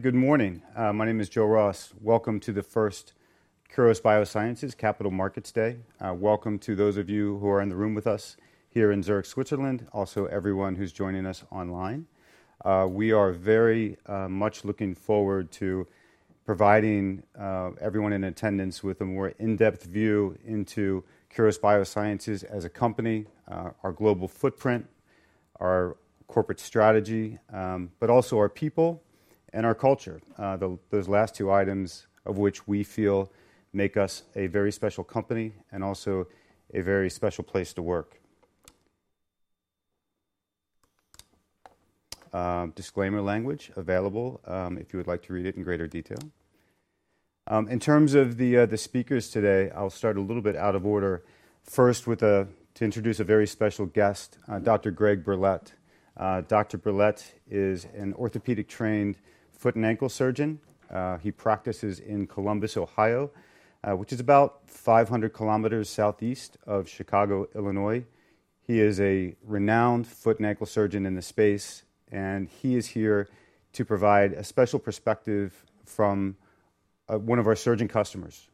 Good morning. My name is Joe Ross. Welcome to the first Kuros Biosciences Capital Markets Day. Welcome to those of you who are in the room with us here in Zurich, Switzerland. Also, everyone who's joining us online. We are very much looking forward to providing everyone in attendance with a more in-depth view into Kuros Biosciences as a company, our global footprint, our corporate strategy, but also our people and our culture. Those last two items of which we feel make us a very special company and also a very special place to work. Disclaimer language available if you would like to read it in greater detail. In terms of the speakers today, I'll start a little bit out of order. First, to introduce a very special guest, Dr. Greg Berlet. Dr. Berlet is an orthopedic-trained foot and ankle surgeon. He practices in Columbus, Ohio, which is about 500 km southeast of Chicago, Illinois. He is a renowned foot and ankle surgeon in the space, and he is here to provide a special perspective from one of our surgeon customers.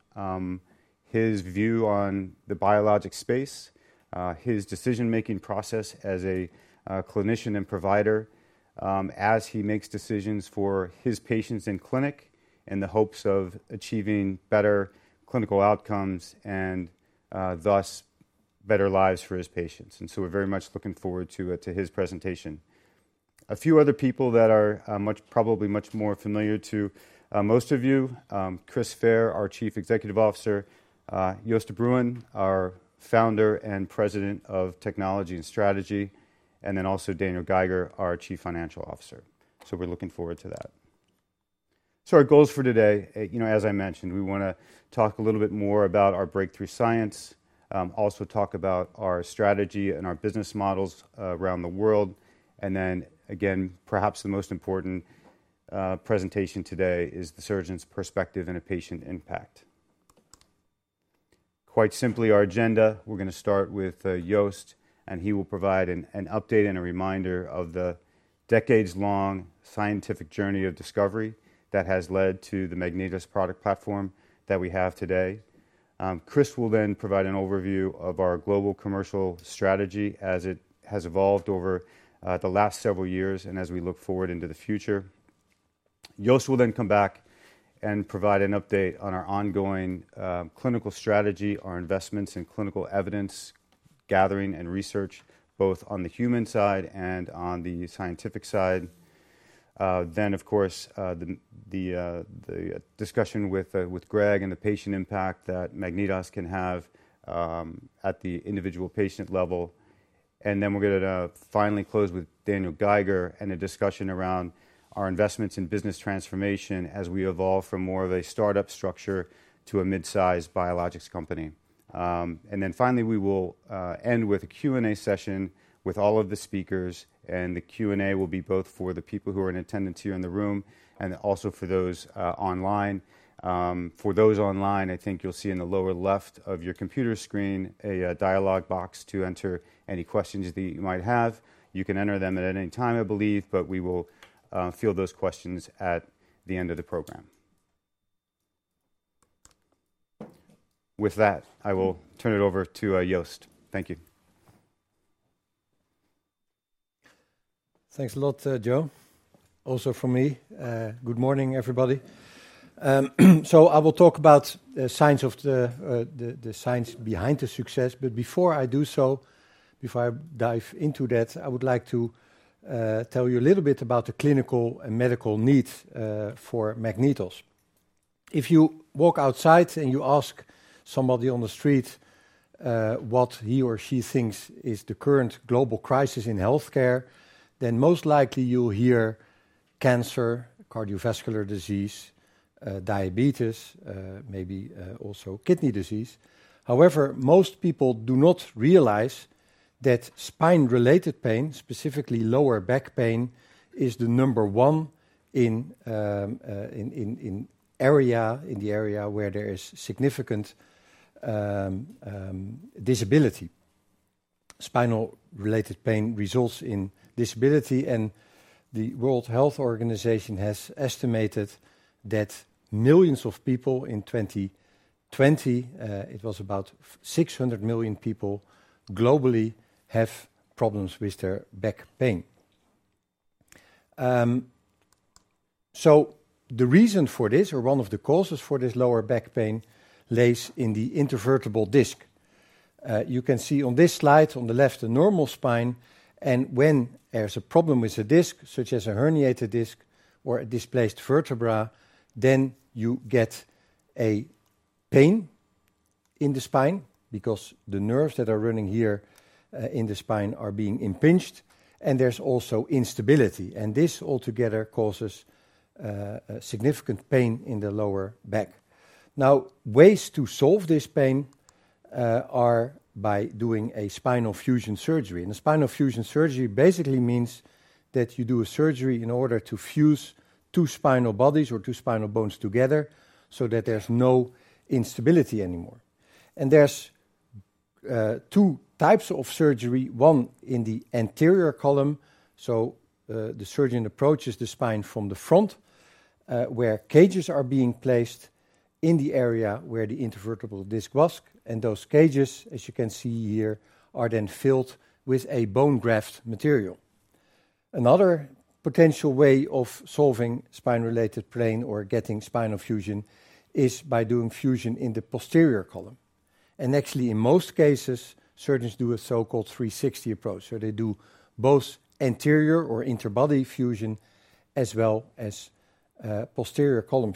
His view on the biologic space, his decision-making process as a clinician and provider, as he makes decisions for his patients in clinic in the hopes of achieving better clinical outcomes and thus better lives for his patients. We are very much looking forward to his presentation. A few other people that are probably much more familiar to most of you: Chris Fair, our Chief Executive Officer; Joost de Bruijn, our founder and president of technology and strategy; and then also Daniel Geiger, our Chief Financial Officer. We are looking forward to that. Our goals for today, as I mentioned, we want to talk a little bit more about our breakthrough science, also talk about our strategy and our business models around the world. Then again, perhaps the most important presentation today is the surgeon's perspective and a patient impact. Quite simply, our agenda, we're going to start with Joost, and he will provide an update and a reminder of the decades-long scientific journey of discovery that has led to the MagnetOs product platform that we have today. Chris will then provide an overview of our global commercial strategy as it has evolved over the last several years and as we look forward into the future. Joost will then come back and provide an update on our ongoing clinical strategy, our investments in clinical evidence gathering and research, both on the human side and on the scientific side. Of course, the discussion with Greg and the patient impact that MagnetOs can have at the individual patient level. We are going to finally close with Daniel Geiger and a discussion around our investments in business transformation as we evolve from more of a startup structure to a mid-sized biologics company. Finally, we will end with a Q&A session with all of the speakers. The Q&A will be both for the people who are in attendance here in the room and also for those online. For those online, I think you'll see in the lower left of your computer screen a dialog box to enter any questions that you might have. You can enter them at any time, I believe, but we will field those questions at the end of the program. With that, I will turn it over to Joost. Thank you. Thanks a lot, Joe. Also from me, good morning, everybody. I will talk about the science behind the success. Before I do so, before I dive into that, I would like to tell you a little bit about the clinical and medical needs for MagnetOs. If you walk outside and you ask somebody on the street what he or she thinks is the current global crisis in healthcare, most likely you'll hear cancer, cardiovascular disease, diabetes, maybe also kidney disease. However, most people do not realize that spine-related pain, specifically lower back pain, is the number one in the area where there is significant disability. Spinal-related pain results in disability, and the World Health Organization has estimated that millions of people in 2020, it was about 600 million people globally, have problems with their back pain. The reason for this, or one of the causes for this lower back pain, lays in the intervertebral disc. You can see on this slide on the left a normal spine. When there's a problem with a disc, such as a herniated disc or a displaced vertebra, then you get a pain in the spine because the nerves that are running here in the spine are being impinged, and there's also instability. This altogether causes significant pain in the lower back. Now, ways to solve this pain are by doing a spinal fusion surgery. A spinal fusion surgery basically means that you do a surgery in order to fuse two spinal bodies or two spinal bones together so that there's no instability anymore. There's two types of surgery. One in the anterior column. The surgeon approaches the spine from the front, where cages are being placed in the area where the intervertebral disc was. Those cages, as you can see here, are then filled with a bone graft material. Another potential way of solving spine-related pain or getting spinal fusion is by doing fusion in the posterior column. Actually, in most cases, surgeons do a so-called 360 approach. They do both anterior or interbody fusion as well as posterior column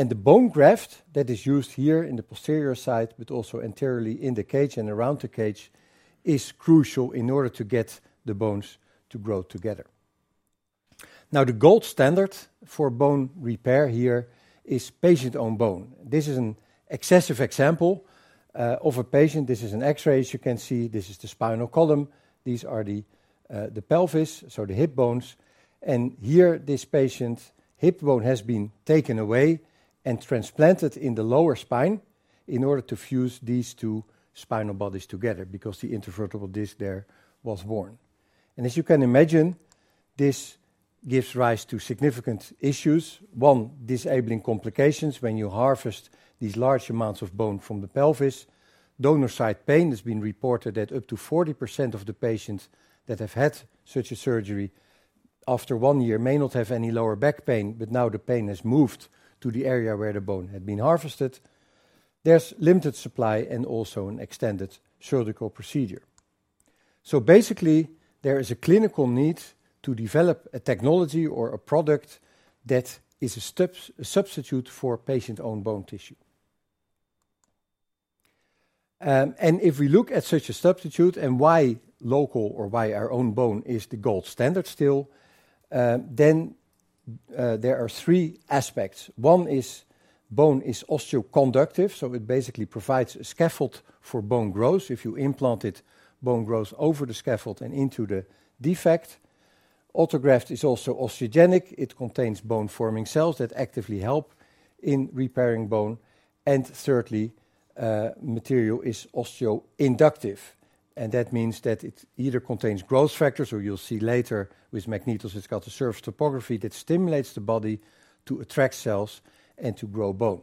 fusion. The bone graft that is used here in the posterior side, but also anteriorly in the cage and around the cage, is crucial in order to get the bones to grow together. Now, the gold standard for bone repair here is patient-owned bone. This is an excessive example of a patient. This is an X-ray, as you can see. This is the spinal column. These are the pelvis, so the hip bones. Here, this patient's hip bone has been taken away and transplanted in the lower spine in order to fuse these two spinal bodies together because the intervertebral disc there was worn. As you can imagine, this gives rise to significant issues. One, disabling complications when you harvest these large amounts of bone from the pelvis. Donor-side pain has been reported that up to 40% of the patients that have had such a surgery after one year may not have any lower back pain, but now the pain has moved to the area where the bone had been harvested. There's limited supply and also an extended surgical procedure. Basically, there is a clinical need to develop a technology or a product that is a substitute for patient-owned bone tissue. If we look at such a substitute and why local or why our own bone is the gold standard still, there are three aspects. One is bone is osteoconductive, so it basically provides a scaffold for bone growth. If you implant it, bone grows over the scaffold and into the defect. Autograft is also osteogenic. It contains bone-forming cells that actively help in repairing bone. Thirdly, material is osteoinductive. That means that it either contains growth factors, or you'll see later with MagnetOs, it's got a surface topography that stimulates the body to attract cells and to grow bone.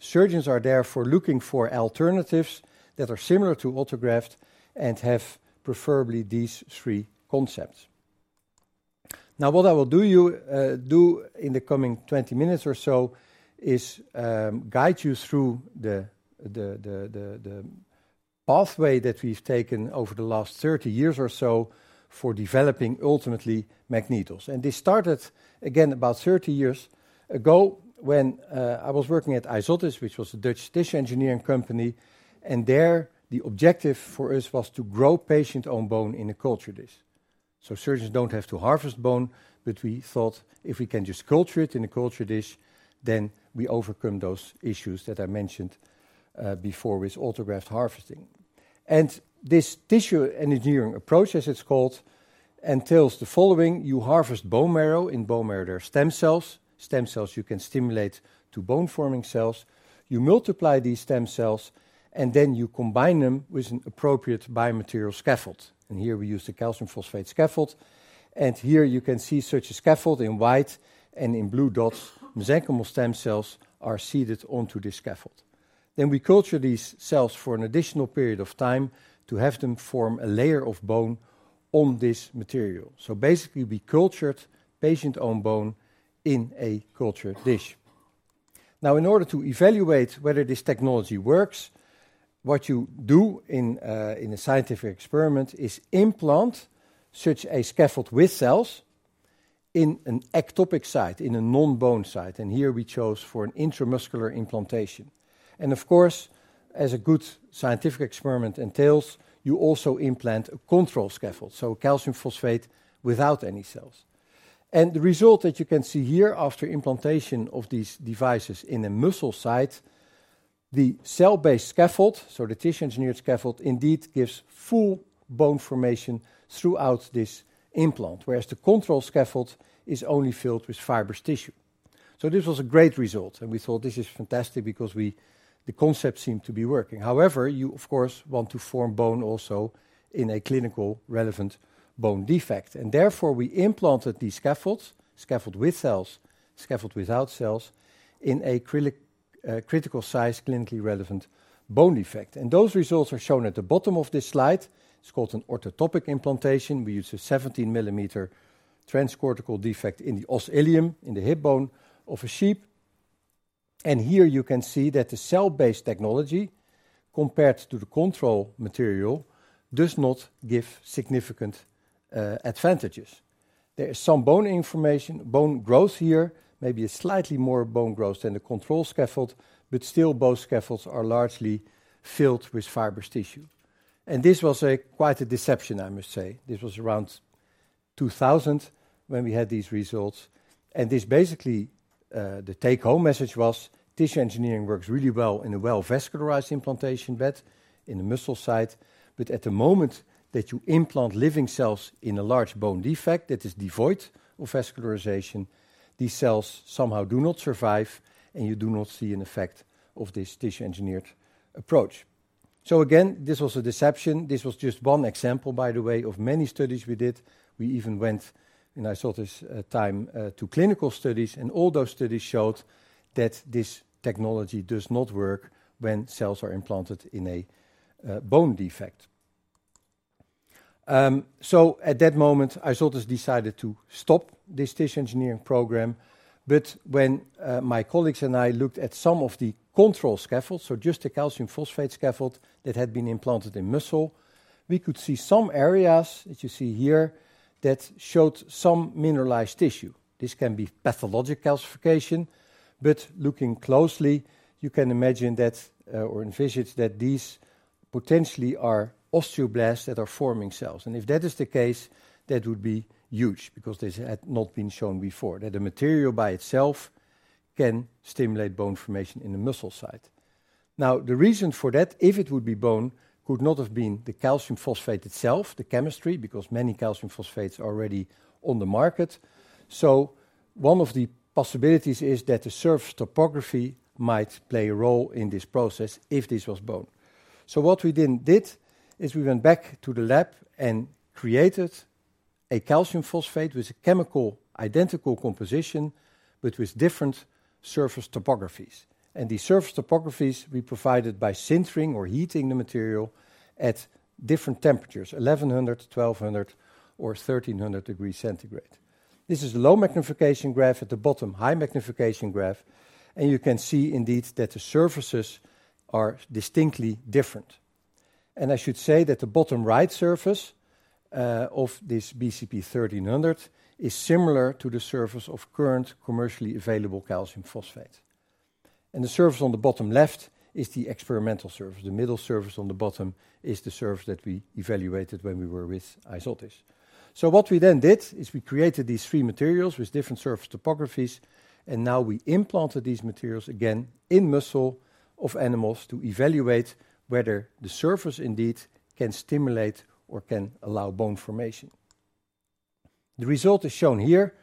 Surgeons are therefore looking for alternatives that are similar to autograft and have preferably these three concepts. Now, what I will do in the coming 20 minutes or so is guide you through the pathway that we've taken over the last 30 years or so for developing ultimately MagnetOs. This started, again, about 30 years ago when I was working at Isotis, which was a Dutch tissue engineering company. There, the objective for us was to grow patient-owned bone in a culture dish. Surgeons do not have to harvest bone, but we thought if we can just culture it in a culture dish, then we overcome those issues that I mentioned before with autograft harvesting. This tissue engineering approach, as it's called, entails the following: you harvest bone marrow. In bone marrow, there are stem cells. Stem cells you can stimulate to bone-forming cells. You multiply these stem cells, and then you combine them with an appropriate biomaterial scaffold. Here we use the calcium phosphate scaffold. Here you can see such a scaffold in white and in blue dots. Mesenchymal stem cells are seeded onto this scaffold. We culture these cells for an additional period of time to have them form a layer of bone on this material. Basically, we cultured patient-owned bone in a culture dish. In order to evaluate whether this technology works, what you do in a scientific experiment is implant such a scaffold with cells in an ectopic site, in a non-bone site. Here we chose for an intramuscular implantation. Of course, as a good scientific experiment entails, you also implant a control scaffold, so calcium phosphate without any cells. The result that you can see here after implantation of these devices in a muscle site, the cell-based scaffold, so the tissue-engineered scaffold, indeed gives full bone formation throughout this implant, whereas the control scaffold is only filled with fibrous tissue. This was a great result. We thought this is fantastic because the concept seemed to be working. However, you, of course, want to form bone also in a clinically relevant bone defect. Therefore, we implanted these scaffolds, scaffold with cells, scaffold without cells, in a critical-size, clinically relevant bone defect. Those results are shown at the bottom of this slide. It's called an orthotopic implantation. We used a 17 mm transcortical defect in the os ilium, in the hip bone of a sheep. Here you can see that the cell-based technology compared to the control material does not give significant advantages. There is some bone information, bone growth here, maybe slightly more bone growth than the control scaffold, but still both scaffolds are largely filled with fibrous tissue. This was quite a deception, I must say. This was around 2000 when we had these results. Basically, the take-home message was tissue engineering works really well in a well-vascularized implantation bed in the muscle site. At the moment that you implant living cells in a large bone defect that is devoid of vascularization, these cells somehow do not survive, and you do not see an effect of this tissue-engineered approach. This was a deception. This was just one example, by the way, of many studies we did. We even went in Isotis' time to clinical studies, and all those studies showed that this technology does not work when cells are implanted in a bone defect. At that moment, Isotis decided to stop this tissue engineering program. When my colleagues and I looked at some of the control scaffolds, just the calcium phosphate scaffold that had been implanted in muscle, we could see some areas that you see here that showed some mineralized tissue. This can be pathologic calcification. Looking closely, you can imagine that or envisage that these potentially are osteoblasts that are forming cells. If that is the case, that would be huge because this had not been shown before that the material by itself can stimulate bone formation in the muscle site. The reason for that, if it would be bone, could not have been the calcium phosphate itself, the chemistry, because many calcium phosphates are already on the market. One of the possibilities is that the surface topography might play a role in this process if this was bone. What we then did is we went back to the lab and created a calcium phosphate with a chemically identical composition, but with different surface topographies. These surface topographies we provided by sintering or heating the material at different temperatures, 1100, 1200, or 1300 degrees centigrade. This is a low magnification graph at the bottom, high magnification graph. You can see indeed that the surfaces are distinctly different. I should say that the bottom right surface of this BCP 1300 is similar to the surface of current commercially available calcium phosphate. The surface on the bottom left is the experimental surface. The middle surface on the bottom is the surface that we evaluated when we were with Isotis. What we then did is we created these three materials with different surface topographies. Now we implanted these materials again in muscle of animals to evaluate whether the surface indeed can stimulate or can allow bone formation. The result is shown here,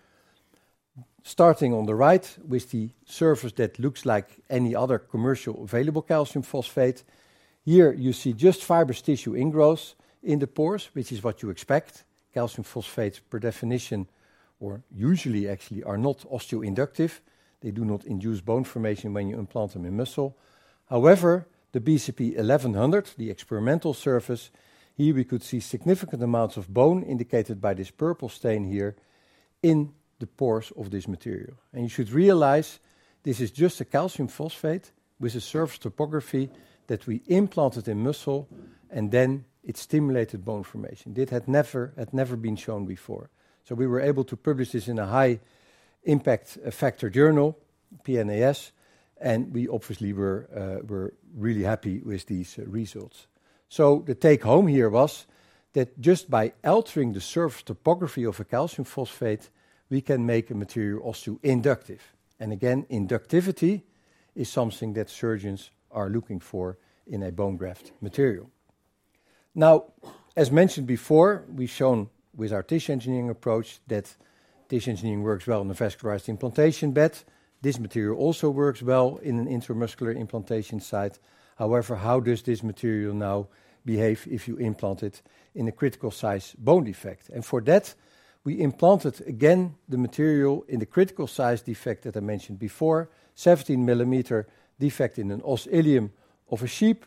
starting on the right with the surface that looks like any other commercially available calcium phosphate. Here you see just fibrous tissue ingrowth in the pores, which is what you expect. Calcium phosphates, per definition, or usually actually are not osteoinductive. They do not induce bone formation when you implant them in muscle. However, the BCP 1100, the experimental surface, here we could see significant amounts of bone indicated by this purple stain here in the pores of this material. You should realize this is just a calcium phosphate with a surface topography that we implanted in muscle, and then it stimulated bone formation. This had never been shown before. We were able to publish this in a high-impact factor journal, PNAS. We obviously were really happy with these results. The take-home here was that just by altering the surface topography of a calcium phosphate, we can make a material osteoinductive. Again, inductivity is something that surgeons are looking for in a bone graft material. Now, as mentioned before, we've shown with our tissue engineering approach that tissue engineering works well in a vascularized implantation bed. This material also works well in an intramuscular implantation site. However, how does this material now behave if you implant it in a critical-size bone defect? For that, we implanted again the material in the critical-size defect that I mentioned before, 17 ml defect in an os ilium of a sheep,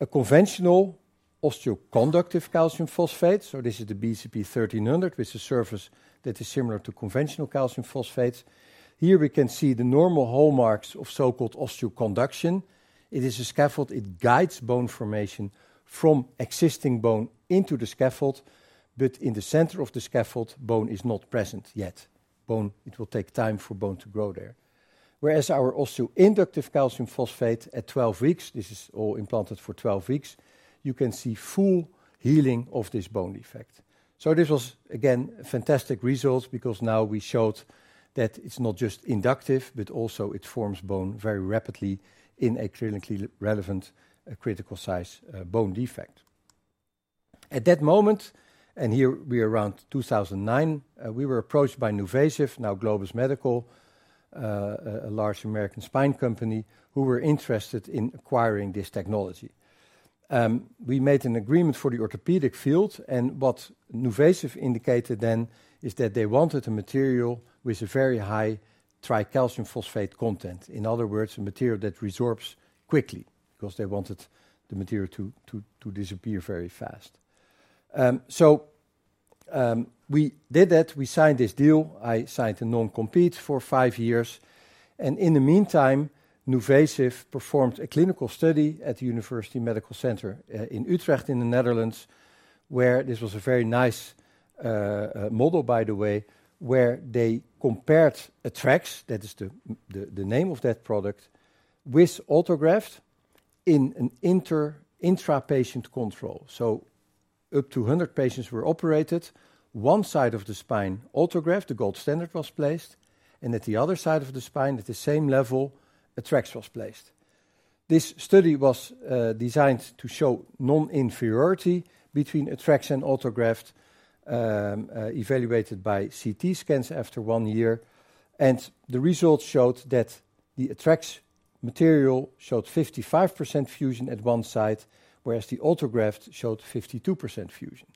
a conventional osteoconductive calcium phosphate. This is the BCP 1300 with a surface that is similar to conventional calcium phosphates. Here we can see the normal hallmarks of so-called osteoconduction. It is a scaffold. It guides bone formation from existing bone into the scaffold. In the center of the scaffold, bone is not present yet. It will take time for bone to grow there. Whereas our osteoinductive calcium phosphate at 12 weeks, this is all implanted for 12 weeks, you can see full healing of this bone defect. This was, again, a fantastic result because now we showed that it is not just inductive, but also it forms bone very rapidly in a clinically relevant critical-size bone defect. At that moment, and here we are around 2009, we were approached by NuVasive, now Globus Medical, a large American spine company, who were interested in acquiring this technology. We made an agreement for the orthopedic field. What NuVasive indicated then is that they wanted a material with a very high tricalcium phosphate content. In other words, a material that resorbs quickly because they wanted the material to disappear very fast. We did that. We signed this deal. I signed a non-compete for five years. In the meantime, NuVasive performed a clinical study at the University Medical Center Utrecht in the Netherlands, where this was a very nice model, by the way, where they compared TREX, that is the name of that product, with autograft in an intrapatient control. Up to 100 patients were operated. One side of the spine, autograft, the gold standard, was placed. At the other side of the spine, at the same level, TREX was placed. This study was designed to show non-inferiority between TREX and autograft evaluated by CT scans after one year. The results showed that the TREX material showed 55% fusion at one side, whereas the autograft showed 52% fusion.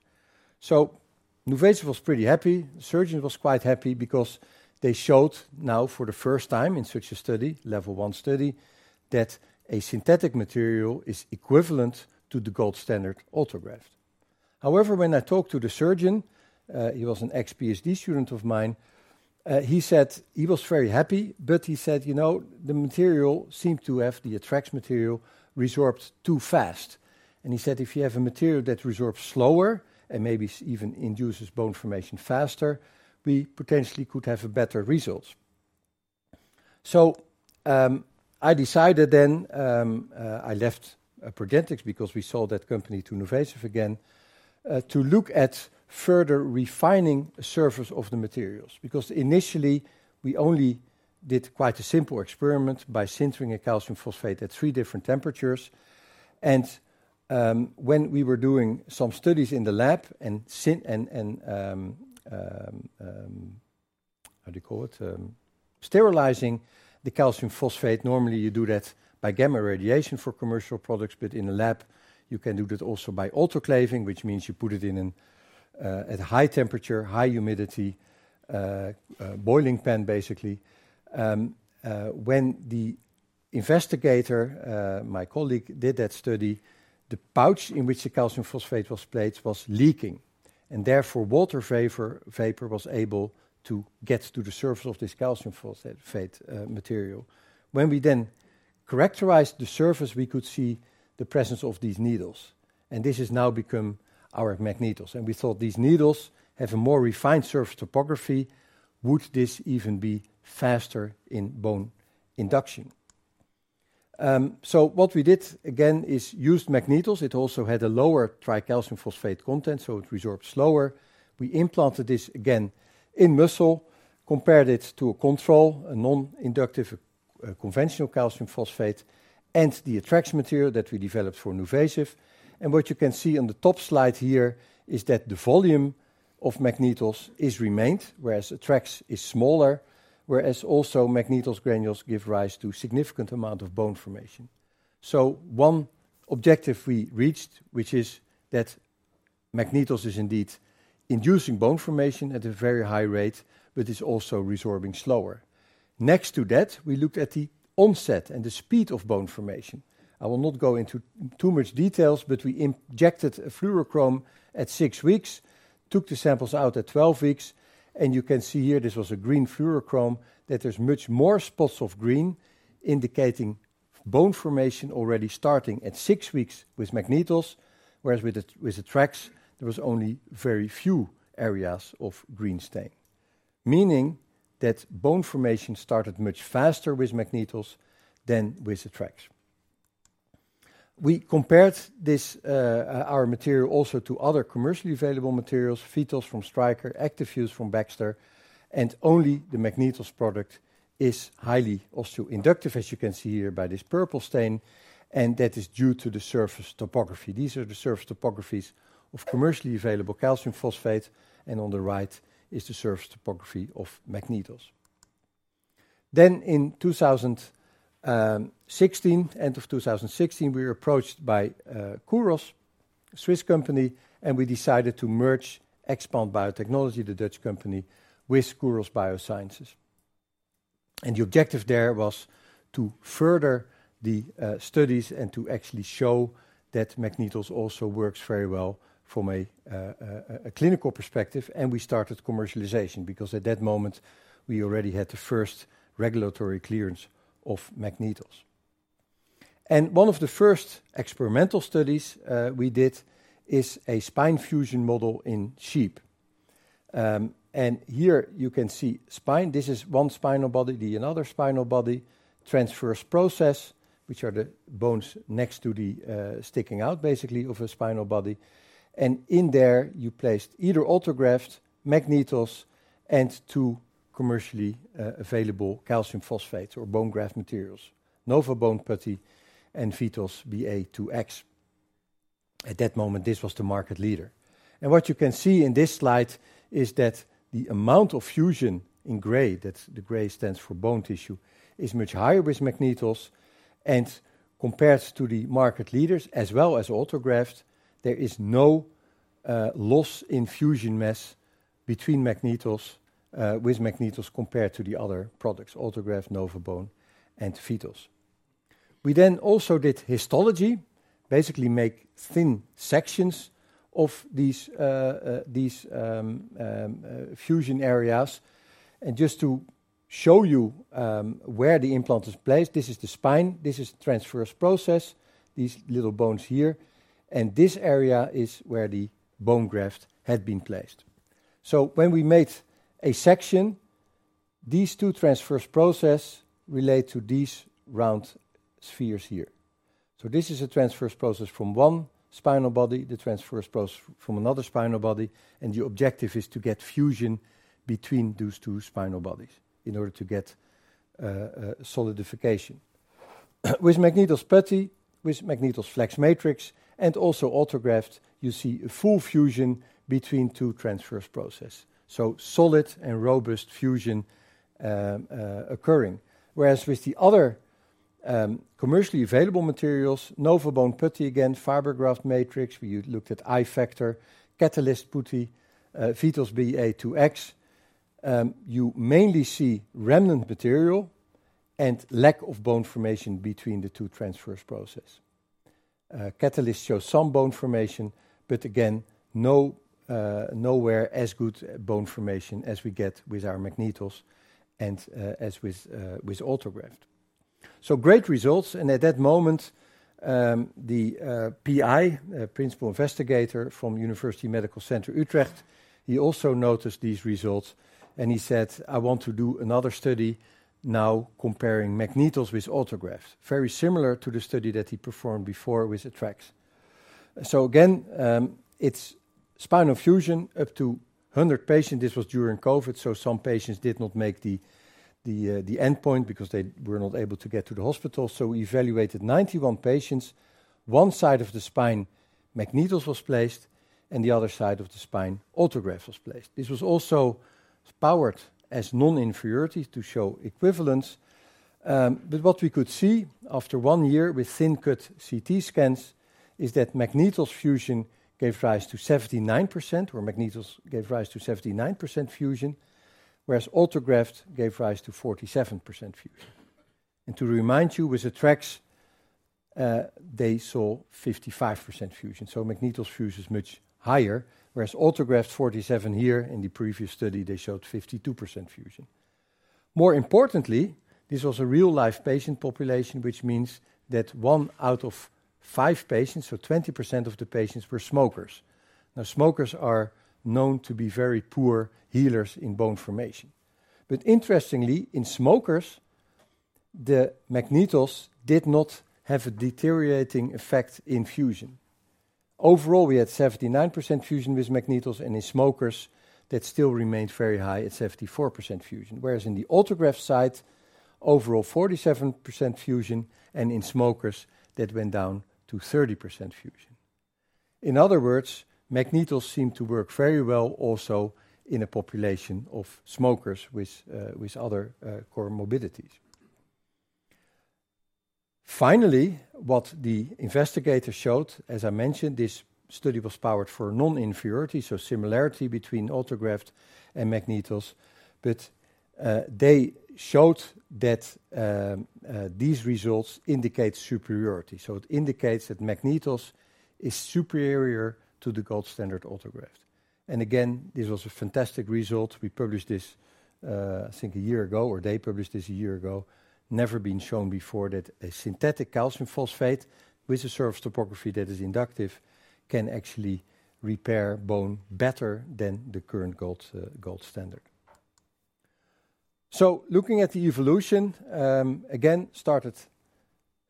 NuVasive was pretty happy. The surgeon was quite happy because they showed now for the first time in such a study, level one study, that a synthetic material is equivalent to the gold standard autograft. However, when I talked to the surgeon, he was an ex-PhD student of mine, he said he was very happy, but he said, you know, the material seemed to have the TREX material resorbed too fast. He said, if you have a material that resorbs slower and maybe even induces bone formation faster, we potentially could have a better result. I decided then I left Progenics because we sold that company to NuVasive again to look at further refining the surface of the materials. Because initially, we only did quite a simple experiment by sintering a calcium phosphate at three different temperatures. When we were doing some studies in the lab and, how do you call it, sterilizing the calcium phosphate, normally you do that by gamma radiation for commercial products, but in a lab, you can do that also by autoclaving, which means you put it in a high temperature, high humidity boiling pan, basically. When the investigator, my colleague, did that study, the pouch in which the calcium phosphate was placed was leaking. Therefore, water vapor was able to get to the surface of this calcium phosphate material. When we then characterized the surface, we could see the presence of these needles. This has now become our MagnetOs. We thought these needles have a more refined surface topography. Would this even be faster in bone induction? What we did again is used MagnetOs. It also had a lower tricalcium phosphate content, so it resorbed slower. We implanted this again in muscle, compared it to a control, a non-inductive conventional calcium phosphate, and the TREX material that we developed for NuVasive. What you can see on the top slide here is that the volume of MagnetOs has remained, whereas TREX is smaller, whereas also MagnetOs Granules give rise to a significant amount of bone formation. One objective we reached, which is that MagnetOs is indeed inducing bone formation at a very high rate, but it is also resorbing slower. Next to that, we looked at the onset and the speed of bone formation. I will not go into too much detail, but we injected a fluorochrome at six weeks, took the samples out at 12 weeks. You can see here, this was a green fluorochrome, that there are much more spots of green indicating bone formation already starting at six weeks with MagnetOs, whereas with the TREX, there were only very few areas of green stain, meaning that bone formation started much faster with MagnetOs than with the TREX. We compared our material also to other commercially available materials, Phytos from Stryker, Actifuse from Baxter, and only the MagnetOs product is highly osteoinductive, as you can see here by this purple stain. That is due to the surface topography. These are the surface topographies of commercially available calcium phosphate. On the right is the surface topography of MagnetOs. In 2016, end of 2016, we were approached by Kuros, a Swiss company, and we decided to merge Expand Biotechnology, the Dutch company, with Kuros Biosciences. The objective there was to further the studies and to actually show that MagnetOs also works very well from a clinical perspective. We started commercialization because at that moment, we already had the first regulatory clearance of MagnetOs. One of the first experimental studies we did is a spine fusion model in sheep. Here you can see spine. This is one spinal body, the another spinal body, transverse process, which are the bones next to the sticking out basically of a spinal body. In there, you placed either autograft, MagnetOs, and two commercially available calcium phosphates or bone graft materials, NovaBone Putty and Phytos BA2X. At that moment, this was the market leader. What you can see in this slide is that the amount of fusion in gray, that the gray stands for bone tissue, is much higher with MagnetOs. Compared to the market leaders, as well as autograft, there is no loss in fusion mass with MagnetOs compared to the other products, autograft, NovaBone, and Phytos. We then also did histology, basically make thin sections of these fusion areas. Just to show you where the implant is placed, this is the spine. This is the transverse process, these little bones here. This area is where the bone graft had been placed. When we made a section, these two transverse processes relate to these round spheres here. This is a transverse process from one spinal body, the transverse process from another spinal body. The objective is to get fusion between those two spinal bodies in order to get solidification. With MagnetOs Putty, with MagnetOs Flex Matrix, and also autograft, you see a full fusion between two transverse processes. Solid and robust fusion occurring. Whereas with the other commercially available materials, NovaBone Putty again, Fibergraft Matrix, we looked at iFactor, Catalyst Putty, Phytos BA2X, you mainly see remnant material and lack of bone formation between the two transverse processes. Catalyst shows some bone formation, but again, nowhere as good bone formation as we get with our MagnetOs and as with autograft. Great results. At that moment, the PI, principal investigator from University Medical Center Utrecht, he also noticed these results. He said, I want to do another study now comparing MagnetOs with autografts, very similar to the study that he performed before with TREX. Again, it's spinal fusion up to 100 patients. This was during COVID. Some patients did not make the endpoint because they were not able to get to the hospital. We evaluated 91 patients. One side of the spine, MagnetOs was placed, and the other side of the spine, autograft was placed. This was also powered as non-inferiority to show equivalence. What we could see after one year with thin-cut CT scans is that MagnetOs gave rise to 79% fusion, whereas autograft gave rise to 47% fusion. To remind you, with TREX, they saw 55% fusion. MagnetOs fuses much higher, whereas autograft 47% here in the previous study, they showed 52% fusion. More importantly, this was a real-life patient population, which means that one out of five patients, so 20% of the patients, were smokers. Now, smokers are known to be very poor healers in bone formation. But interestingly, in smokers, the MagnetOs did not have a deteriorating effect in fusion. Overall, we had 79% fusion with MagnetOs. And in smokers, that still remained very high at 74% fusion, whereas in the autograft site, overall 47% fusion, and in smokers, that went down to 30% fusion. In other words, MagnetOs seemed to work very well also in a population of smokers with other comorbidities. Finally, what the investigator showed, as I mentioned, this study was powered for non-inferiority, so similarity between autograft and MagnetOs. But they showed that these results indicate superiority. So it indicates that MagnetOs is superior to the gold standard autograft. And again, this was a fantastic result. We published this, I think, a year ago, or they published this a year ago, never been shown before that a synthetic calcium phosphate with a surface topography that is inductive can actually repair bone better than the current gold standard. Looking at the evolution, again, started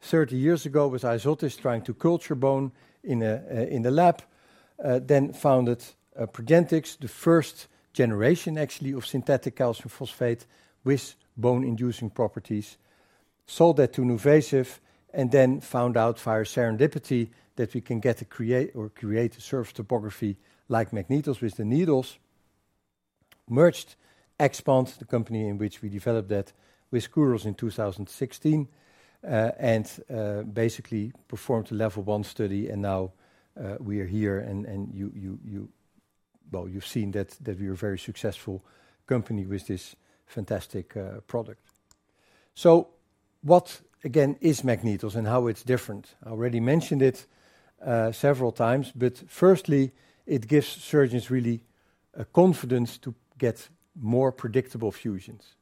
30 years ago with Isotis trying to culture bone in the lab, then founded Progenics, the first generation actually of synthetic calcium phosphate with bone-inducing properties, sold that to NuVasive, and then found out via serendipity that we can get a create or create a surface topography like MagnetOs with the needles, merged Expand, the company in which we developed that with Kuros in 2016, and basically performed a level one study. Now we are here. You've seen that we are a very successful company with this fantastic product. What, again, is MagnetOs and how it's different? I already mentioned it several times, but firstly, it gives surgeons really confidence to get more predictable fusions.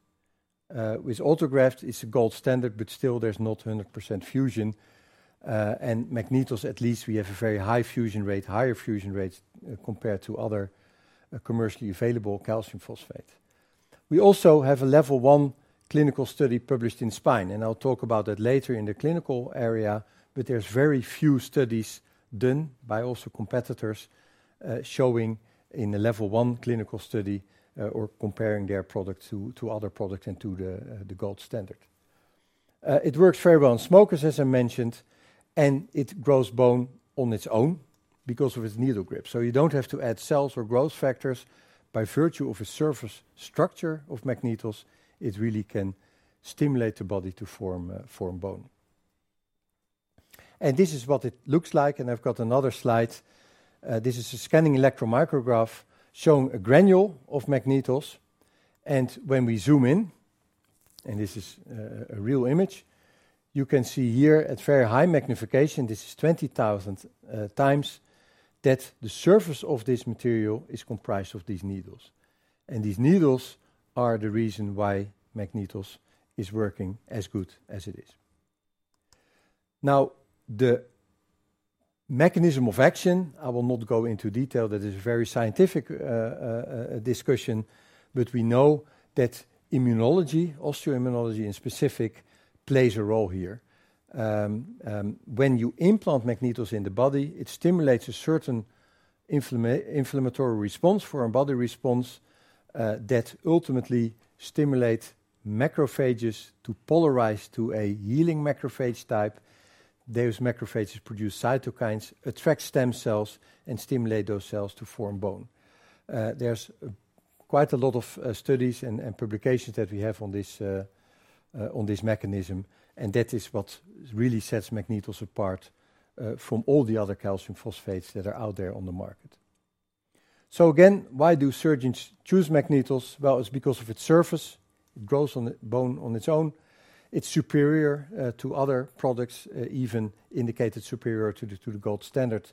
With autograft, it's a gold standard, but still there's not 100% fusion. And MagnetOs, at least, we have a very high fusion rate, higher fusion rates compared to other commercially available calcium phosphate. We also have a level one clinical study published in Spine. I'll talk about that later in the clinical area, but there's very few studies done by also competitors showing in a level one clinical study or comparing their product to other products and to the gold standard. It works very well on smokers, as I mentioned, and it grows bone on its own because of its needle grip. You don't have to add cells or growth factors. By virtue of a surface structure of MagnetOs, it really can stimulate the body to form bone. This is what it looks like. I have got another slide. This is a scanning electron micrograph showing a granule of MagnetOs. When we zoom in, and this is a real image, you can see here at very high magnification, this is 20,000 times, that the surface of this material is comprised of these needles. These needles are the reason why MagnetOs is working as good as it is. Now, the mechanism of action, I will not go into detail. That is a very scientific discussion, but we know that immunology, osteoimmunology in specific, plays a role here. When you implant MagnetOs in the body, it stimulates a certain inflammatory response for a body response that ultimately stimulates macrophages to polarize to a healing macrophage type. Those macrophages produce cytokines, attract stem cells, and stimulate those cells to form bone. There's quite a lot of studies and publications that we have on this mechanism. That is what really sets MagnetOs apart from all the other calcium phosphates that are out there on the market. Again, why do surgeons choose MagnetOs? It's because of its surface. It grows bone on its own. It's superior to other products, even indicated superior to the gold standard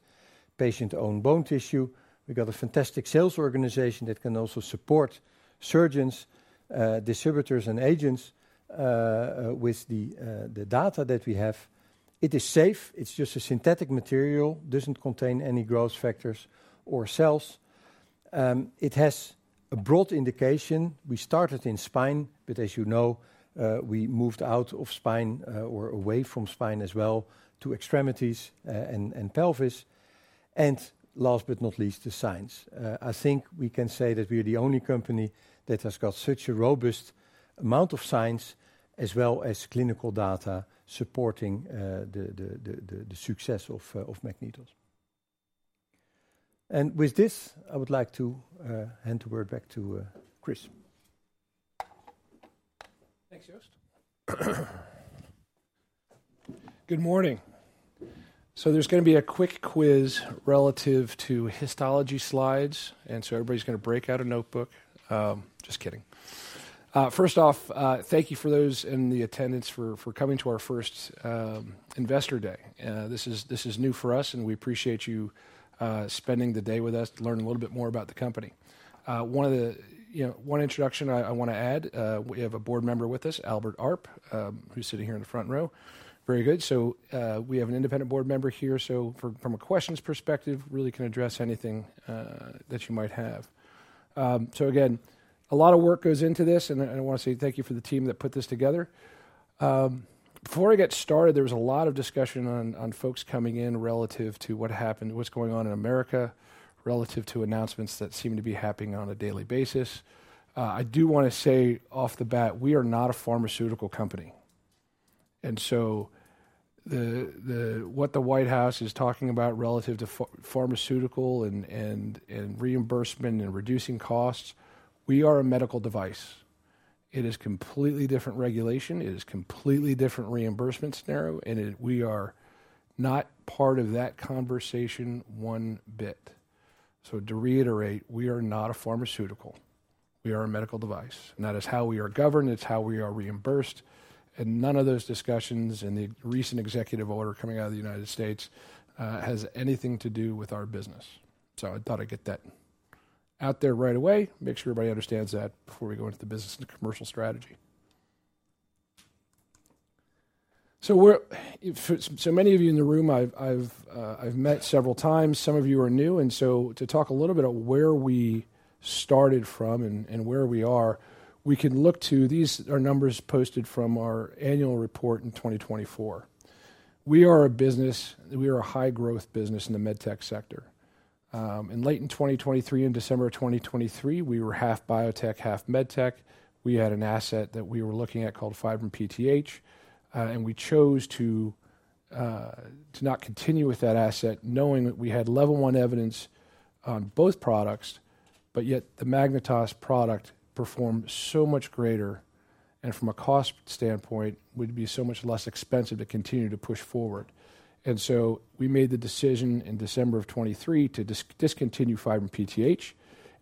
patient-owned bone tissue. We got a fantastic sales organization that can also support surgeons, distributors, and agents with the data that we have. It is safe. It's just a synthetic material, doesn't contain any growth factors or cells. It has a broad indication. We started in spine, but as you know, we moved out of spine or away from spine as well to extremities and pelvis. Last but not least, the science. I think we can say that we are the only company that has got such a robust amount of science as well as clinical data supporting the success of MagnetOs. With this, I would like to hand the word back to Chris. Thanks, Joost. Good morning. There is going to be a quick quiz relative to histology slides. Everybody's going to break out a notebook. Just kidding. First off, thank you for those in the attendance for coming to our first investor day. This is new for us, and we appreciate you spending the day with us to learn a little bit more about the company. One introduction I want to add. We have a board member with us, Albert Arp, who's sitting here in the front row. Very good. We have an independent board member here. From a questions perspective, really can address anything that you might have. Again, a lot of work goes into this. I want to say thank you for the team that put this together. Before I get started, there was a lot of discussion on folks coming in relative to what happened, what's going on in America, relative to announcements that seem to be happening on a daily basis. I do want to say off the bat, we are not a pharmaceutical company. What the White House is talking about relative to pharmaceutical and reimbursement and reducing costs, we are a medical device. It is completely different regulation. It is completely different reimbursement scenario. We are not part of that conversation one bit. To reiterate, we are not a pharmaceutical. We are a medical device. That is how we are governed. It's how we are reimbursed. None of those discussions and the recent executive order coming out of the United States has anything to do with our business. I thought I'd get that out there right away. Make sure everybody understands that before we go into the business and commercial strategy. Many of you in the room, I've met several times. Some of you are new. To talk a little bit about where we started from and where we are, we can look to these are numbers posted from our annual report in 2024. We are a business. We are a high-growth business in the med tech sector. In late 2023, in December of 2023, we were half biotech, half med tech. We had an asset that we were looking at called Fiber and PTH. We chose to not continue with that asset, knowing that we had level one evidence on both products, but yet the MagnetOs product performed so much greater. From a cost standpoint, it would be so much less expensive to continue to push forward. We made the decision in December of 2023 to discontinue Fiber and PTH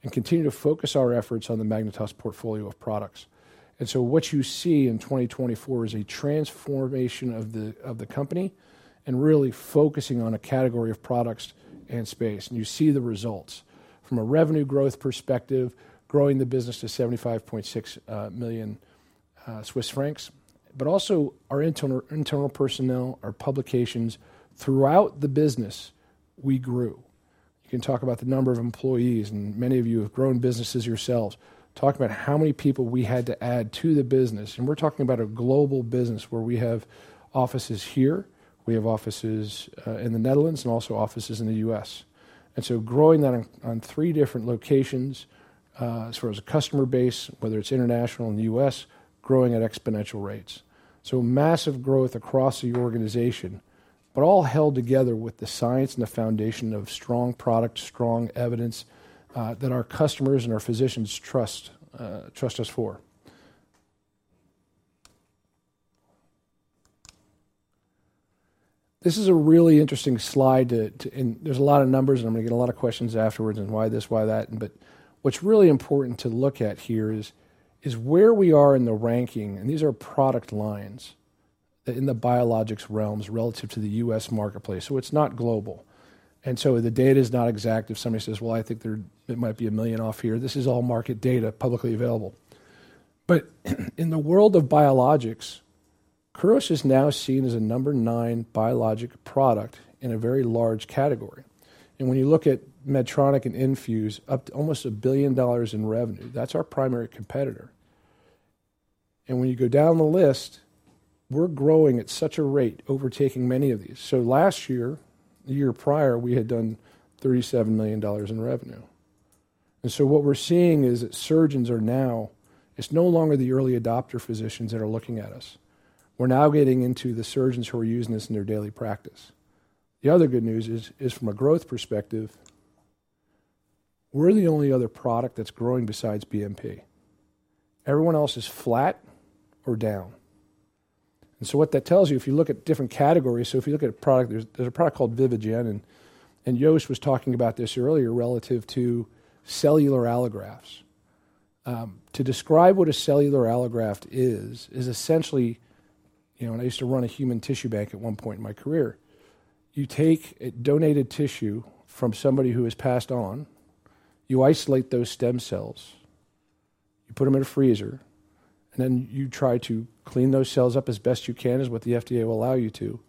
and continue to focus our efforts on the MagnetOs portfolio of products. What you see in 2024 is a transformation of the company and really focusing on a category of products and space. You see the results from a revenue growth perspective, growing the business to 75.6 million Swiss francs. Also, our internal personnel, our publications throughout the business, we grew. You can talk about the number of employees, and many of you have grown businesses yourselves. Talk about how many people we had to add to the business. We're talking about a global business where we have offices here. We have offices in the Netherlands and also offices in the U.S. Growing that on three different locations as far as a customer base, whether it's international and U.S., growing at exponential rates. Massive growth across the organization, but all held together with the science and the foundation of strong product, strong evidence that our customers and our physicians trust us for. This is a really interesting slide. There's a lot of numbers, and I'm going to get a lot of questions afterwards on why this, why that. What's really important to look at here is where we are in the ranking. These are product lines in the biologics realms relative to the U.S. marketplace. It's not global. The data is not exact. If somebody says, "Well, I think there might be a million off here," this is all market data publicly available. In the world of biologics, Kuros is now seen as a number nine biologic product in a very large category. When you look at Medtronic and Infuse, up to almost $1 billion in revenue, that's our primary competitor. When you go down the list, we're growing at such a rate overtaking many of these. Last year, the year prior, we had done $37 million in revenue. What we're seeing is that surgeons are now, it's no longer the early adopter physicians that are looking at us. We're now getting into the surgeons who are using this in their daily practice. The other good news is from a growth perspective, we're the only other product that's growing besides BMP. Everyone else is flat or down. What that tells you, if you look at different categories, if you look at a product, there's a product called Vivigen. Joost was talking about this earlier relative to cellular allografts. To describe what a cellular allograft is, is essentially, and I used to run a human tissue bank at one point in my career, you take donated tissue from somebody who has passed on, you isolate those stem cells, you put them in a freezer, and then you try to clean those cells up as best you can is what the FDA will allow you to,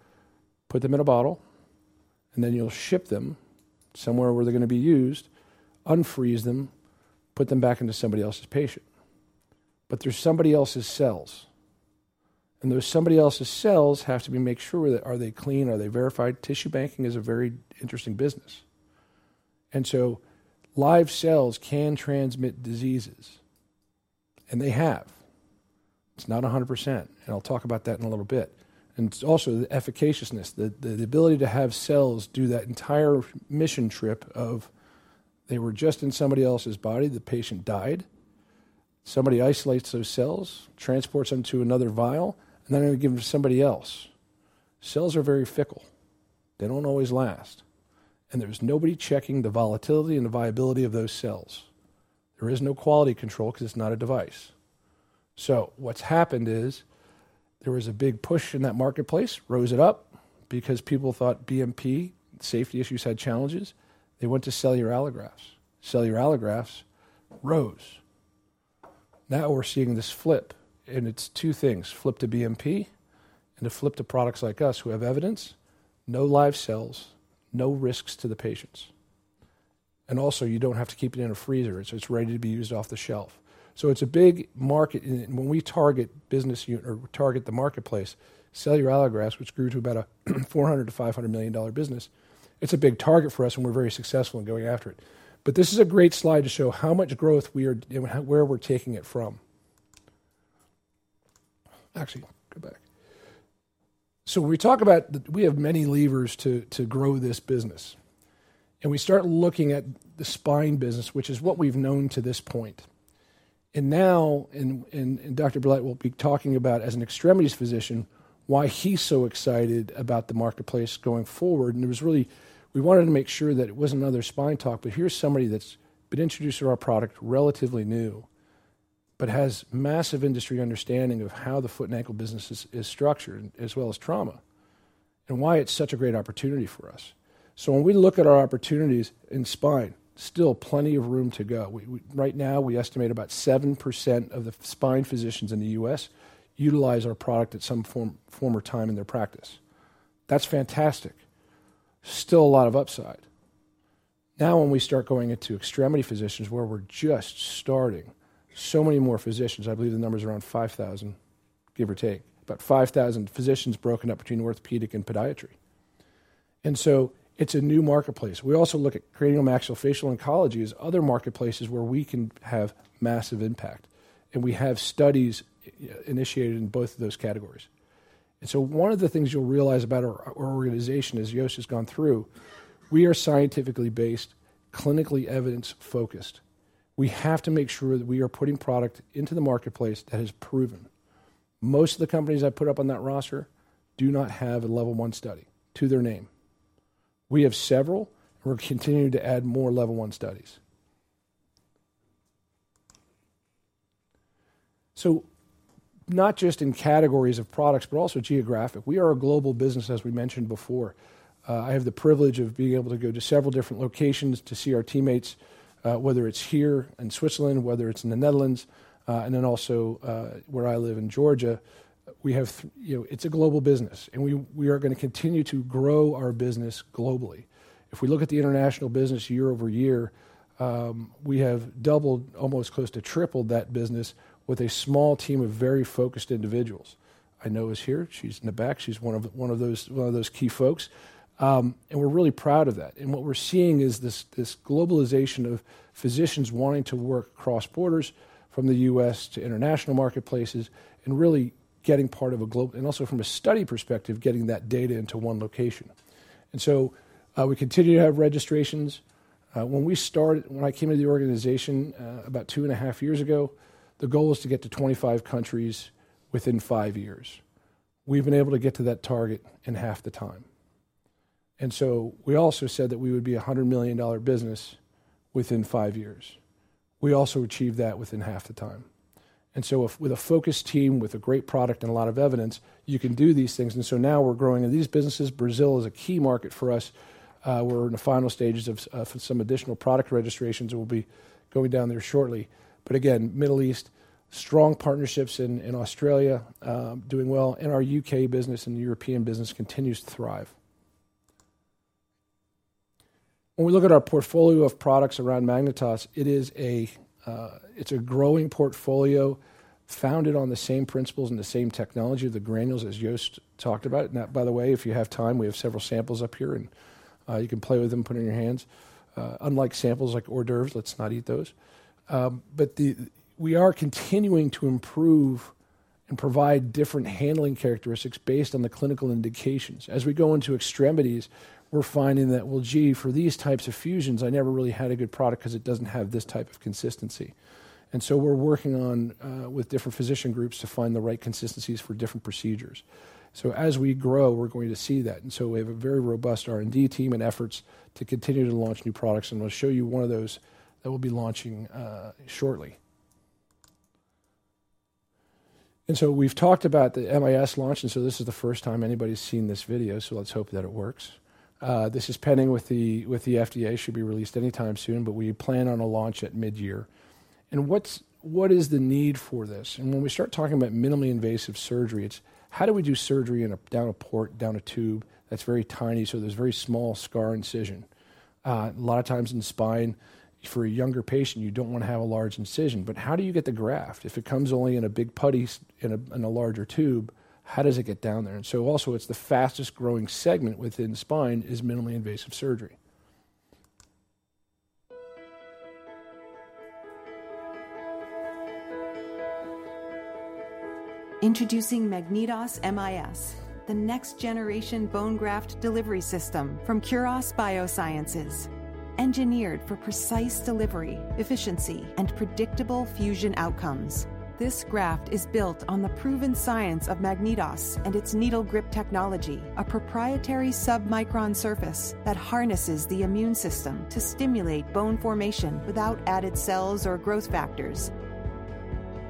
put them in a bottle, and then you'll ship them somewhere where they're going to be used, unfreeze them, put them back into somebody else's patient. There's somebody else's cells. Those somebody else's cells have to be made sure that are they clean, are they verified? Tissue banking is a very interesting business. Live cells can transmit diseases, and they have. It's not 100%. I'll talk about that in a little bit. It's also the efficaciousness, the ability to have cells do that entire mission trip of they were just in somebody else's body, the patient died, somebody isolates those cells, transports them to another vial, and then they're going to give them to somebody else. Cells are very fickle. They don't always last. There's nobody checking the volatility and the viability of those cells. There is no quality control because it's not a device. What's happened is there was a big push in that marketplace, rose it up because people thought BMP, safety issues had challenges. They went to cellular allografts. Cellular allografts rose. Now we're seeing this flip. It's two things, flip to BMP and to flip to products like us who have evidence, no live cells, no risks to the patients. Also, you don't have to keep it in a freezer. It's ready to be used off the shelf. It's a big market. When we target business or target the marketplace, cellular allografts, which grew to about a $400 million-$500 million business, it's a big target for us, and we're very successful in going after it. This is a great slide to show how much growth we are and where we're taking it from. Actually, go back. When we talk about we have many levers to grow this business. We start looking at the spine business, which is what we've known to this point. Now, Dr. Berlet will be talking about, as an extremities physician, why he's so excited about the marketplace going forward. It was really we wanted to make sure that it wasn't another spine talk, but here's somebody that's been introduced to our product, relatively new, but has massive industry understanding of how the foot and ankle business is structured, as well as trauma, and why it's such a great opportunity for us. When we look at our opportunities in spine, still plenty of room to go. Right now, we estimate about 7% of the spine physicians in the U.S. utilize our product at some former time in their practice. That's fantastic. Still a lot of upside. Now, when we start going into extremity physicians, where we're just starting, so many more physicians. I believe the number is around 5,000, give or take, but 5,000 physicians broken up between orthopedic and podiatry. It's a new marketplace. We also look at cranial maxillofacial oncology as other marketplaces where we can have massive impact. We have studies initiated in both of those categories. One of the things you'll realize about our organization, as Joost has gone through, we are scientifically based, clinically evidence-focused. We have to make sure that we are putting product into the marketplace that is proven. Most of the companies I put up on that roster do not have a level one study to their name. We have several, and we're continuing to add more level one studies. Not just in categories of products, but also geographic. We are a global business, as we mentioned before. I have the privilege of being able to go to several different locations to see our teammates, whether it's here in Switzerland, whether it's in the Netherlands, and then also where I live in Georgia. It's a global business, and we are going to continue to grow our business globally. If we look at the international business year over year, we have doubled, almost close to tripled that business with a small team of very focused individuals. I know is here. She's in the back. She's one of those key folks. We're really proud of that. What we're seeing is this globalization of physicians wanting to work across borders from the U.S. to international marketplaces and really getting part of a global and also from a study perspective, getting that data into one location. We continue to have registrations. When I came into the organization about two and a half years ago, the goal was to get to 25 countries within five years. We've been able to get to that target in half the time. We also said that we would be a $100 million business within five years. We also achieved that within half the time. With a focused team, with a great product and a lot of evidence, you can do these things. Now we're growing in these businesses. Brazil is a key market for us. We're in the final stages of some additional product registrations. We'll be going down there shortly. Again, Middle East, strong partnerships in Australia, doing well. Our U.K. business and European business continues to thrive. When we look at our portfolio of products around MagnetOs, it's a growing portfolio founded on the same principles and the same technology of the granules as Joost de Bruijn talked about. By the way, if you have time, we have several samples up here, and you can play with them, put it in your hands. Unlike samples like hors d'oeuvres, let's not eat those. We are continuing to improve and provide different handling characteristics based on the clinical indications. As we go into extremities, we're finding that, gee, for these types of fusions, I never really had a good product because it doesn't have this type of consistency. We are working with different physician groups to find the right consistencies for different procedures. As we grow, we're going to see that. We have a very robust R&D team and efforts to continue to launch new products. We'll show you one of those that we'll be launching shortly. We've talked about the MIS launch. This is the first time anybody's seen this video, so let's hope that it works. This is pending with the FDA. It should be released anytime soon, but we plan on a launch at mid-year. What is the need for this? When we start talking about minimally invasive surgery, it's how do we do surgery down a port, down a tube that's very tiny? There is a very small scar incision. A lot of times in spine, for a younger patient, you do not want to have a large incision. How do you get the graft? If it comes only in a big putty in a larger tube, how does it get down there? Also, the fastest growing segment within spine is minimally invasive surgery. Introducing MagnetOs MIS, the next-generation bone graft delivery system from Kuros Biosciences. Engineered for precise delivery, efficiency, and predictable fusion outcomes, this graft is built on the proven science of MagnetOs and its needle grip technology, a proprietary submicron surface that harnesses the immune system to stimulate bone formation without added cells or growth factors.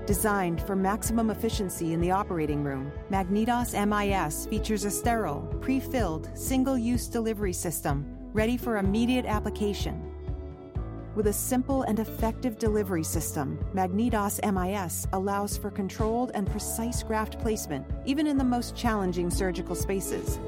Designed for maximum efficiency in the operating room, MagnetOs MIS features a sterile, prefilled, single-use delivery system ready for immediate application. With a simple and effective delivery system, MagnetOs MIS allows for controlled and precise graft placement, even in the most challenging surgical spaces.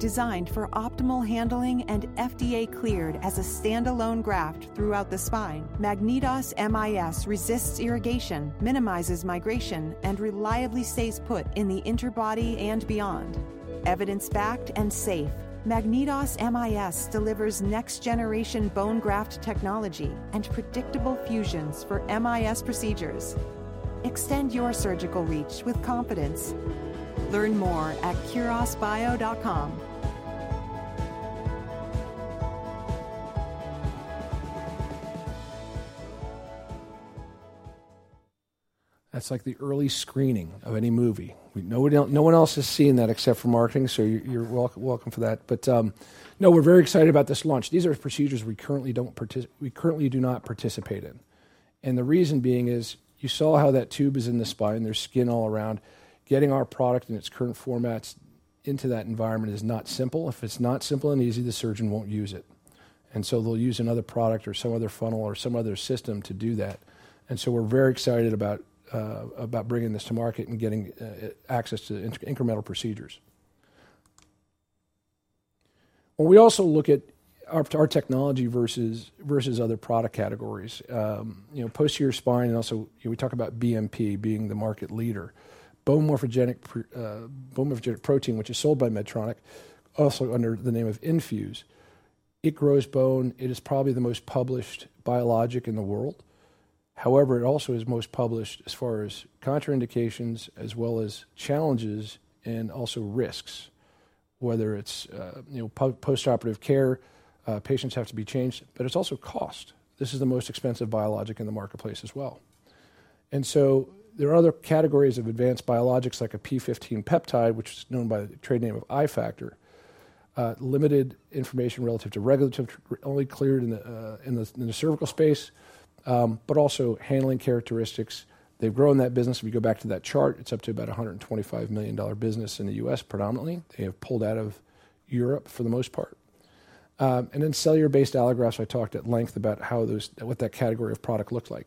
Designed for optimal handling and FDA-cleared as a standalone graft throughout the spine, MagnetOs MIS resists irrigation, minimizes migration, and reliably stays put in the interbody and beyond. Evidence-backed and safe, MagnetOs MIS delivers next-generation bone graft technology and predictable fusions for MIS procedures. Extend your surgical reach with confidence. Learn more at kurosbio.com. That's like the early screening of any movie. No one else has seen that except for marketing, so you're welcome for that. We are very excited about this launch. These are procedures we currently do not participate in. The reason being is you saw how that tube is in the spine and there's skin all around. Getting our product in its current formats into that environment is not simple. If it's not simple and easy, the surgeon won't use it. They will use another product or some other funnel or some other system to do that. We are very excited about bringing this to market and getting access to incremental procedures. When we also look at our technology versus other product categories, posterior spine, and also we talk about BMP being the market leader, bone morphogenetic protein, which is sold by Medtronic, also under the name of Infuse. It grows bone. It is probably the most published biologic in the world. However, it also is most published as far as contraindications, as well as challenges and also risks, whether it's postoperative care, patients have to be changed, but it's also cost. This is the most expensive biologic in the marketplace as well. There are other categories of advanced biologics like a P-15 peptide, which is known by the trade name of iFactor, limited information relative to regulatory, only cleared in the cervical space, but also handling characteristics. They've grown that business. If you go back to that chart, it's up to about a $125 million business in the U.S., predominantly. They have pulled out of Europe for the most part. Then cellular-based allografts, I talked at length about what that category of product looks like.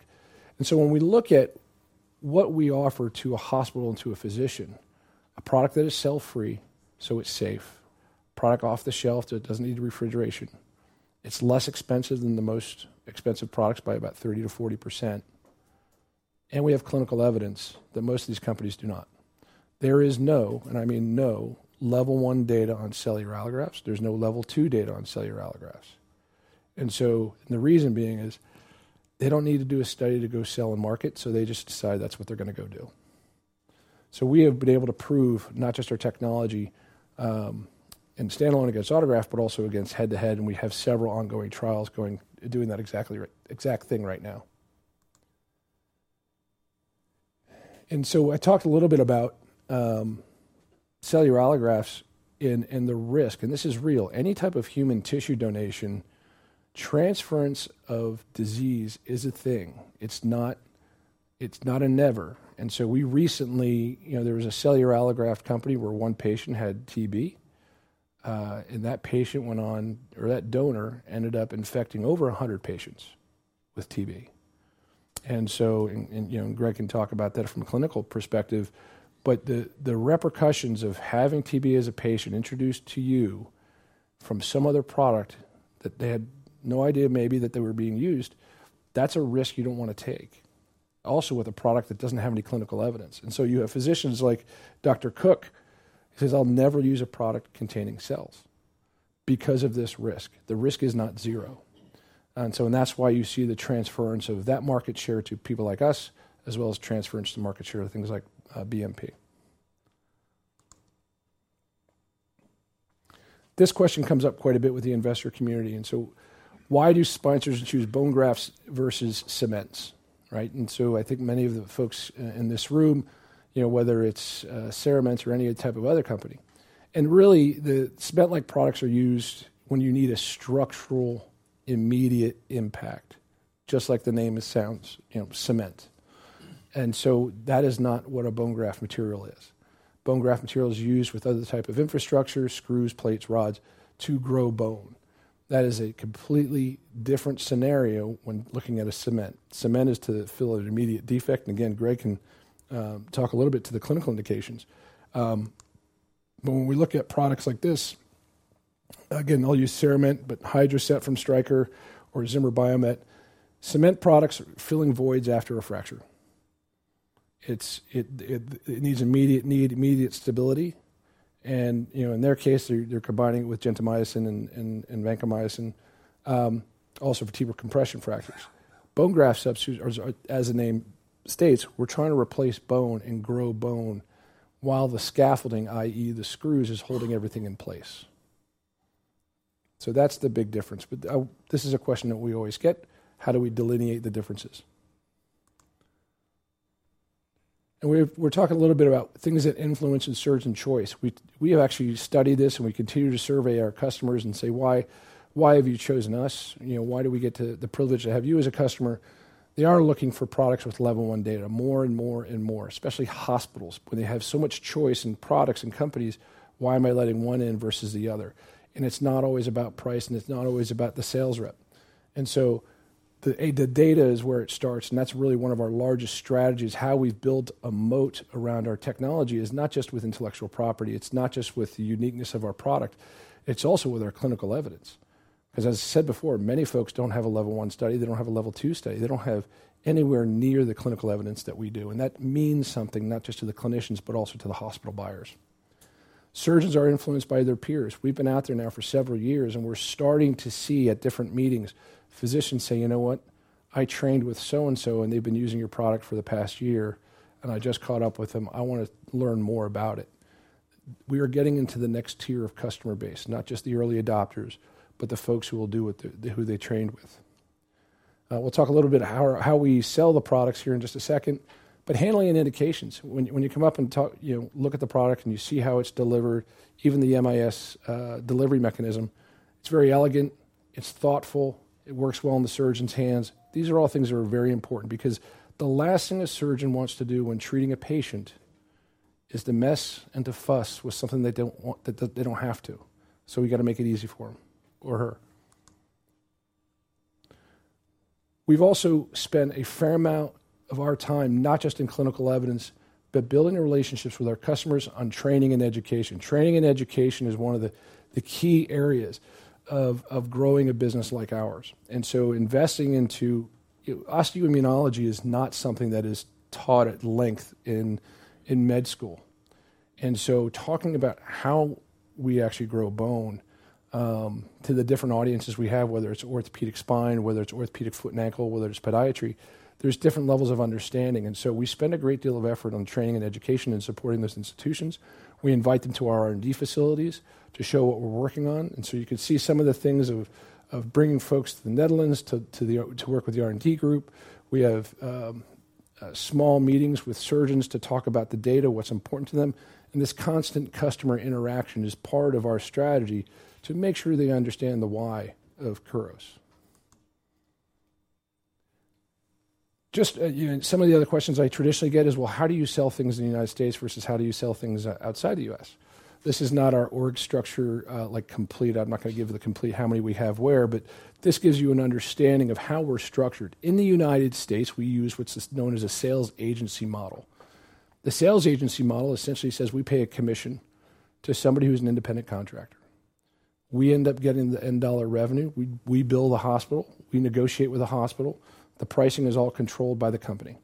When we look at what we offer to a hospital and to a physician, a product that is cell-free, so it's safe, a product off the shelf that doesn't need refrigeration, it's less expensive than the most expensive products by about 30%-40%. We have clinical evidence that most of these companies do not. There is no, and I mean no, level one data on cellular allografts. There's no level two data on cellular allografts. The reason being is they don't need to do a study to go sell and market, so they just decide that's what they're going to go do. We have been able to prove not just our technology and standalone against autograft, but also against head-to-head. We have several ongoing trials doing that exact thing right now. I talked a little bit about cellular allografts and the risk. This is real. Any type of human tissue donation, transference of disease is a thing. It's not a never. We recently, there was a cellular allograft company where one patient had TB, and that patient went on, or that donor ended up infecting over 100 patients with TB. Greg can talk about that from a clinical perspective. The repercussions of having TB as a patient introduced to you from some other product that they had no idea maybe that they were being used, that's a risk you don't want to take. Also with a product that doesn't have any clinical evidence. You have physicians like Dr. Cook, he says, "I'll never use a product containing cells because of this risk." The risk is not zero. That is why you see the transference of that market share to people like us, as well as transference to market share of things like BMP. This question comes up quite a bit with the investor community. Why do sponsors choose bone grafts versus cements? I think many of the folks in this room, whether it is Ceramence or any type of other company, and really the cement-like products are used when you need a structural immediate impact, just like the name sounds, cement. That is not what a bone graft material is. Bone graft material is used with other types of infrastructure, screws, plates, rods to grow bone. That is a completely different scenario when looking at a cement. Cement is to fill an immediate defect. Again, Greg can talk a little bit to the clinical indications. When we look at products like this, again, I'll use Ceramence, but HydroSet from Stryker or Zimmer Biomet, cement products are filling voids after a fracture. It needs immediate stability. In their case, they're combining it with gentamicin and vancomycin, also vertebral compression fractures. Bone graft substitutes, as the name states, we're trying to replace bone and grow bone while the scaffolding, i.e., the screws, is holding everything in place. That's the big difference. This is a question that we always get. How do we delineate the differences? We're talking a little bit about things that influence insertion choice. We have actually studied this, and we continue to survey our customers and say, "Why have you chosen us? Why do we get the privilege to have you as a customer?" They are looking for products with level one data more and more and more, especially hospitals. When they have so much choice in products and companies, why am I letting one in versus the other? It is not always about price, and it is not always about the sales rep. The data is where it starts. That is really one of our largest strategies, how we have built a moat around our technology, is not just with intellectual property. It is not just with the uniqueness of our product. It is also with our clinical evidence. Because as I said before, many folks do not have a level one study. They do not have a level two study. They do not have anywhere near the clinical evidence that we do. That means something not just to the clinicians, but also to the hospital buyers. Surgeons are influenced by their peers. We've been out there now for several years, and we're starting to see at different meetings, physicians say, "You know what? I trained with so-and-so, and they've been using your product for the past year, and I just caught up with them. I want to learn more about it." We are getting into the next tier of customer base, not just the early adopters, but the folks who will do it, who they trained with. We'll talk a little bit about how we sell the products here in just a second. Handling and indications, when you come up and look at the product and you see how it's delivered, even the MIS delivery mechanism, it's very elegant. It's thoughtful. It works well in the surgeon's hands. These are all things that are very important because the last thing a surgeon wants to do when treating a patient is to mess and to fuss with something they do not have to. We have to make it easy for him or her. We have also spent a fair amount of our time not just in clinical evidence, but building relationships with our customers on training and education. Training and education is one of the key areas of growing a business like ours. Investing into osteoimmunology is not something that is taught at length in med school. Talking about how we actually grow bone to the different audiences we have, whether it is orthopedic spine, whether it is orthopedic foot and ankle, whether it is podiatry, there are different levels of understanding. We spend a great deal of effort on training and education and supporting those institutions. We invite them to our R&D facilities to show what we're working on. You can see some of the things of bringing folks to the Netherlands to work with the R&D group. We have small meetings with surgeons to talk about the data, what's important to them. This constant customer interaction is part of our strategy to make sure they understand the why of Kuros. Just some of the other questions I traditionally get is, how do you sell things in the United States versus how do you sell things outside the U.S.? This is not our org structure complete. I'm not going to give the complete how many we have where, but this gives you an understanding of how we're structured. In the United States, we use what's known as a sales agency model. The sales agency model essentially says we pay a commission to somebody who's an independent contractor. We end up getting the end dollar revenue. We build a hospital. We negotiate with a hospital. The pricing is all controlled by the company.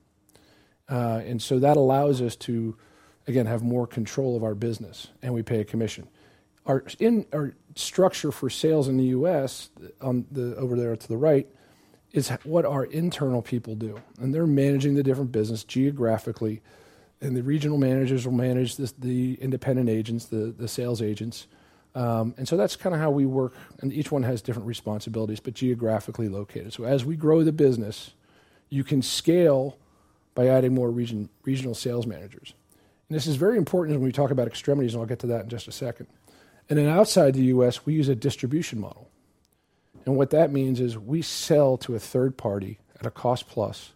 That allows us to, again, have more control of our business, and we pay a commission. Our structure for sales in the U.S., over there to the right, is what our internal people do. They're managing the different business geographically. The regional managers will manage the independent agents, the sales agents. That's kind of how we work. Each one has different responsibilities, but geographically located. As we grow the business, you can scale by adding more regional sales managers. This is very important when we talk about extremities, and I'll get to that in just a second. Outside the U.S., we use a distribution model. What that means is we sell to a third party at a cost plus,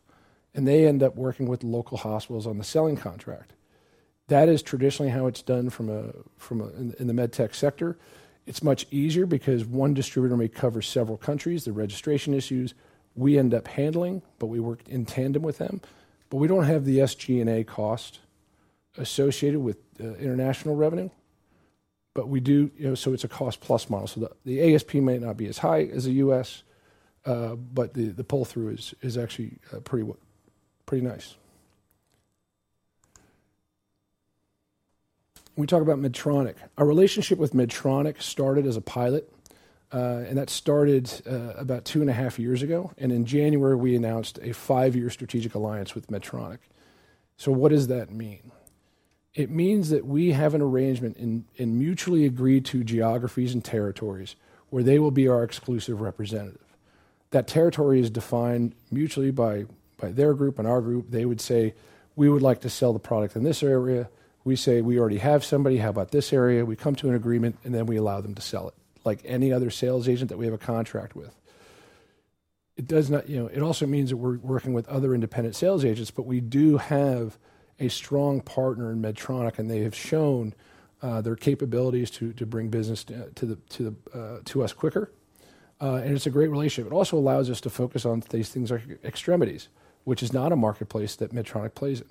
and they end up working with local hospitals on the selling contract. That is traditionally how it is done in the med tech sector. It is much easier because one distributor may cover several countries, the registration issues. We end up handling those, but we work in tandem with them. We do not have the SG&A cost associated with international revenue. We do, so it is a cost plus model. The ASP might not be as high as the U.S., but the pull-through is actually pretty nice. We talk about Medtronic. Our relationship with Medtronic started as a pilot, and that started about two and a half years ago. In January, we announced a five-year strategic alliance with Medtronic. What does that mean? It means that we have an arrangement in mutually agreed-to geographies and territories where they will be our exclusive representative. That territory is defined mutually by their group and our group. They would say, "We would like to sell the product in this area." We say, "We already have somebody. How about this area?" We come to an agreement, and then we allow them to sell it, like any other sales agent that we have a contract with. It also means that we're working with other independent sales agents, but we do have a strong partner in Medtronic, and they have shown their capabilities to bring business to us quicker. It is a great relationship. It also allows us to focus on these things like extremities, which is not a marketplace that Medtronic plays in.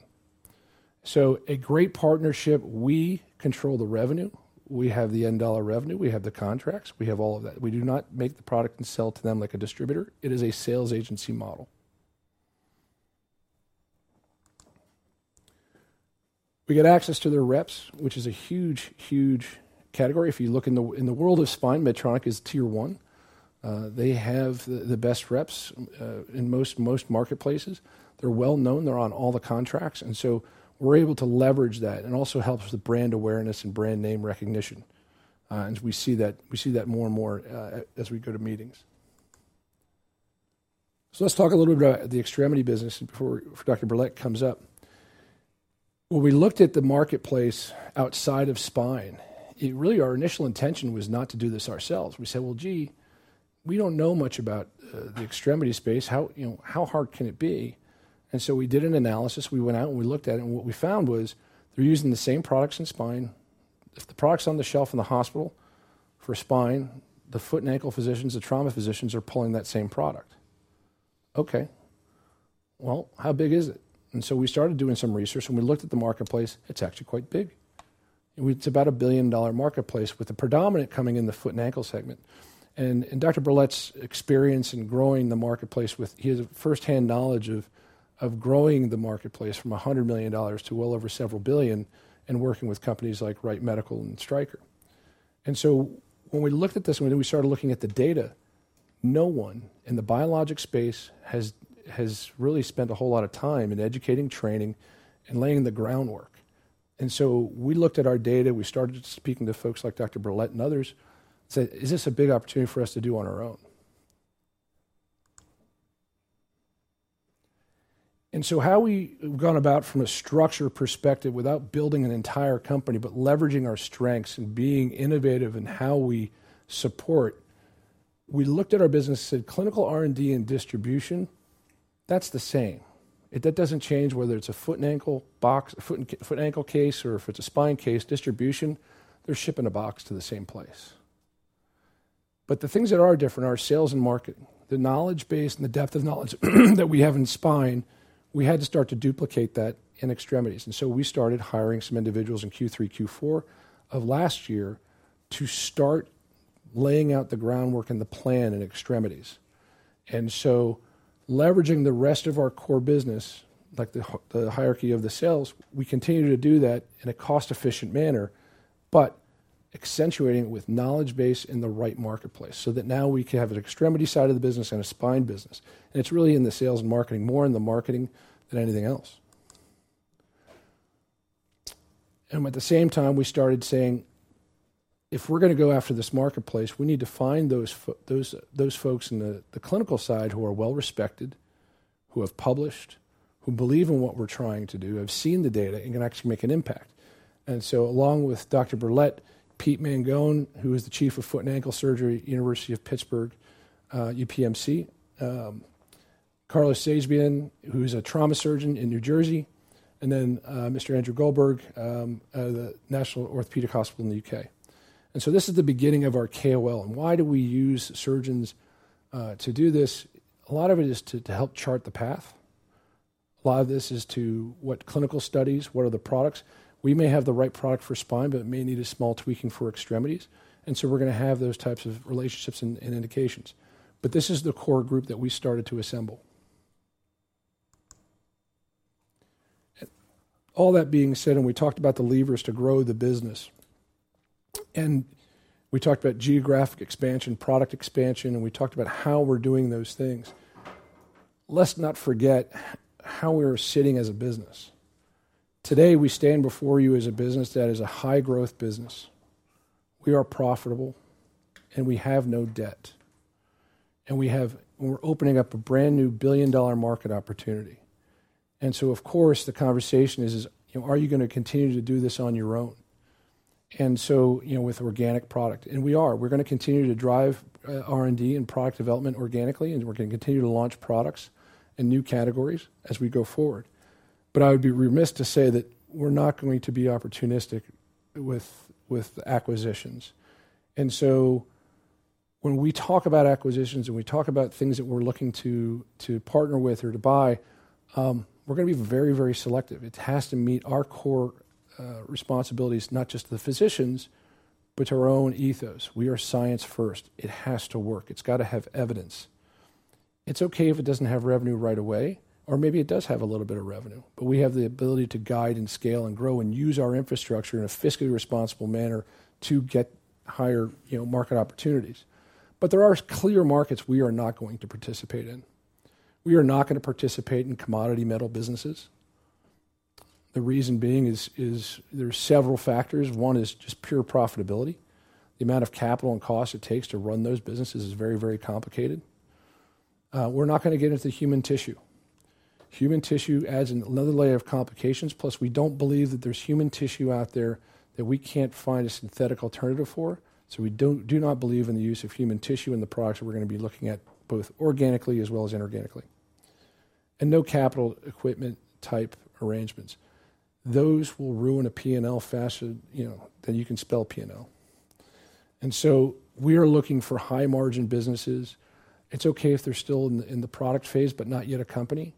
A great partnership. We control the revenue. We have the end dollar revenue. We have the contracts. We have all of that. We do not make the product and sell to them like a distributor. It is a sales agency model. We get access to their reps, which is a huge, huge category. If you look in the world of spine, Medtronic is tier one. They have the best reps in most marketplaces. They're well-known. They're on all the contracts. We are able to leverage that. It also helps with brand awareness and brand name recognition. We see that more and more as we go to meetings. Let's talk a little bit about the extremity business before Dr. Berlet comes up. When we looked at the marketplace outside of spine, really our initial intention was not to do this ourselves. We said, "Gee, we don't know much about the extremity space. How hard can it be?" And so we did an analysis. We went out and we looked at it. What we found was they're using the same products in spine. The products on the shelf in the hospital for spine, the foot and ankle physicians, the trauma physicians are pulling that same product. Okay. How big is it? We started doing some research, and we looked at the marketplace. It's actually quite big. It's about a $1 billion marketplace with the predominant coming in the foot and ankle segment. Dr. Berlet's experience in growing the marketplace with his firsthand knowledge of growing the marketplace from $100 million to well over several billion and working with companies like Wright Medical and Stryker. When we looked at this and we started looking at the data, no one in the biologic space has really spent a whole lot of time in educating, training, and laying the groundwork. We looked at our data. We started speaking to folks like Dr. Berlet and others and said, "Is this a big opportunity for us to do on our own?" How we've gone about from a structure perspective without building an entire company, but leveraging our strengths and being innovative in how we support, we looked at our business, said, "Clinical R&D and distribution, that's the same. That doesn't change whether it's a foot and ankle case or if it's a spine case, distribution, they're shipping a box to the same place." The things that are different are sales and marketing. The knowledge base and the depth of knowledge that we have in spine, we had to start to duplicate that in extremities. We started hiring some individuals in Q3, Q4 of last year to start laying out the groundwork and the plan in extremities. Leveraging the rest of our core business, like the hierarchy of the sales, we continue to do that in a cost-efficient manner, but accentuating it with knowledge base in the right marketplace so that now we can have an extremity side of the business and a spine business. It is really in the sales and marketing, more in the marketing than anything else. At the same time, we started saying, "If we're going to go after this marketplace, we need to find those folks in the clinical side who are well-respected, who have published, who believe in what we're trying to do, have seen the data, and can actually make an impact." Along with Dr. Berlet, Pete Mangone, who is the Chief of Foot and Ankle Surgery, University of Pittsburgh, UPMC, Carlos Saezbian, who is a trauma surgeon in New Jersey, and then Mr. Andrew Goldberg, the National Orthopaedic Hospital in the U.K. This is the beginning of our KOL. Why do we use surgeons to do this? A lot of it is to help chart the path. A lot of this is to what clinical studies, what are the products? We may have the right product for spine, but it may need a small tweaking for extremities. We are going to have those types of relationships and indications. This is the core group that we started to assemble. All that being said, we talked about the levers to grow the business. We talked about geographic expansion, product expansion, and we talked about how we are doing those things. Let's not forget how we are sitting as a business. Today, we stand before you as a business that is a high-growth business. We are profitable, and we have no debt. We are opening up a brand new billion-dollar market opportunity. Of course, the conversation is, "Are you going to continue to do this on your own?" With organic product. We are. We're going to continue to drive R&D and product development organically, and we're going to continue to launch products and new categories as we go forward. I would be remiss to say that we're not going to be opportunistic with acquisitions. When we talk about acquisitions and we talk about things that we're looking to partner with or to buy, we're going to be very, very selective. It has to meet our core responsibilities, not just the physicians, but our own ethos. We are science first. It has to work. It's got to have evidence. It's okay if it doesn't have revenue right away, or maybe it does have a little bit of revenue. We have the ability to guide and scale and grow and use our infrastructure in a fiscally responsible manner to get higher market opportunities. There are clear markets we are not going to participate in. We are not going to participate in commodity metal businesses. The reason being is there are several factors. One is just pure profitability. The amount of capital and cost it takes to run those businesses is very, very complicated. We're not going to get into the human tissue. Human tissue adds another layer of complications. Plus, we do not believe that there's human tissue out there that we can't find a synthetic alternative for. We do not believe in the use of human tissue in the products that we're going to be looking at both organically as well as inorganically. No capital equipment type arrangements. Those will ruin a P&L faster than you can spell P&L. We are looking for high-margin businesses. It's okay if they're still in the product phase, but not yet a company.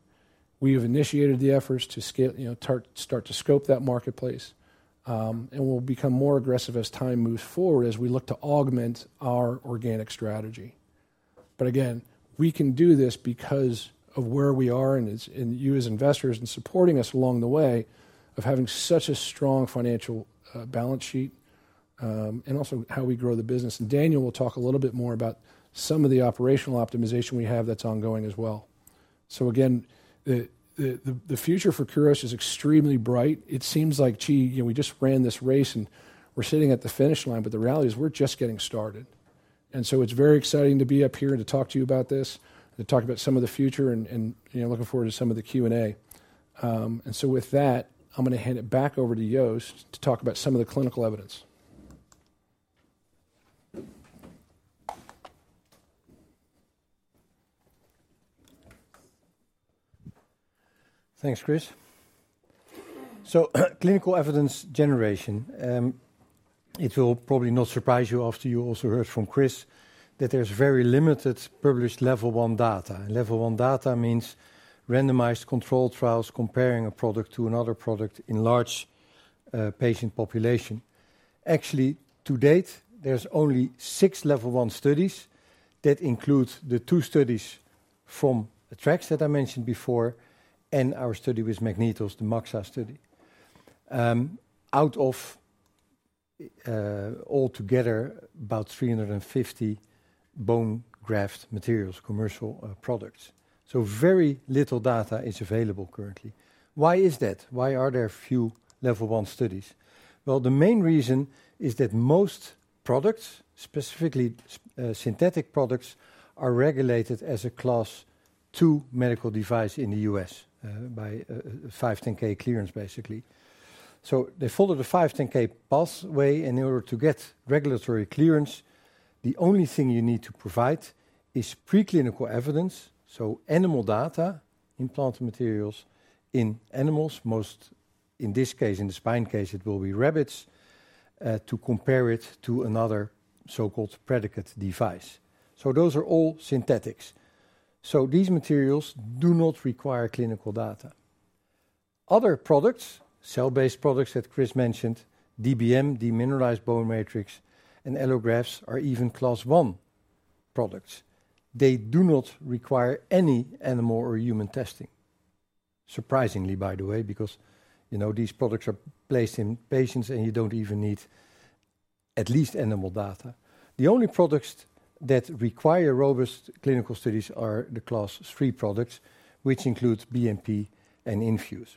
We have initiated the efforts to start to scope that marketplace. We'll become more aggressive as time moves forward as we look to augment our organic strategy. We can do this because of where we are and you as investors and supporting us along the way of having such a strong financial balance sheet and also how we grow the business. Daniel will talk a little bit more about some of the operational optimization we have that's ongoing as well. The future for Kuros is extremely bright. It seems like, gee, we just ran this race and we're sitting at the finish line, but the reality is we're just getting started. It's very exciting to be up here and to talk to you about this, to talk about some of the future, and looking forward to some of the Q&A. With that, I'm going to hand it back over to Joost to talk about some of the clinical evidence. Thanks, Chris. Clinical evidence generation, it will probably not surprise you after you also heard from Chris that there's very limited published level one data. Level one data means randomized controlled trials comparing a product to another product in a large patient population. Actually, to date, there's only six level one studies that include the two studies from the TREX that I mentioned before and our study with MagnetOs, the MAXA study. Out of altogether, about 350 bone graft materials, commercial products. Very little data is available currently. Why is that? Why are there few level one studies? The main reason is that most products, specifically synthetic products, are regulated as a class two medical device in the U.S. by 510(k) clearance, basically. They follow the 510(k) pathway. In order to get regulatory clearance, the only thing you need to provide is preclinical evidence, so animal data, implanted materials in animals, most in this case, in the spine case, it will be rabbits, to compare it to another so-called predicate device. Those are all synthetics. These materials do not require clinical data. Other products, cell-based products that Chris mentioned, DBM, demineralized bone matrix, and allografts are even class one products. They do not require any animal or human testing, surprisingly, by the way, because these products are placed in patients and you do not even need at least animal data. The only products that require robust clinical studies are the class three products, which include BMP and Infuse.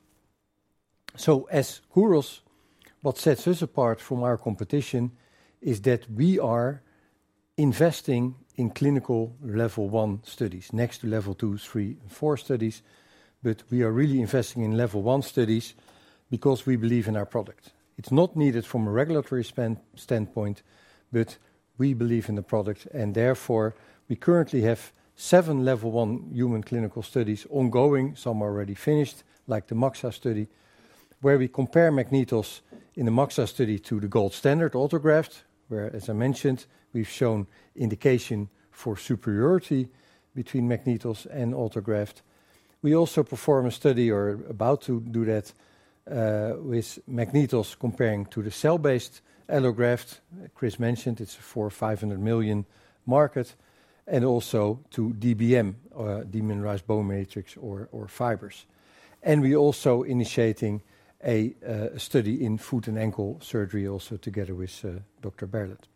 As Kuros, what sets us apart from our competition is that we are investing in clinical level one studies next to level two, three, and four studies, but we are really investing in level one studies because we believe in our product. It's not needed from a regulatory standpoint, but we believe in the product. Therefore, we currently have seven level one human clinical studies ongoing. Some are already finished, like the MAXA study, where we compare MagnetOs in the MAXA study to the gold standard autograft, where, as I mentioned, we've shown indication for superiority between MagnetOs and autograft. We also perform a study or are about to do that with MagnetOs comparing to the cell-based allograft. Chris mentioned it's a $400 million, $500 million market, and also to DBM, demineralized bone matrix or fibers. We're also initiating a study in foot and ankle surgery also together with Dr. Berlet.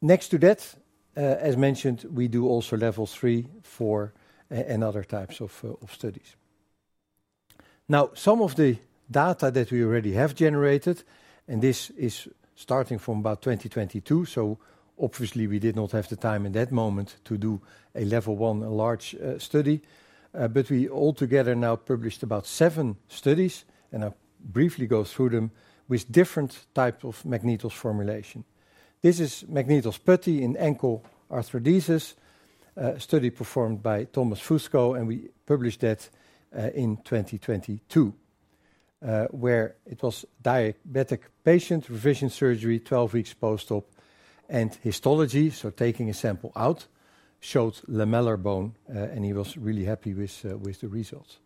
Next to that, as mentioned, we do also level three, four, and other types of studies. Now, some of the data that we already have generated, and this is starting from about 2022, so obviously we did not have the time in that moment to do a level one large study, but we altogether now published about seven studies and I'll briefly go through them with different types of MagnetOs formulation. This is MagnetOs Putty in ankle arthrodesis, a study performed by Thomas Fusco, and we published that in 2022, where it was diabetic patient revision surgery, 12 weeks post-op, and histology, so taking a sample out, showed lamellar bone, and he was really happy with the results.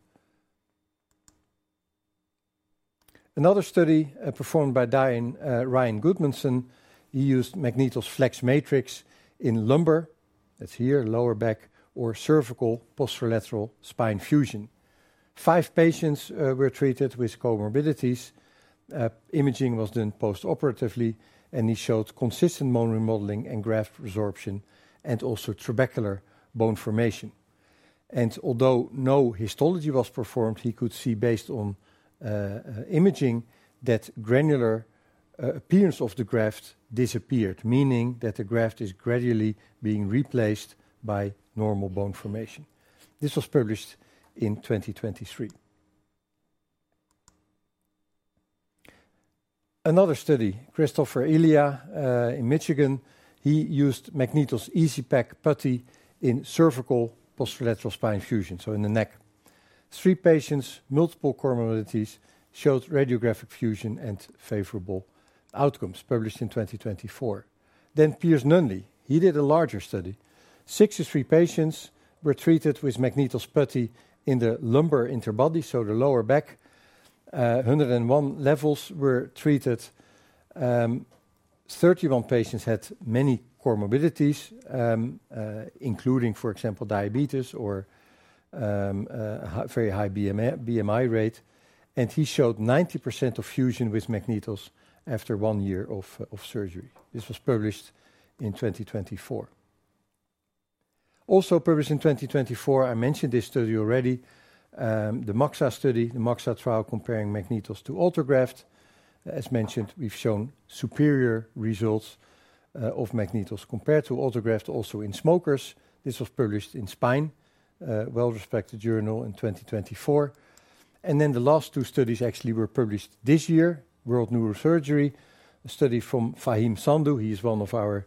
Another study performed by Ryan Goodmundson. He used MagnetOs Flex Matrix in lumbar. That's here, lower back or cervical posterolateral spine fusion. Five patients were treated with comorbidities. Imaging was done post-operatively, and he showed consistent bone remodeling and graft resorption and also trabecular bone formation. Although no histology was performed, he could see based on imaging that granular appearance of the graft disappeared, meaning that the graft is gradually being replaced by normal bone formation. This was published in 2023. Another study, Christopher Ilia in Michigan, he used MagnetOs EasyPack Putty in cervical posterolateral spine fusion, so in the neck. Three patients, multiple comorbidities, showed radiographic fusion and favorable outcomes, published in 2024. Piers Nunley, he did a larger study. 63 patients were treated with MagnetOs Putty in the lumbar interbody, so the lower back. One hundred one levels were treated. 31 patients had many comorbidities, including, for example, diabetes or a very high BMI rate. He showed 90% of fusion with MagnetOs after one year of surgery. This was published in 2024. Also published in 2024, I mentioned this study already, the MAXA study, the MAXA trial comparing MagnetOs to autograft. As mentioned, we've shown superior results of MagnetOs compared to autograft, also in smokers. This was published in Spine, a well-respected journal in 2024. The last two studies actually were published this year, World Neurosurgery, a study from Fahim Sandu. He is one of our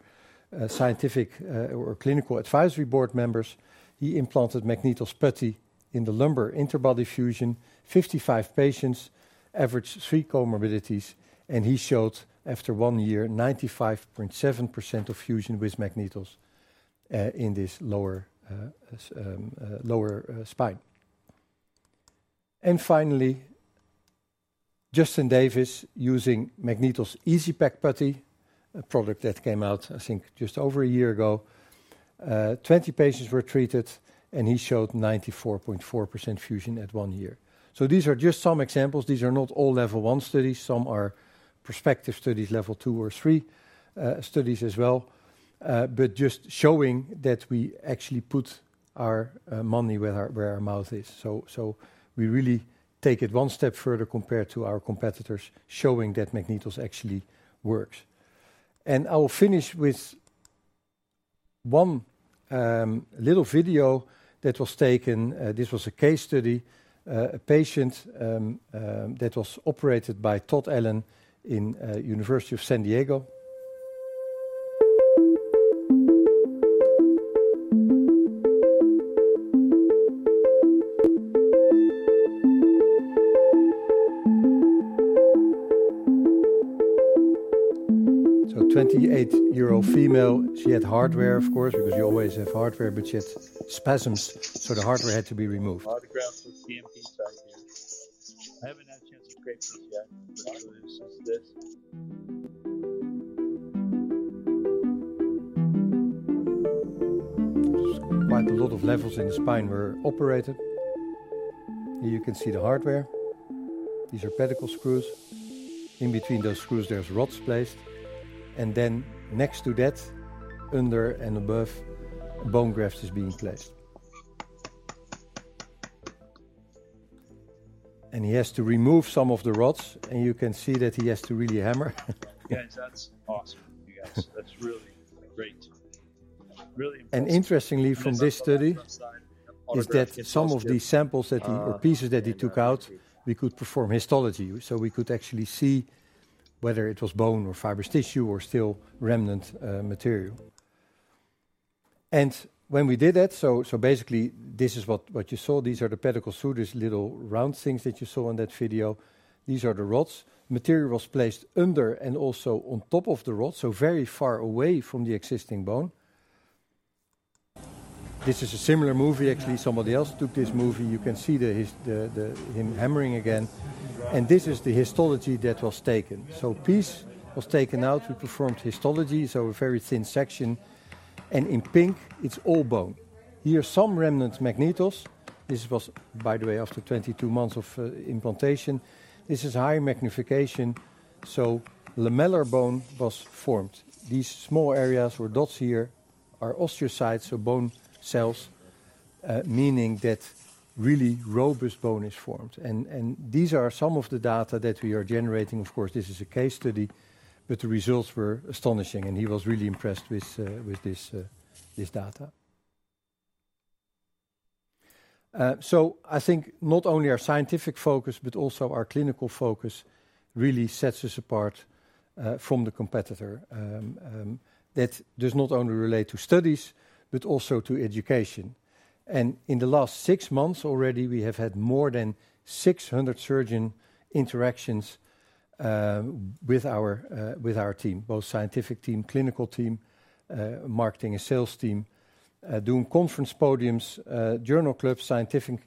scientific or clinical advisory board members. He implanted MagnetOs Putty in the lumbar interbody fusion, 55 patients, average three comorbidities, and he showed after one year, 95.7% of fusion with MagnetOs in this lower spine. Finally, Justin Davis using MagnetOs EasyPack Putty, a product that came out, I think, just over a year ago. Twenty patients were treated, and he showed 94.4% fusion at one year. These are just some examples. These are not all level one studies. Some are prospective studies, level two or three studies as well, but just showing that we actually put our money where our mouth is. We really take it one step further compared to our competitors, showing that MagnetOs actually works. I will finish with one little video that was taken. This was a case study, a patient that was operated by Todd Allen in the University of California, San Diego. A 28-year-old female. She had hardware, of course, because you always have hardware, but she had spasms, so the hardware had to be removed. Autograft with CMP site here. I haven't had a chance to scrape this yet, but I will insist this. Quite a lot of levels in the spine were operated. Here you can see the hardware. These are pedicle screws. In between those screws, there's rods placed. Next to that, under and above, a bone graft is being placed. He has to remove some of the rods, and you can see that he has to really hammer. Yeah, that's awesome, you guys. That's really great. Really important. Interestingly, from this study, is that some of the samples or pieces that he took out, we could perform histology. We could actually see whether it was bone or fibrous tissue or still remnant material. When we did that, basically, this is what you saw. These are the pedicle screws, little round things that you saw in that video. These are the rods. Material was placed under and also on top of the rods, very far away from the existing bone. This is a similar movie, actually. Somebody else took this movie. You can see him hammering again. This is the histology that was taken. A piece was taken out. We performed histology, a very thin section. In pink, it is all bone. Here are some remnants of MagnetOs. This was, by the way, after 22 months of implantation. This is high magnification. Lamellar bone was formed. These small areas or dots here are osteocytes, bone cells, meaning that really robust bone is formed. These are some of the data that we are generating. Of course, this is a case study, but the results were astonishing. He was really impressed with this data. I think not only our scientific focus, but also our clinical focus really sets us apart from the competitor. That does not only relate to studies, but also to education. In the last six months already, we have had more than 600 surgeon interactions with our team, both scientific team, clinical team, marketing and sales team, doing conference podiums, journal clubs, scientific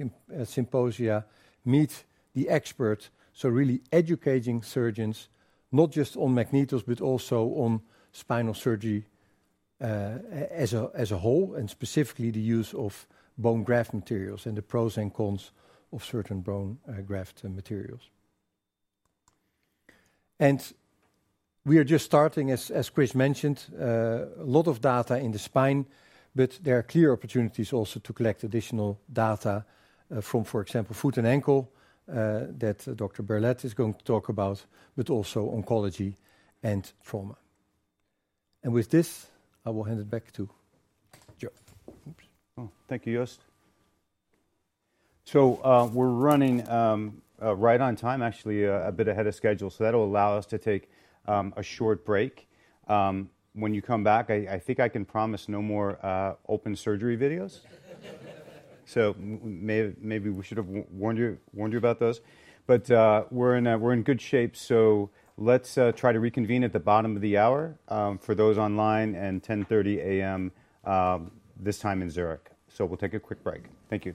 symposia, meet the expert. Really educating surgeons, not just on MagnetOs, but also on spinal surgery as a whole and specifically the use of bone graft materials and the pros and cons of certain bone graft materials. We are just starting, as Chris mentioned, a lot of data in the spine, but there are clear opportunities also to collect additional data from, for example, foot and ankle that Dr. Berlet is going to talk about, but also oncology and trauma. With this, I will hand it back to Joe. Thank you, Joost. We are running right on time, actually, a bit ahead of schedule. That will allow us to take a short break. When you come back, I think I can promise no more open surgery videos. Maybe we should have warned you about those. We are in good shape. Let's try to reconvene at the bottom of the hour for those online and 10:30 A.M. this time in Zurich. We will take a quick break. Thank you.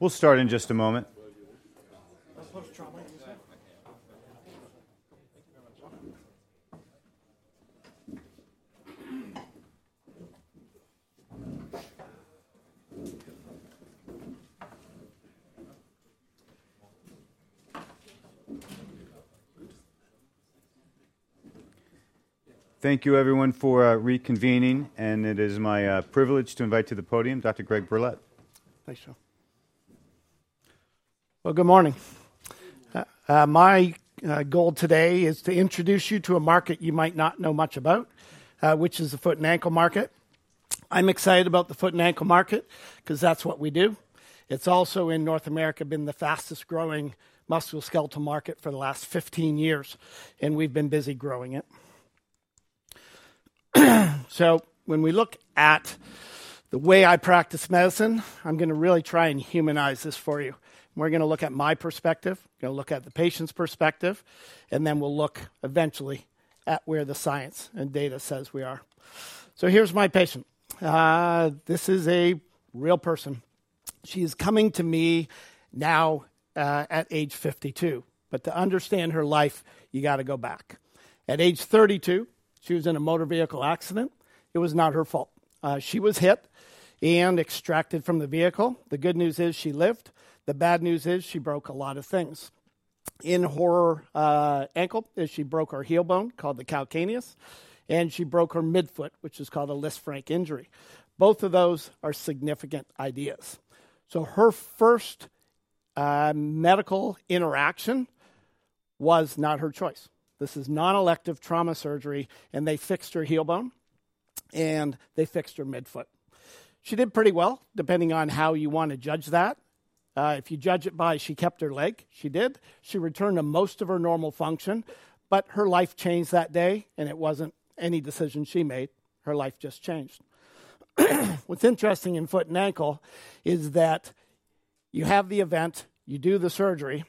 We will start in just a moment. Thank you, everyone, for reconvening, and it is my privilege to invite to the podium Dr. Greg Berlet. Thanks, Joe. Good morning. My goal today is to introduce you to a market you might not know much about, which is the foot and ankle market. I'm excited about the foot and ankle market because that's what we do. It's also in North America been the fastest growing musculoskeletal market for the last 15 years, and we've been busy growing it. When we look at the way I practice medicine, I'm going to really try and humanize this for you. We're going to look at my perspective, going to look at the patient's perspective, and then we'll look eventually at where the science and data says we are. Here's my patient. This is a real person. She is coming to me now at age 52, but to understand her life, you got to go back. At age 32, she was in a motor vehicle accident. It was not her fault. She was hit and extracted from the vehicle. The good news is she lived. The bad news is she broke a lot of things. In her ankle, she broke her heel bone, called the calcaneus, and she broke her midfoot, which is called a Lisfranc injury. Both of those are significant ideas. Her first medical interaction was not her choice. This is non-elective trauma surgery, and they fixed her heel bone and they fixed her midfoot. She did pretty well, depending on how you want to judge that. If you judge it by she kept her leg, she did. She returned to most of her normal function, but her life changed that day, and it was not any decision she made. Her life just changed. What is interesting in foot and ankle is that you have the event, you do the surgery,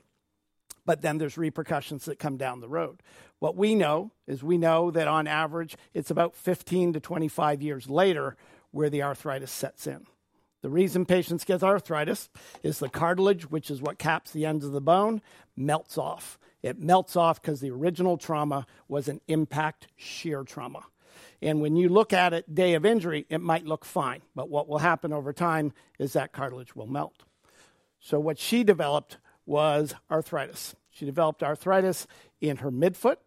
but then there are repercussions that come down the road. What we know is we know that on average, it is about 15-25 years later where the arthritis sets in. The reason patients get arthritis is the cartilage, which is what caps the ends of the bone, melts off. It melts off because the original trauma was an impact shear trauma. When you look at it day of injury, it might look fine, but what will happen over time is that cartilage will melt. What she developed was arthritis. She developed arthritis in her midfoot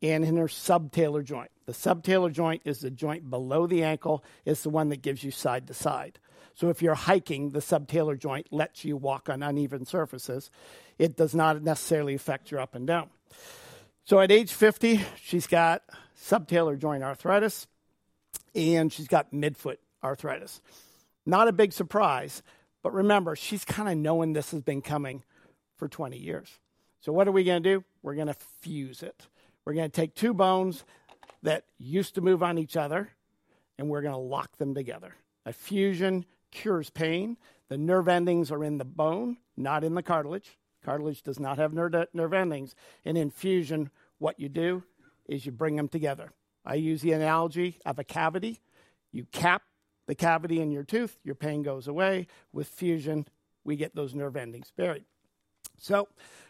and in her subtalar joint. The subtalar joint is the joint below the ankle. It's the one that gives you side to side. If you're hiking, the subtalar joint lets you walk on uneven surfaces. It does not necessarily affect your up and down. At age 50, she's got subtalar joint arthritis and she's got midfoot arthritis. Not a big surprise, but remember, she's kind of knowing this has been coming for 20 years. What are we going to do? We're going to fuse it. We're going to take two bones that used to move on each other, and we're going to lock them together. A fusion cures pain. The nerve endings are in the bone, not in the cartilage. Cartilage does not have nerve endings. In fusion, what you do is you bring them together. I use the analogy of a cavity. You cap the cavity in your tooth, your pain goes away. With fusion, we get those nerve endings buried.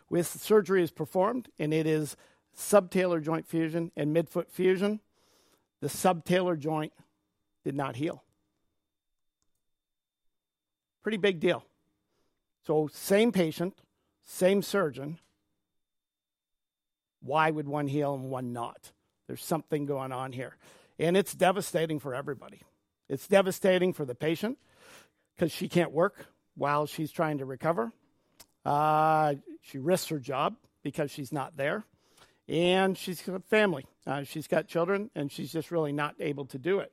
When surgery is performed, and it is subtalar joint fusion and midfoot fusion, the subtalar joint did not heal. Pretty big deal. Same patient, same surgeon. Why would one heal and one not? There's something going on here. It is devastating for everybody. It is devastating for the patient because she cannot work while she is trying to recover. She risks her job because she is not there. She has family. She has children, and she is just really not able to do it.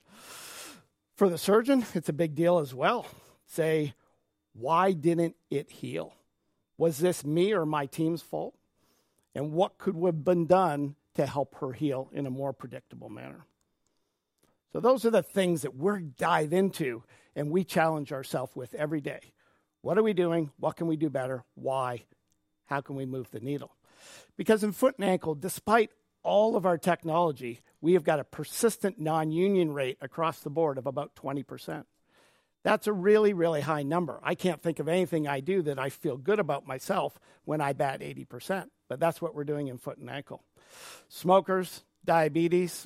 For the surgeon, it is a big deal as well. Why did it not heal? Was this me or my team's fault? What could have been done to help her heal in a more predictable manner? Those are the things that we dive into and we challenge ourselves with every day. What are we doing? What can we do better? Why? How can we move the needle? Because in foot and ankle, despite all of our technology, we have got a persistent non-union rate across the board of about 20%. That is a really, really high number. I cannot think of anything I do that I feel good about myself when I bat 80%. That is what we are doing in foot and ankle. Smokers, diabetes,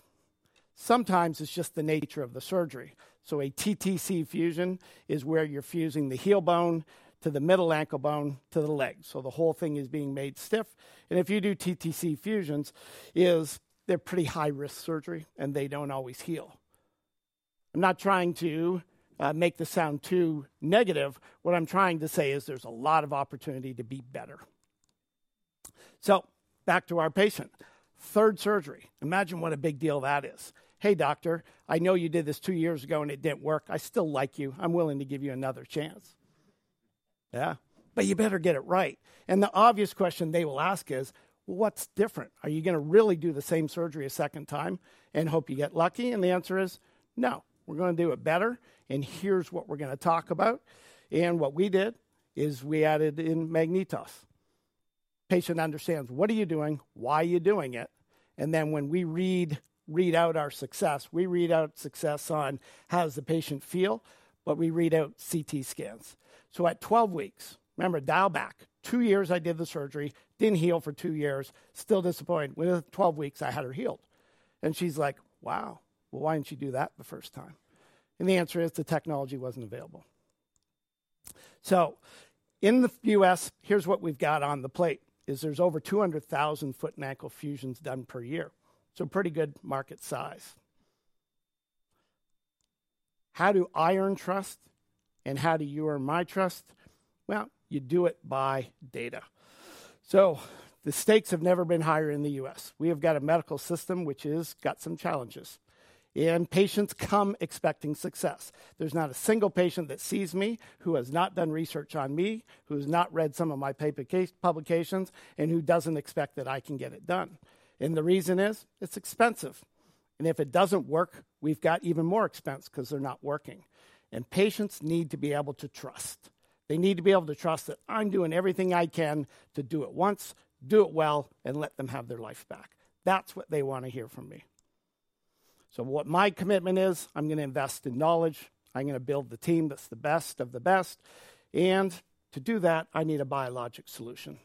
sometimes it is just the nature of the surgery. A TTC fusion is where you are fusing the heel bone to the middle ankle bone to the leg. The whole thing is being made stiff. If you do TTC fusions, they are pretty high-risk surgery, and they do not always heal. I am not trying to make this sound too negative. What I'm trying to say is there's a lot of opportunity to be better. Back to our patient. Third surgery. Imagine what a big deal that is. Hey, doctor, I know you did this two years ago, and it didn't work. I still like you. I'm willing to give you another chance. Yeah, but you better get it right. The obvious question they will ask is, what's different? Are you going to really do the same surgery a second time and hope you get lucky? The answer is no. We're going to do it better. Here's what we're going to talk about. What we did is we added in MagnetOs. The patient understands what are you doing, why are you doing it? Then when we read out our success, we read out success on how does the patient feel, but we read out CT scans. At 12 weeks, remember dial back, two years I did the surgery, did not heal for two years, still disappointed. Within 12 weeks, I had her healed. She is like, wow, why did you not do that the first time? The answer is the technology was not available. In the U.S., here is what we have got on the plate, there are over 200,000 foot and ankle fusions done per year. Pretty good market size. How do I earn trust and how do you or my trust? You do it by data. The stakes have never been higher in the U.S. We have got a medical system which has got some challenges. Patients come expecting success. There's not a single patient that sees me who has not done research on me, who has not read some of my publications, and who doesn't expect that I can get it done. The reason is it's expensive. If it doesn't work, we've got even more expense because they're not working. Patients need to be able to trust. They need to be able to trust that I'm doing everything I can to do it once, do it well, and let them have their life back. That's what they want to hear from me. What my commitment is, I'm going to invest in knowledge. I'm going to build the team that's the best of the best. To do that, I need a biologic solution.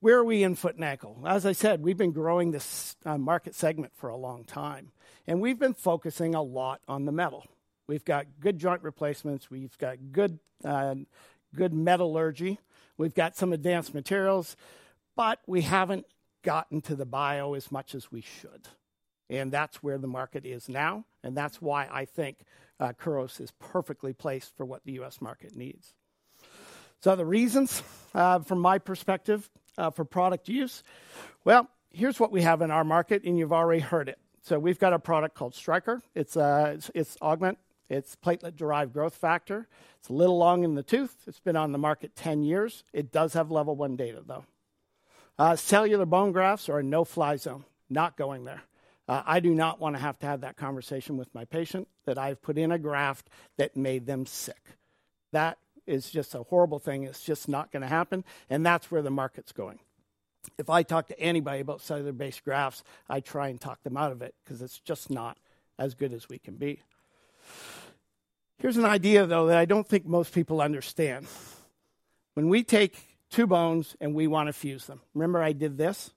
Where are we in foot and ankle? As I said, we've been growing this market segment for a long time. We've been focusing a lot on the metal. We've got good joint replacements. We've got good metallurgy. We've got some advanced materials, but we haven't gotten to the bio as much as we should. That's where the market is now. That's why I think Kuros is perfectly placed for what the U.S. market needs. The reasons from my perspective for product use, here's what we have in our market, and you've already heard it. We've got a product called Stryker. It's Augment. It's platelet-derived growth factor. It's a little long in the tooth. It's been on the market 10 years. It does have level one data, though. Cellular bone grafts are a no-fly zone. Not going there. I do not want to have to have that conversation with my patient that I've put in a graft that made them sick. That is just a horrible thing. It's just not going to happen. That's where the market's going. If I talk to anybody about cellular-based grafts, I try and talk them out of it because it's just not as good as we can be. Here's an idea, though, that I don't think most people understand. When we take two bones and we want to fuse them, remember I did this?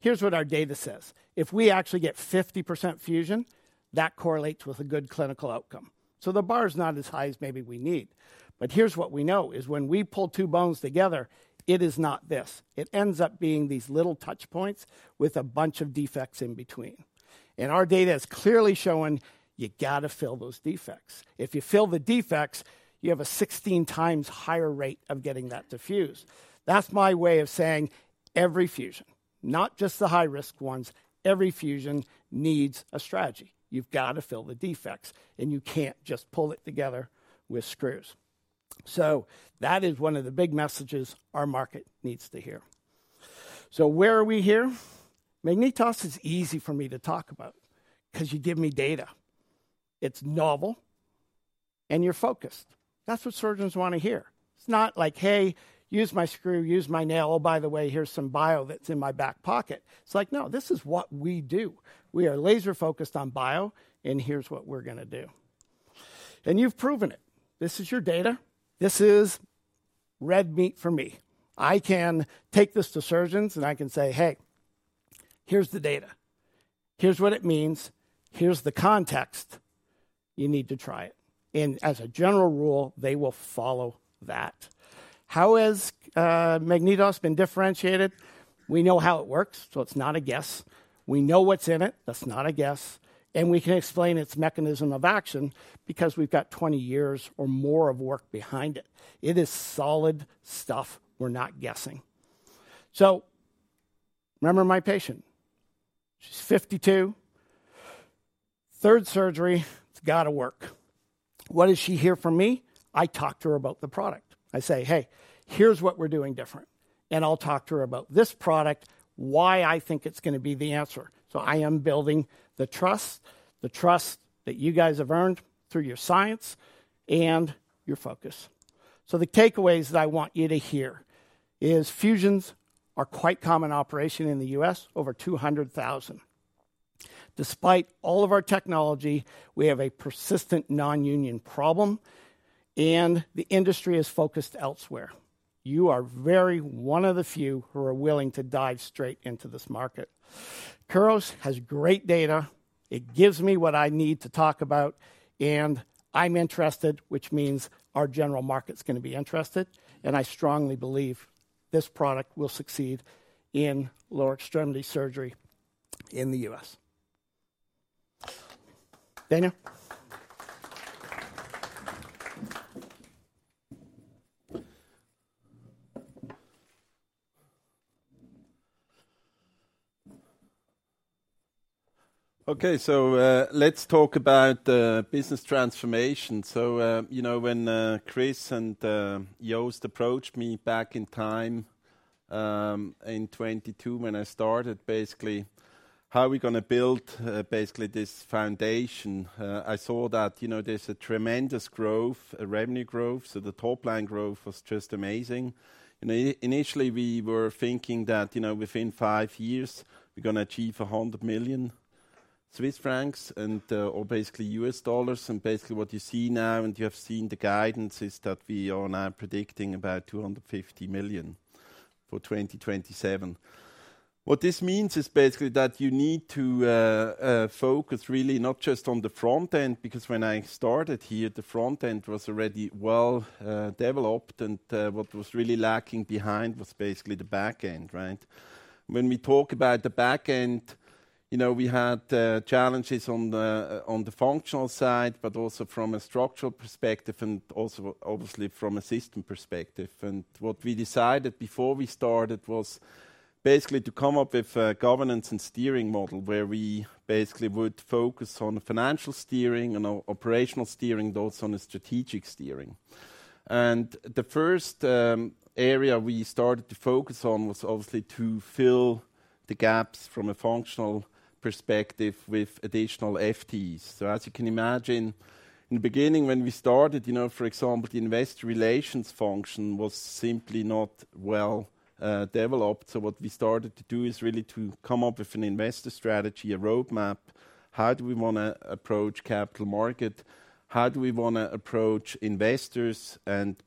Here's what our data says. If we actually get 50% fusion, that correlates with a good clinical outcome. The bar is not as high as maybe we need. Here's what we know is when we pull two bones together, it is not this. It ends up being these little touch points with a bunch of defects in between. Our data is clearly showing you got to fill those defects. If you fill the defects, you have a 16 times higher rate of getting that to fuse. That's my way of saying every fusion, not just the high-risk ones, every fusion needs a strategy. You've got to fill the defects, and you can't just pull it together with screws. That is one of the big messages our market needs to hear. Where are we here? MagnetOs is easy for me to talk about because you give me data. It's novel, and you're focused. That's what surgeons want to hear. It's not like, hey, use my screw, use my nail. Oh, by the way, here's some bio that's in my back pocket. It's like, no, this is what we do. We are laser-focused on bio, and here's what we're going to do. You've proven it. This is your data. This is red meat for me. I can take this to surgeons, and I can say, hey, here's the data. Here's what it means. Here's the context. You need to try it. As a general rule, they will follow that. How has MagnetOs been differentiated? We know how it works, so it's not a guess. We know what's in it. That's not a guess. We can explain its mechanism of action because we've got 20 years or more of work behind it. It is solid stuff. We're not guessing. Remember my patient. She's 52. Third surgery. It's got to work. What does she hear from me? I talk to her about the product. I say, hey, here's what we're doing different. I'll talk to her about this product, why I think it's going to be the answer. I am building the trust, the trust that you guys have earned through your science and your focus. The takeaways that I want you to hear is fusions are quite a common operation in the U.S., over 200,000. Despite all of our technology, we have a persistent non-union problem, and the industry is focused elsewhere. You are very one of the few who are willing to dive straight into this market. Kuros has great data. It gives me what I need to talk about, and I'm interested, which means our general market's going to be interested. I strongly believe this product will succeed in lower extremity surgery in the U.S. Daniel. Okay, let's talk about business transformation. When Chris and Joost approached me back in time in 2022 when I started, basically, how are we going to build basically this foundation? I saw that there's a tremendous growth, revenue growth. The top-line growth was just amazing. Initially, we were thinking that within five years, we're going to achieve 100 million Swiss francs or basically $100 million. Basically what you see now, and you have seen the guidance, is that we are now predicting about 250 million for 2027. What this means is basically that you need to focus really not just on the front end, because when I started here, the front end was already well developed, and what was really lacking behind was basically the back end. When we talk about the back end, we had challenges on the functional side, but also from a structural perspective and also obviously from a system perspective. What we decided before we started was basically to come up with a governance and steering model where we basically would focus on financial steering and operational steering, those on a strategic steering. The first area we started to focus on was obviously to fill the gaps from a functional perspective with additional FTEs. As you can imagine, in the beginning when we started, for example, the investor relations function was simply not well developed. What we started to do is really to come up with an investor strategy, a roadmap. How do we want to approach capital market? How do we want to approach investors?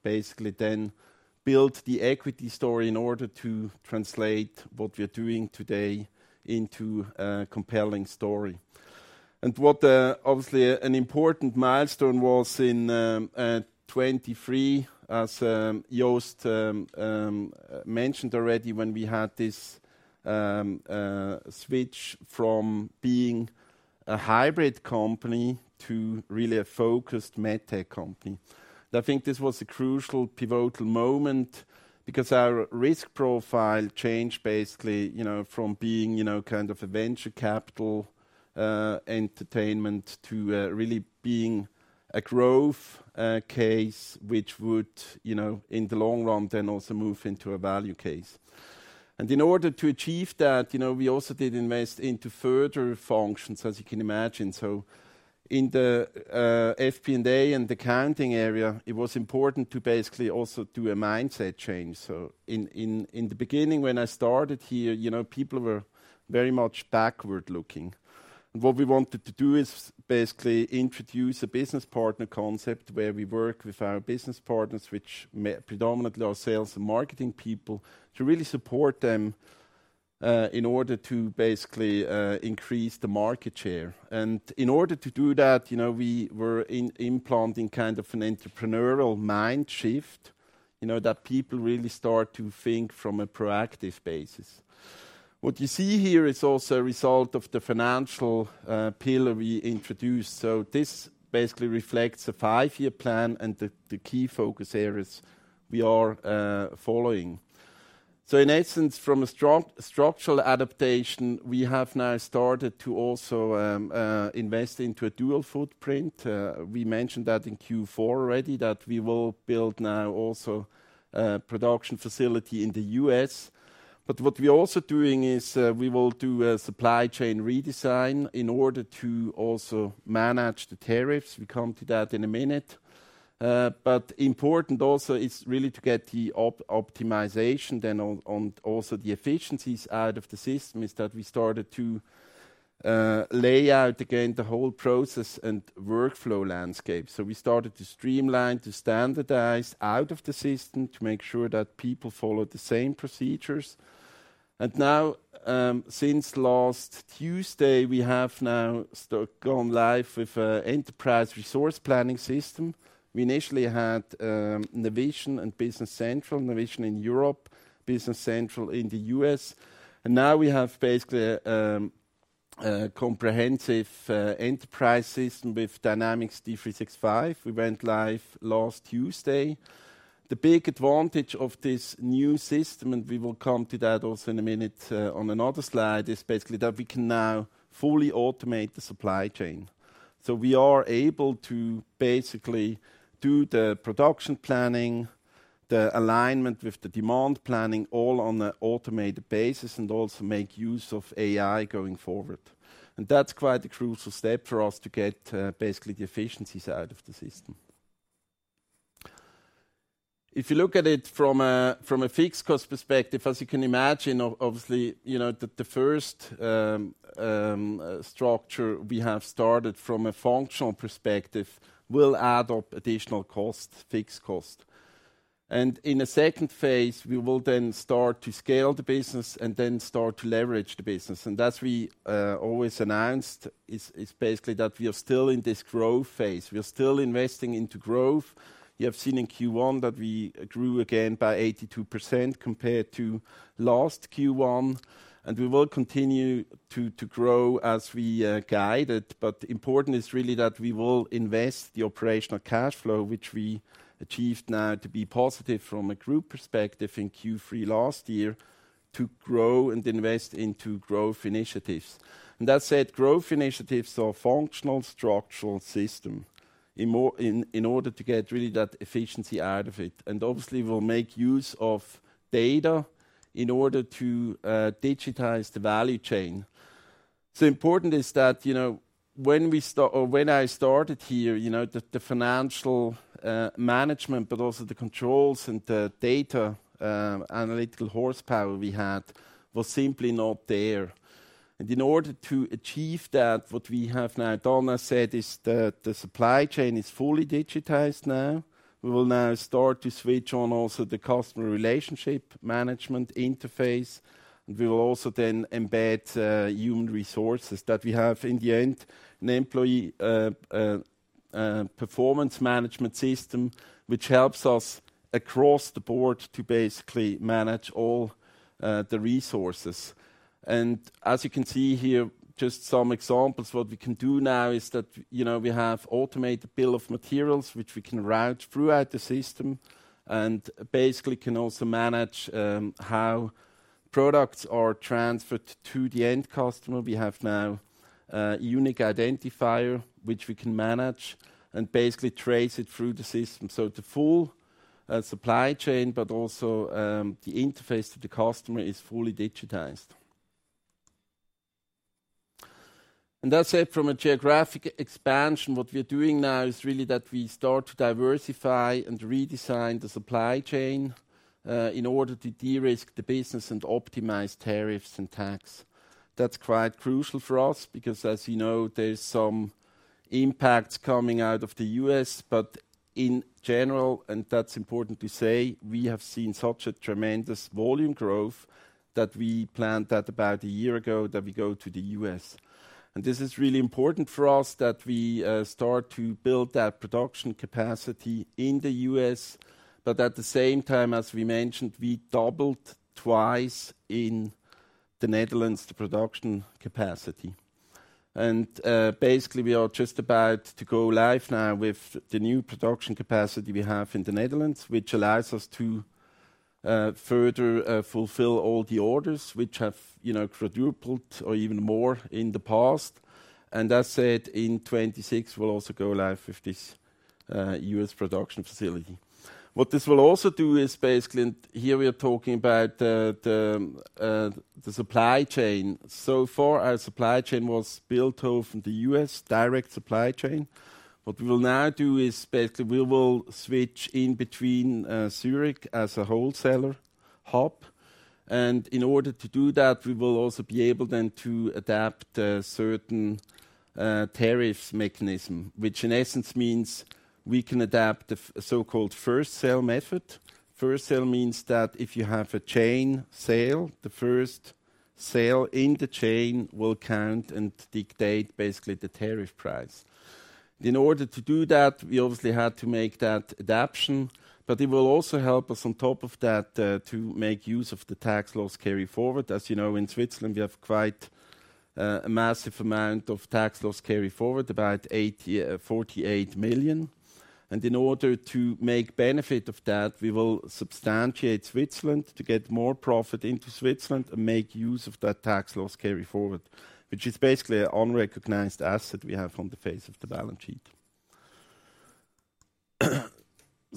Basically then build the equity story in order to translate what we're doing today into a compelling story. Obviously an important milestone was in 2023, as Joost mentioned already, when we had this switch from being a hybrid company to really a focused medtech company. I think this was a crucial pivotal moment because our risk profile changed basically from being kind of a venture capital entertainment to really being a growth case, which would in the long run then also move into a value case. In order to achieve that, we also did invest into further functions, as you can imagine. In the FP&A and the accounting area, it was important to basically also do a mindset change. In the beginning when I started here, people were very much backward looking. What we wanted to do is basically introduce a business partner concept where we work with our business partners, which predominantly are sales and marketing people, to really support them in order to basically increase the market share. In order to do that, we were implementing kind of an entrepreneurial mind shift that people really start to think from a proactive basis. What you see here is also a result of the financial pillar we introduced. This basically reflects a five-year plan and the key focus areas we are following. In essence, from a structural adaptation, we have now started to also invest into a dual footprint. We mentioned that in Q4 already that we will build now also a production facility in the U.S. What we are also doing is we will do a supply chain redesign in order to also manage the tariffs. We come to that in a minute. Important also is really to get the optimization then on also the efficiencies out of the system is that we started to lay out again the whole process and workflow landscape. We started to streamline, to standardize out of the system to make sure that people follow the same procedures. Now, since last Tuesday, we have now gone live with an enterprise resource planning system. We initially had Navision and Business Central, Navision in Europe, Business Central in the U.S. Now we have basically a comprehensive enterprise system with Dynamics D365. We went live last Tuesday. The big advantage of this new system, and we will come to that also in a minute on another slide, is basically that we can now fully automate the supply chain. We are able to basically do the production planning, the alignment with the demand planning all on an automated basis and also make use of AI going forward. That is quite a crucial step for us to get basically the efficiencies out of the system. If you look at it from a fixed cost perspective, as you can imagine, obviously the first structure we have started from a functional perspective will add up additional cost, fixed cost. In a second phase, we will then start to scale the business and then start to leverage the business. As we always announced, it is basically that we are still in this growth phase. We are still investing into growth. You have seen in Q1 that we grew again by 82% compared to last Q1. We will continue to grow as we guide it. Important is really that we will invest the operational cash flow, which we achieved now to be positive from a group perspective in Q3 last year, to grow and invest into growth initiatives. That said, growth initiatives are functional, structural system in order to get really that efficiency out of it. Obviously, we'll make use of data in order to digitize the value chain. Important is that when I started here, the financial management, but also the controls and the data analytical horsepower we had, was simply not there. In order to achieve that, what we have now done, I said, is that the supply chain is fully digitized now. We will now start to switch on also the customer relationship management interface. We will also then embed human resources that we have in the end, an employee performance management system, which helps us across the board to basically manage all the resources. As you can see here, just some examples, what we can do now is that we have automated bill of materials, which we can route throughout the system and basically can also manage how products are transferred to the end customer. We have now a unique identifier, which we can manage and basically trace it through the system. The full supply chain, but also the interface to the customer, is fully digitized. That is it from a geographic expansion. What we are doing now is really that we start to diversify and redesign the supply chain in order to de-risk the business and optimize tariffs and tax. That's quite crucial for us because, as you know, there's some impacts coming out of the U.S. In general, and that's important to say, we have seen such a tremendous volume growth that we planned that about a year ago that we go to the U.S. This is really important for us that we start to build that production capacity in the U.S. At the same time, as we mentioned, we doubled twice in the Netherlands the production capacity. Basically, we are just about to go live now with the new production capacity we have in the Netherlands, which allows us to further fulfill all the orders, which have quadrupled or even more in the past. That said, in 2026, we'll also go live with this U.S. production facility. What this will also do is basically, and here we are talking about the supply chain. So far, our supply chain was built over the U.S. direct supply chain. What we will now do is basically we will switch in between Zurich as a wholesaler hub. In order to do that, we will also be able then to adapt certain tariffs mechanism, which in essence means we can adapt the so-called first sale method. First sale means that if you have a chain sale, the first sale in the chain will count and dictate basically the tariff price. In order to do that, we obviously had to make that adaption. It will also help us on top of that to make use of the tax loss carry forward. As you know, in Switzerland, we have quite a massive amount of tax loss carry forward, about 48 million. In order to make benefit of that, we will substantiate Switzerland to get more profit into Switzerland and make use of that tax loss carry forward, which is basically an unrecognized asset we have on the face of the balance sheet.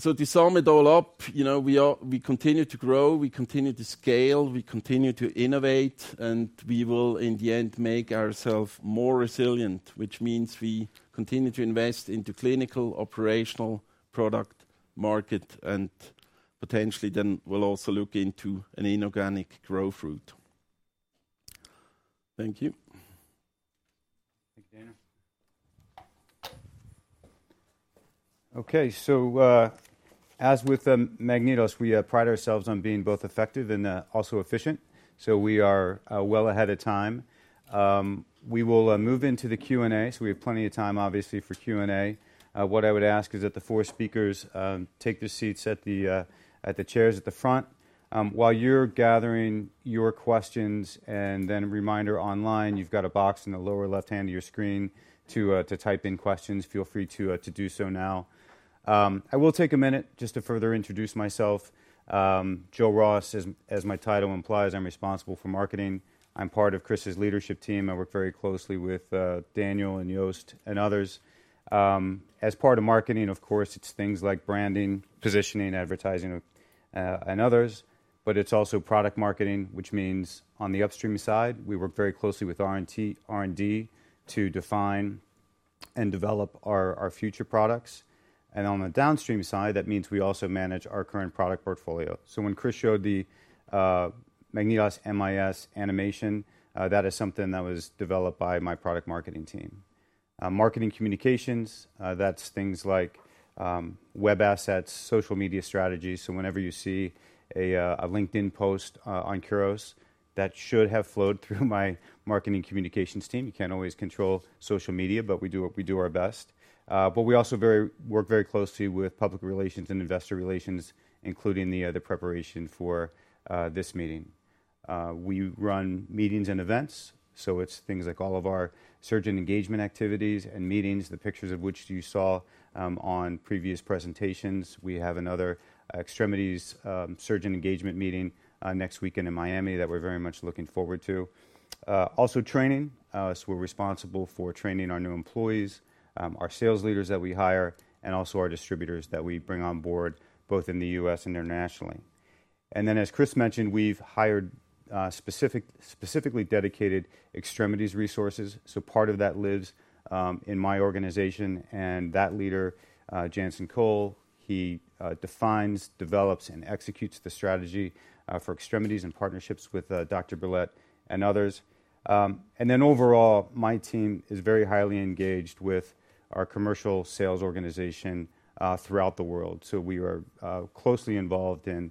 To sum it all up, we continue to grow, we continue to scale, we continue to innovate, and we will in the end make ourselves more resilient, which means we continue to invest into clinical operational product market and potentially then will also look into an inorganic growth route. Thank you. Thank you, Daniel. Okay, as with MagnetOs, we pride ourselves on being both effective and also efficient. We are well ahead of time. We will move into the Q&A. We have plenty of time, obviously, for Q&A. What I would ask is that the four speakers take their seats at the chairs at the front. While you're gathering your questions and then a reminder online, you've got a box in the lower left hand of your screen to type in questions. Feel free to do so now. I will take a minute just to further introduce myself. Joe Ross, as my title implies, I'm responsible for marketing. I'm part of Chris's leadership team. I work very closely with Daniel and Joost and others. As part of marketing, of course, it's things like branding, positioning, advertising, and others. It's also product marketing, which means on the upstream side, we work very closely with R&D to define and develop our future products. On the downstream side, that means we also manage our current product portfolio. When Chris showed the MagnetOs MIS animation, that is something that was developed by my product marketing team. Marketing communications, that's things like web assets, social media strategies. Whenever you see a LinkedIn post on Kuros, that should have flowed through my marketing communications team. You can't always control social media, but we do our best. We also work very closely with public relations and investor relations, including the preparation for this meeting. We run meetings and events. It's things like all of our surgeon engagement activities and meetings, the pictures of which you saw on previous presentations. We have another extremities surgeon engagement meeting next weekend in Miami that we're very much looking forward to. Also training. We are responsible for training our new employees, our sales leaders that we hire, and also our distributors that we bring on board both in the U.S. and internationally. As Chris mentioned, we have hired specifically dedicated extremities resources. Part of that lives in my organization. That leader, Jansen Cole, defines, develops, and executes the strategy for extremities and partnerships with Dr. Berlet and others. Overall, my team is very highly engaged with our commercial sales organization throughout the world. We are closely involved in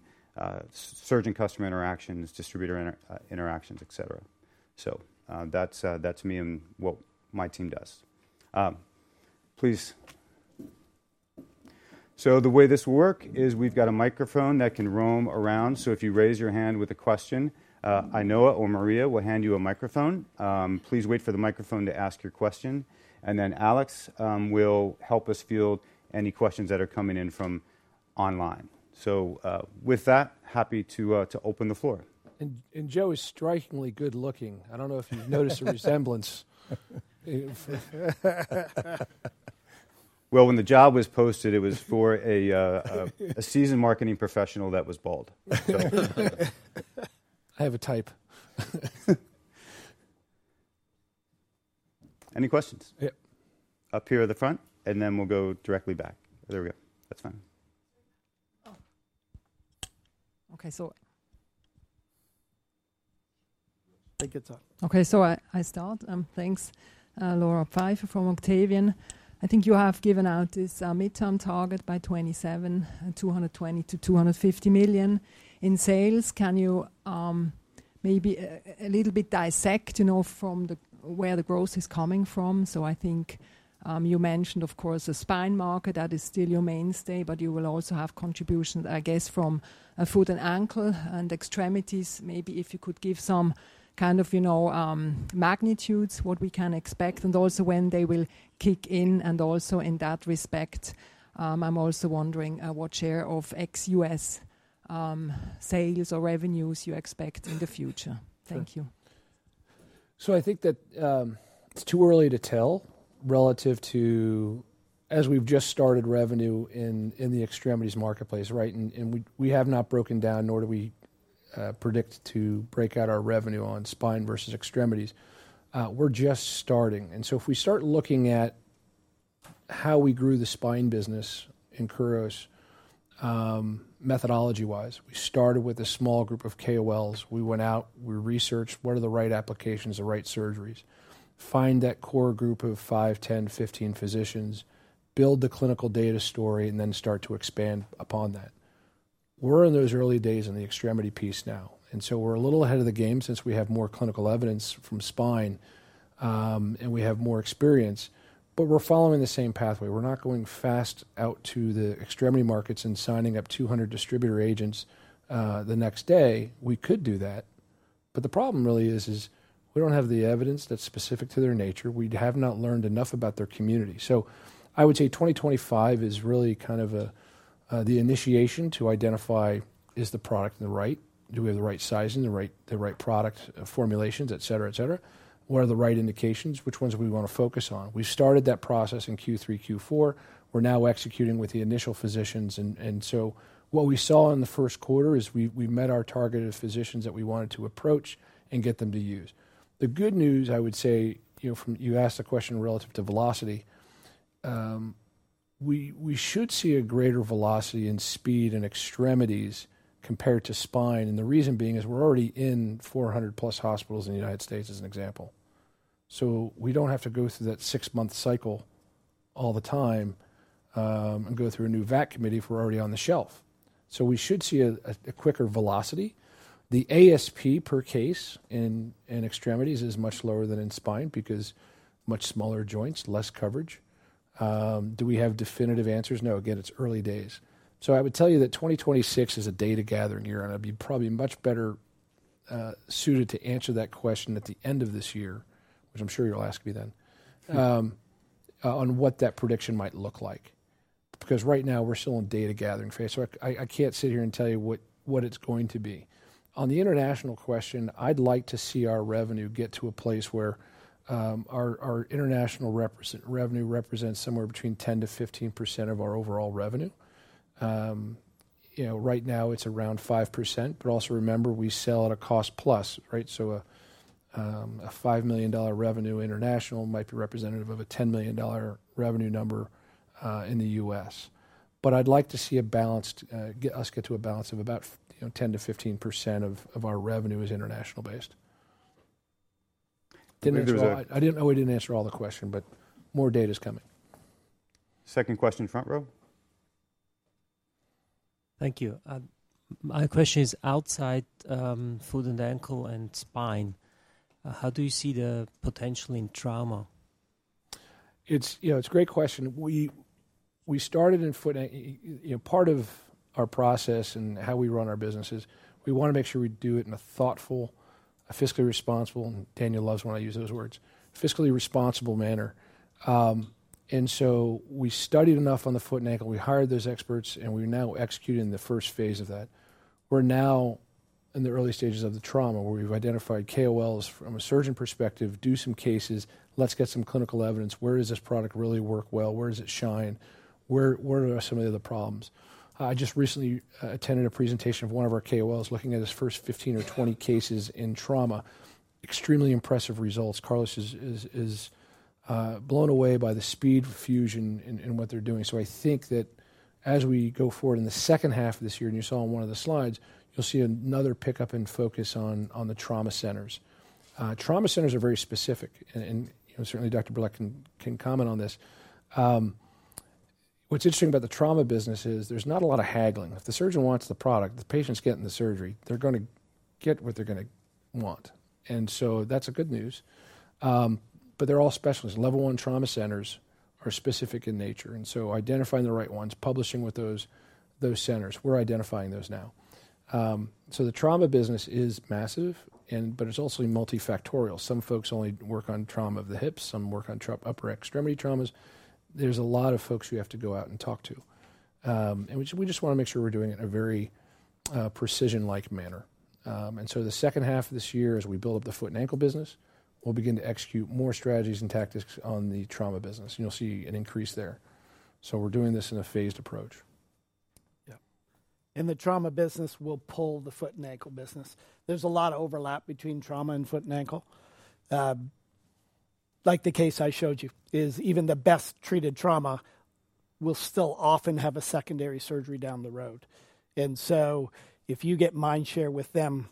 surgeon customer interactions, distributor interactions, etc. That is me and what my team does. Please. The way this will work is we have a microphone that can roam around. If you raise your hand with a question, I or Maria will hand you a microphone. Please wait for the microphone to ask your question. And then Alex will help us field any questions that are coming in from online. With that, happy to open the floor. Joe is strikingly good looking. I do not know if you have noticed a resemblance. When the job was posted, it was for a seasoned marketing professional that was bald. I have a type. Any questions? Yep. Up here at the front, and then we will go directly back. There we go. That is fine. Okay, so I start. Thanks, Laura Pfeiffer from Octavian. I think you have given out this midterm target by 2027, $220 million to $250 million in sales. Can you maybe a little bit dissect from where the growth is coming from? I think you mentioned, of course, a spine market that is still your mainstay, but you will also have contributions, I guess, from foot and ankle and extremities. Maybe if you could give some kind of magnitudes, what we can expect and also when they will kick in. Also in that respect, I'm also wondering what share of ex-U.S. sales or revenues you expect in the future. Thank you. I think that it's too early to tell relative to, as we've just started revenue in the extremities marketplace, right? We have not broken down, nor do we predict to break out our revenue on spine versus extremities. We're just starting. If we start looking at how we grew the spine business in Kuros methodology-wise, we started with a small group of KOLs. We went out, we researched what are the right applications, the right surgeries, find that core group of 5, 10, 15 physicians, build the clinical data story, and then start to expand upon that. We're in those early days in the extremity piece now. And so we're a little ahead of the game since we have more clinical evidence from spine and we have more experience, but we're following the same pathway. We're not going fast out to the extremity markets and signing up 200 distributor agents the next day. We could do that. But the problem really is we don't have the evidence that's specific to their nature. We have not learned enough about their community. So I would say 2025 is really kind of the initiation to identify is the product the right? Do we have the right sizing, the right product formulations, etc., etc.? What are the right indications? Which ones do we want to focus on? We started that process in Q3, Q4. We're now executing with the initial physicians. What we saw in the first quarter is we met our targeted physicians that we wanted to approach and get them to use. The good news, I would say, you asked the question relative to velocity. We should see a greater velocity and speed in extremities compared to spine. The reason being is we're already in 400+ hospitals in the United States as an example. We do not have to go through that six-month cycle all the time and go through a new VAC committee if we're already on the shelf. We should see a quicker velocity. The ASP per case in extremities is much lower than in spine because much smaller joints, less coverage. Do we have definitive answers? No. Again, it's early days. I would tell you that 2026 is a data gathering year. I'd be probably much better suited to answer that question at the end of this year, which I'm sure you'll ask me then, on what that prediction might look like. Because right now, we're still in data gathering phase. I can't sit here and tell you what it's going to be. On the international question, I'd like to see our revenue get to a place where our international revenue represents somewhere between 10%-15% of our overall revenue. Right now, it's around 5%. Also remember, we sell at a cost plus, right? So a $5 million revenue international might be representative of a $10 million revenue number in the U.S. I'd like to see us get to a balance of about 10%-15% of our revenue is international based. I didn't know we didn't answer all the question, but more data is coming. Second question, front row. Thank you. My question is outside foot and ankle and spine. How do you see the potential in trauma? It's a great question. We started in foot and part of our process and how we run our business is we want to make sure we do it in a thoughtful, fiscally responsible, and Daniel loves when I use those words, fiscally responsible manner. We studied enough on the foot and ankle. We hired those experts, and we're now executing the first phase of that. We're now in the early stages of the trauma where we've identified KOLs from a surgeon perspective, do some cases, let's get some clinical evidence. Where does this product really work well? Where does it shine? Where are some of the other problems? I just recently attended a presentation of one of our KOLs looking at his first 15 or 20 cases in trauma. Extremely impressive results. Carlos is blown away by the speed of fusion and what they're doing. I think that as we go forward in the second half of this year, and you saw on one of the slides, you'll see another pickup in focus on the trauma centers. Trauma centers are very specific. Certainly, Dr. Berlet can comment on this. What's interesting about the trauma business is there's not a lot of haggling. If the surgeon wants the product, the patient's getting the surgery, they're going to get what they're going to want. That is good news. They're all specialists. Level one trauma centers are specific in nature. Identifying the right ones, publishing with those centers. We're identifying those now. The trauma business is massive, but it's also multifactorial. Some folks only work on trauma of the hips. Some work on upper extremity traumas. There's a lot of folks we have to go out and talk to. We just want to make sure we're doing it in a very precision-like manner. The second half of this year, as we build up the foot and ankle business, we'll begin to execute more strategies and tactics on the trauma business. You'll see an increase there. We're doing this in a phased approach. Yeah. The trauma business will pull the foot and ankle business. There's a lot of overlap between trauma and foot and ankle. Like the case I showed you, even the best treated trauma will still often have a secondary surgery down the road. If you get mind share with them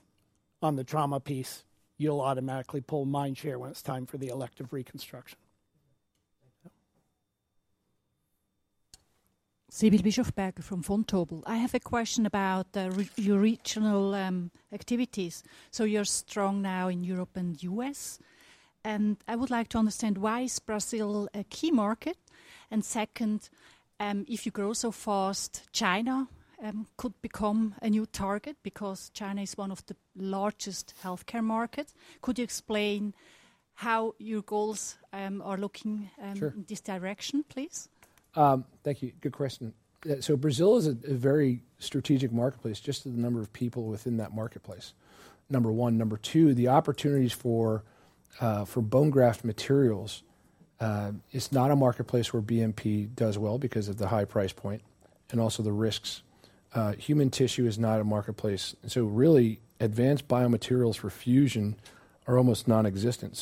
on the trauma piece, you'll automatically pull mind share when it's time for the elective reconstruction. CBD Bischof Berg from von Tobel. I have a question about your regional activities. You're strong now in Europe and the US. I would like to understand why Brazil is a key market. Second, if you grow so fast, China could become a new target because China is one of the largest healthcare markets. Could you explain how your goals are looking in this direction, please? Thank you. Good question. Brazil is a very strategic marketplace, just the number of people within that marketplace, number one. Number two, the opportunities for bone graft materials. It's not a marketplace where BMP does well because of the high price point and also the risks. Human tissue is not a marketplace. Really, advanced biomaterials for fusion are almost nonexistent.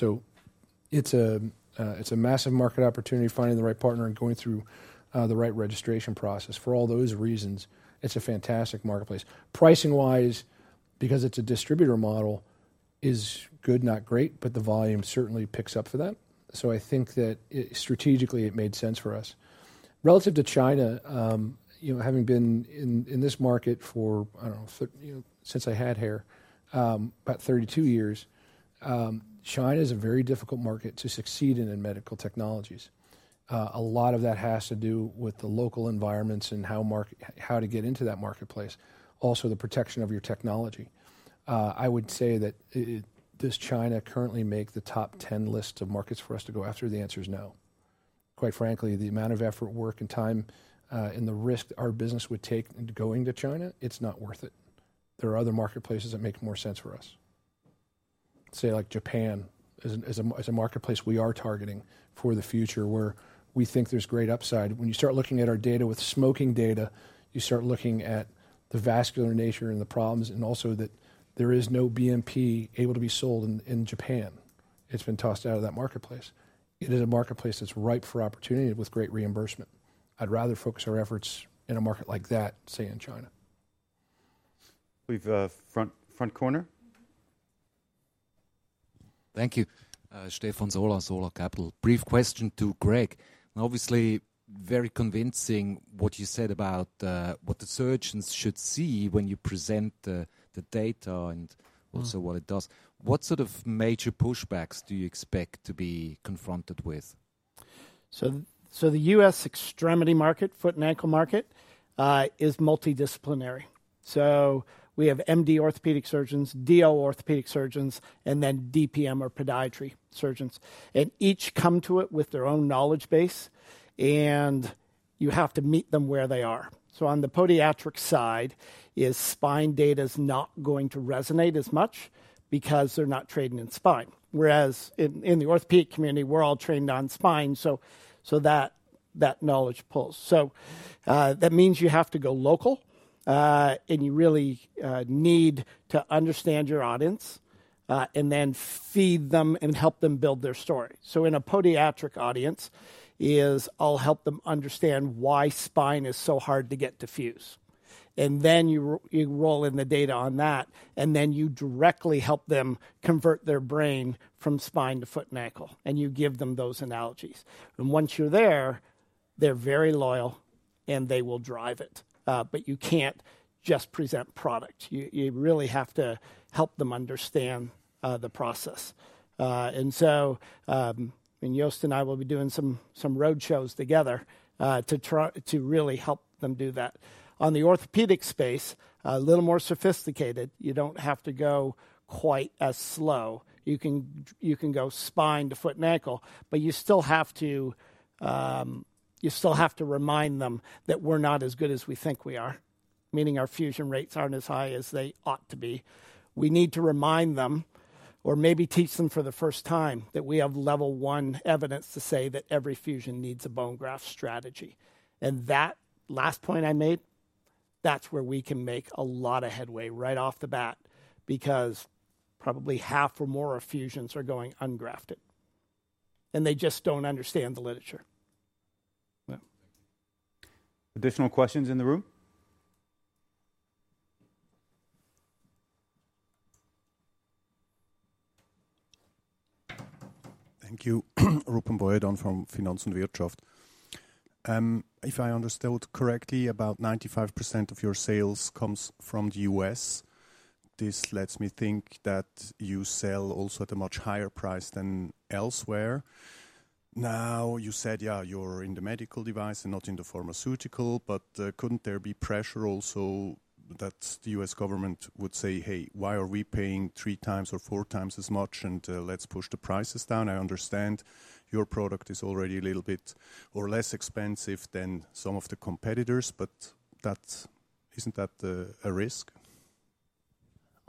It is a massive market opportunity, finding the right partner and going through the right registration process. For all those reasons, it is a fantastic marketplace. Pricing-wise, because it is a distributor model, is good, not great, but the volume certainly picks up for that. I think that strategically, it made sense for us. Relative to China, having been in this market for, I do not know, since I had hair, about 32 years, China is a very difficult market to succeed in in medical technologies. A lot of that has to do with the local environments and how to get into that marketplace. Also, the protection of your technology. I would say that does China currently make the top 10 list of markets for us to go after? The answer is no. Quite frankly, the amount of effort, work, and time, and the risk our business would take in going to China, it's not worth it. There are other marketplaces that make more sense for us. Say like Japan is a marketplace we are targeting for the future where we think there's great upside. When you start looking at our data with smoking data, you start looking at the vascular nature and the problems and also that there is no BMP able to be sold in Japan. It's been tossed out of that marketplace. It is a marketplace that's ripe for opportunity with great reimbursement. I'd rather focus our efforts in a market like that than in China. We've front corner. Thank you. Stefan Zola, Zola Capital. Brief question to Greg. Obviously, very convincing what you said about what the surgeons should see when you present the data and also what it does. What sort of major pushbacks do you expect to be confronted with? The U.S. extremity market, foot and ankle market, is multidisciplinary. We have MD orthopedic surgeons, DO orthopedic surgeons, and then DPM or podiatry surgeons. Each come to it with their own knowledge base. You have to meet them where they are. On the podiatric side, spine data is not going to resonate as much because they're not trading in spine. Whereas in the orthopedic community, we're all trained on spine. That knowledge pulls. That means you have to go local. You really need to understand your audience and then feed them and help them build their story. In a podiatric audience, I'll help them understand why spine is so hard to get to fuse. Then you roll in the data on that. Then you directly help them convert their brain from spine to foot and ankle. You give them those analogies. Once you're there, they're very loyal and they will drive it. You can't just present product. You really have to help them understand the process. Joste and I will be doing some roadshows together to really help them do that. On the orthopedic space, a little more sophisticated. You don't have to go quite as slow. You can go spine to foot and ankle, but you still have to remind them that we're not as good as we think we are, meaning our fusion rates aren't as high as they ought to be. We need to remind them or maybe teach them for the first time that we have level one evidence to say that every fusion needs a bone graft strategy. That last point I made, that's where we can make a lot of headway right off the bat because probably half or more of fusions are going ungrafted. They just do not understand the literature. Additional questions in the room? Thank you. Rupen Boydon from Finanz und Wirtschaft. If I understood correctly, about 95% of your sales comes from the U.S. This lets me think that you sell also at a much higher price than elsewhere. You said, yeah, you're in the medical device and not in the pharmaceutical, but could not there be pressure also that the U.S. government would say, hey, why are we paying three times or four times as much and let's push the prices down? I understand your product is already a little bit or less expensive than some of the competitors, but isn't that a risk?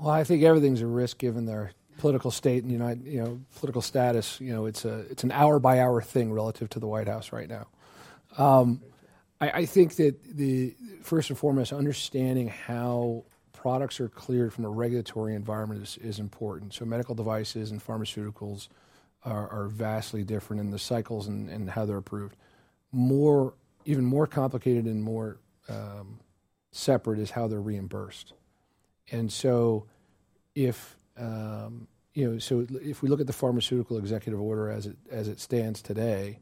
I think everything's a risk given their political state and political status. It's an hour-by-hour thing relative to the White House right now. I think that first and foremost, understanding how products are cleared from a regulatory environment is important. Medical devices and pharmaceuticals are vastly different in the cycles and how they're approved. Even more complicated and more separate is how they're reimbursed. If we look at the pharmaceutical executive order as it stands today,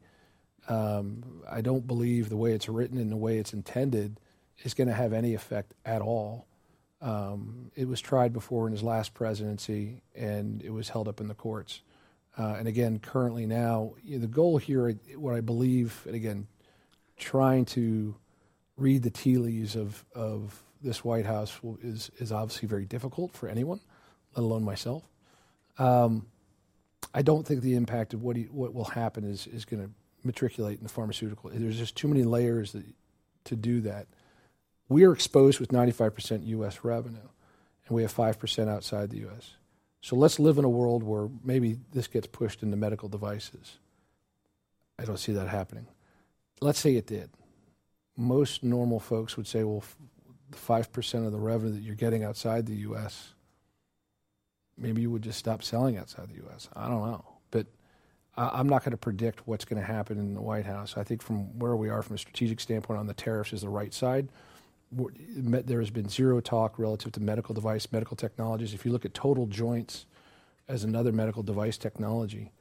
I don't believe the way it's written and the way it's intended is going to have any effect at all. It was tried before in his last presidency, and it was held up in the courts. Currently now, the goal here, what I believe, and again, trying to read the tea leaves of this White House is obviously very difficult for anyone, let alone myself. I do not think the impact of what will happen is going to matriculate in the pharmaceutical. There are just too many layers to do that. We are exposed with 95% U.S. revenue, and we have 5% outside the U.S. Let's live in a world where maybe this gets pushed into medical devices. I do not see that happening. Let's say it did. Most normal folks would say, well, 5% of the revenue that you are getting outside the U.S., maybe you would just stop selling outside the U.S. I do not know. I am not going to predict what is going to happen in the White House. I think from where we are from a strategic standpoint on the tariffs is the right side. There has been zero talk relative to medical device, medical technologies. If you look at total joints as another medical device technology,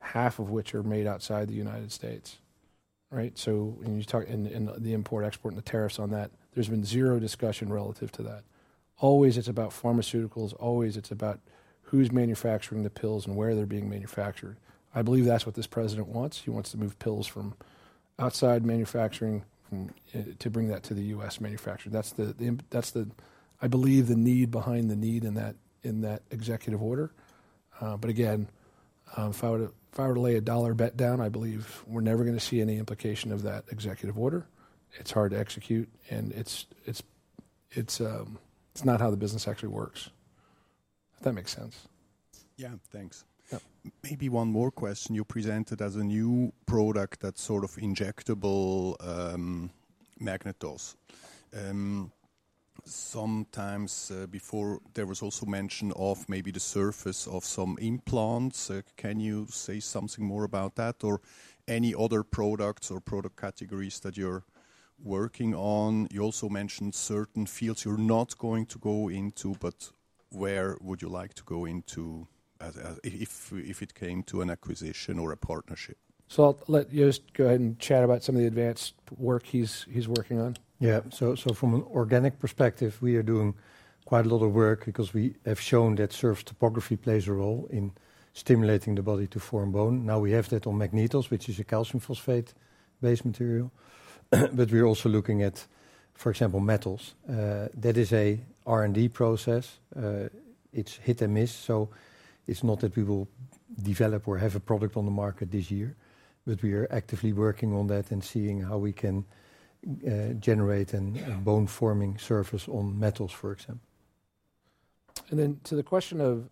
half of which are made outside the United States, right? So in the import, export, and the tariffs on that, there's been zero discussion relative to that. Always it's about pharmaceuticals. Always it's about who's manufacturing the pills and where they're being manufactured. I believe that's what this president wants. He wants to move pills from outside manufacturing to bring that to the U.S. manufacturing. I believe the need behind the need in that executive order. If I were to lay a dollar bet down, I believe we're never going to see any implication of that executive order. It's hard to execute, and it's not how the business actually works. If that makes sense. Yeah, thanks. Maybe one more question. You presented as a new product that's sort of injectable MagnetOs. Sometimes before there was also mention of maybe the surface of some implants. Can you say something more about that or any other products or product categories that you're working on? You also mentioned certain fields you're not going to go into, but where would you like to go into if it came to an acquisition or a partnership? I'll let Joost go ahead and chat about some of the advanced work he's working on. Yeah. From an organic perspective, we are doing quite a lot of work because we have shown that surface topography plays a role in stimulating the body to form bone. Now we have that on MagnetOs, which is a calcium phosphate-based material. We are also looking at, for example, metals. That is an R&D process. It is hit and miss. It is not that we will develop or have a product on the market this year, but we are actively working on that and seeing how we can generate a bone-forming surface on metals, for example. To the question of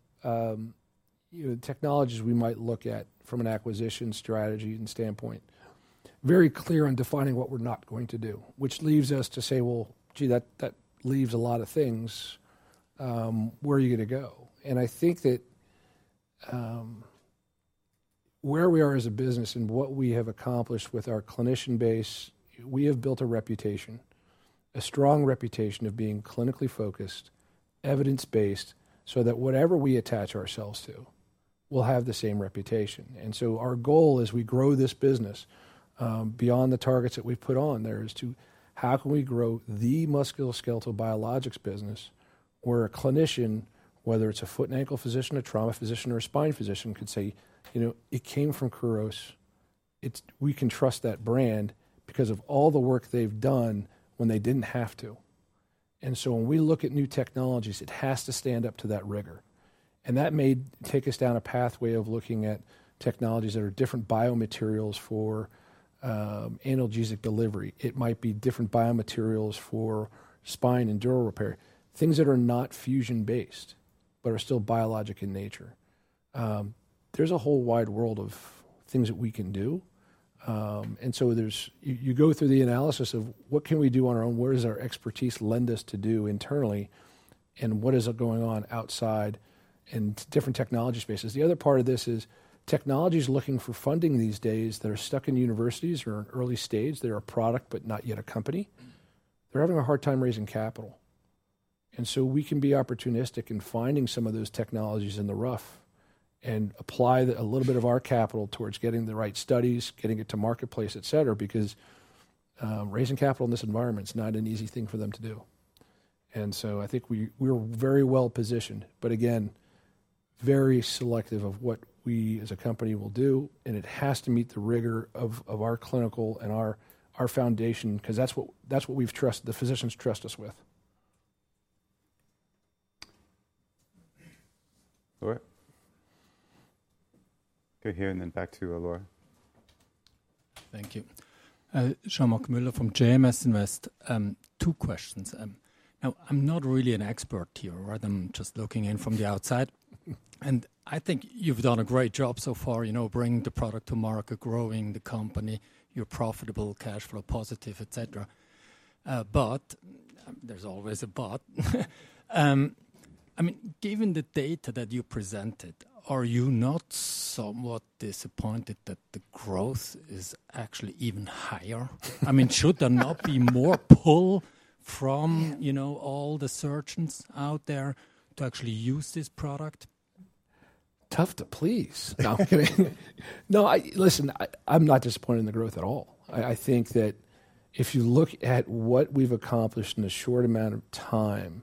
technologies we might look at from an acquisition strategy and standpoint, very clear on defining what we are not going to do, which leaves us to say, gee, that leaves a lot of things. Where are you going to go? I think that where we are as a business and what we have accomplished with our clinician base, we have built a reputation, a strong reputation of being clinically focused, evidence-based, so that whatever we attach ourselves to will have the same reputation. Our goal as we grow this business beyond the targets that we've put on there is to how can we grow the musculoskeletal biologics business where a clinician, whether it's a foot and ankle physician, a trauma physician, or a spine physician, could say, it came from Kuros. We can trust that brand because of all the work they've done when they didn't have to. When we look at new technologies, it has to stand up to that rigor. That may take us down a pathway of looking at technologies that are different biomaterials for analgesic delivery. It might be different biomaterials for spine and dural repair, things that are not fusion-based, but are still biologic in nature. There is a whole wide world of things that we can do. You go through the analysis of what can we do on our own, where does our expertise lend us to do internally, and what is going on outside and different technology spaces. The other part of this is technology is looking for funding these days that are stuck in universities or in early stage. They are a product, but not yet a company. They are having a hard time raising capital. We can be opportunistic in finding some of those technologies in the rough and apply a little bit of our capital towards getting the right studies, getting it to marketplace, etc., because raising capital in this environment is not an easy thing for them to do. I think we're very well positioned, but again, very selective of what we as a company will do. It has to meet the rigor of our clinical and our foundation because that's what we've trusted, the physicians trust us with. Good here. Back to Aloy. Thank you. Jean-Marc Mueller from JMS Invest. Two questions. Now, I'm not really an expert here, right? I'm just looking in from the outside. I think you've done a great job so far, bringing the product to market, growing the company, your profitable cash flow, positive, etc. There is always a but. I mean, given the data that you presented, are you not somewhat disappointed that the growth is not actually even higher? I mean, should there not be more pull from all the surgeons out there to actually use this product? Tough to please. No, listen, I'm not disappointed in the growth at all. I think that if you look at what we've accomplished in a short amount of time,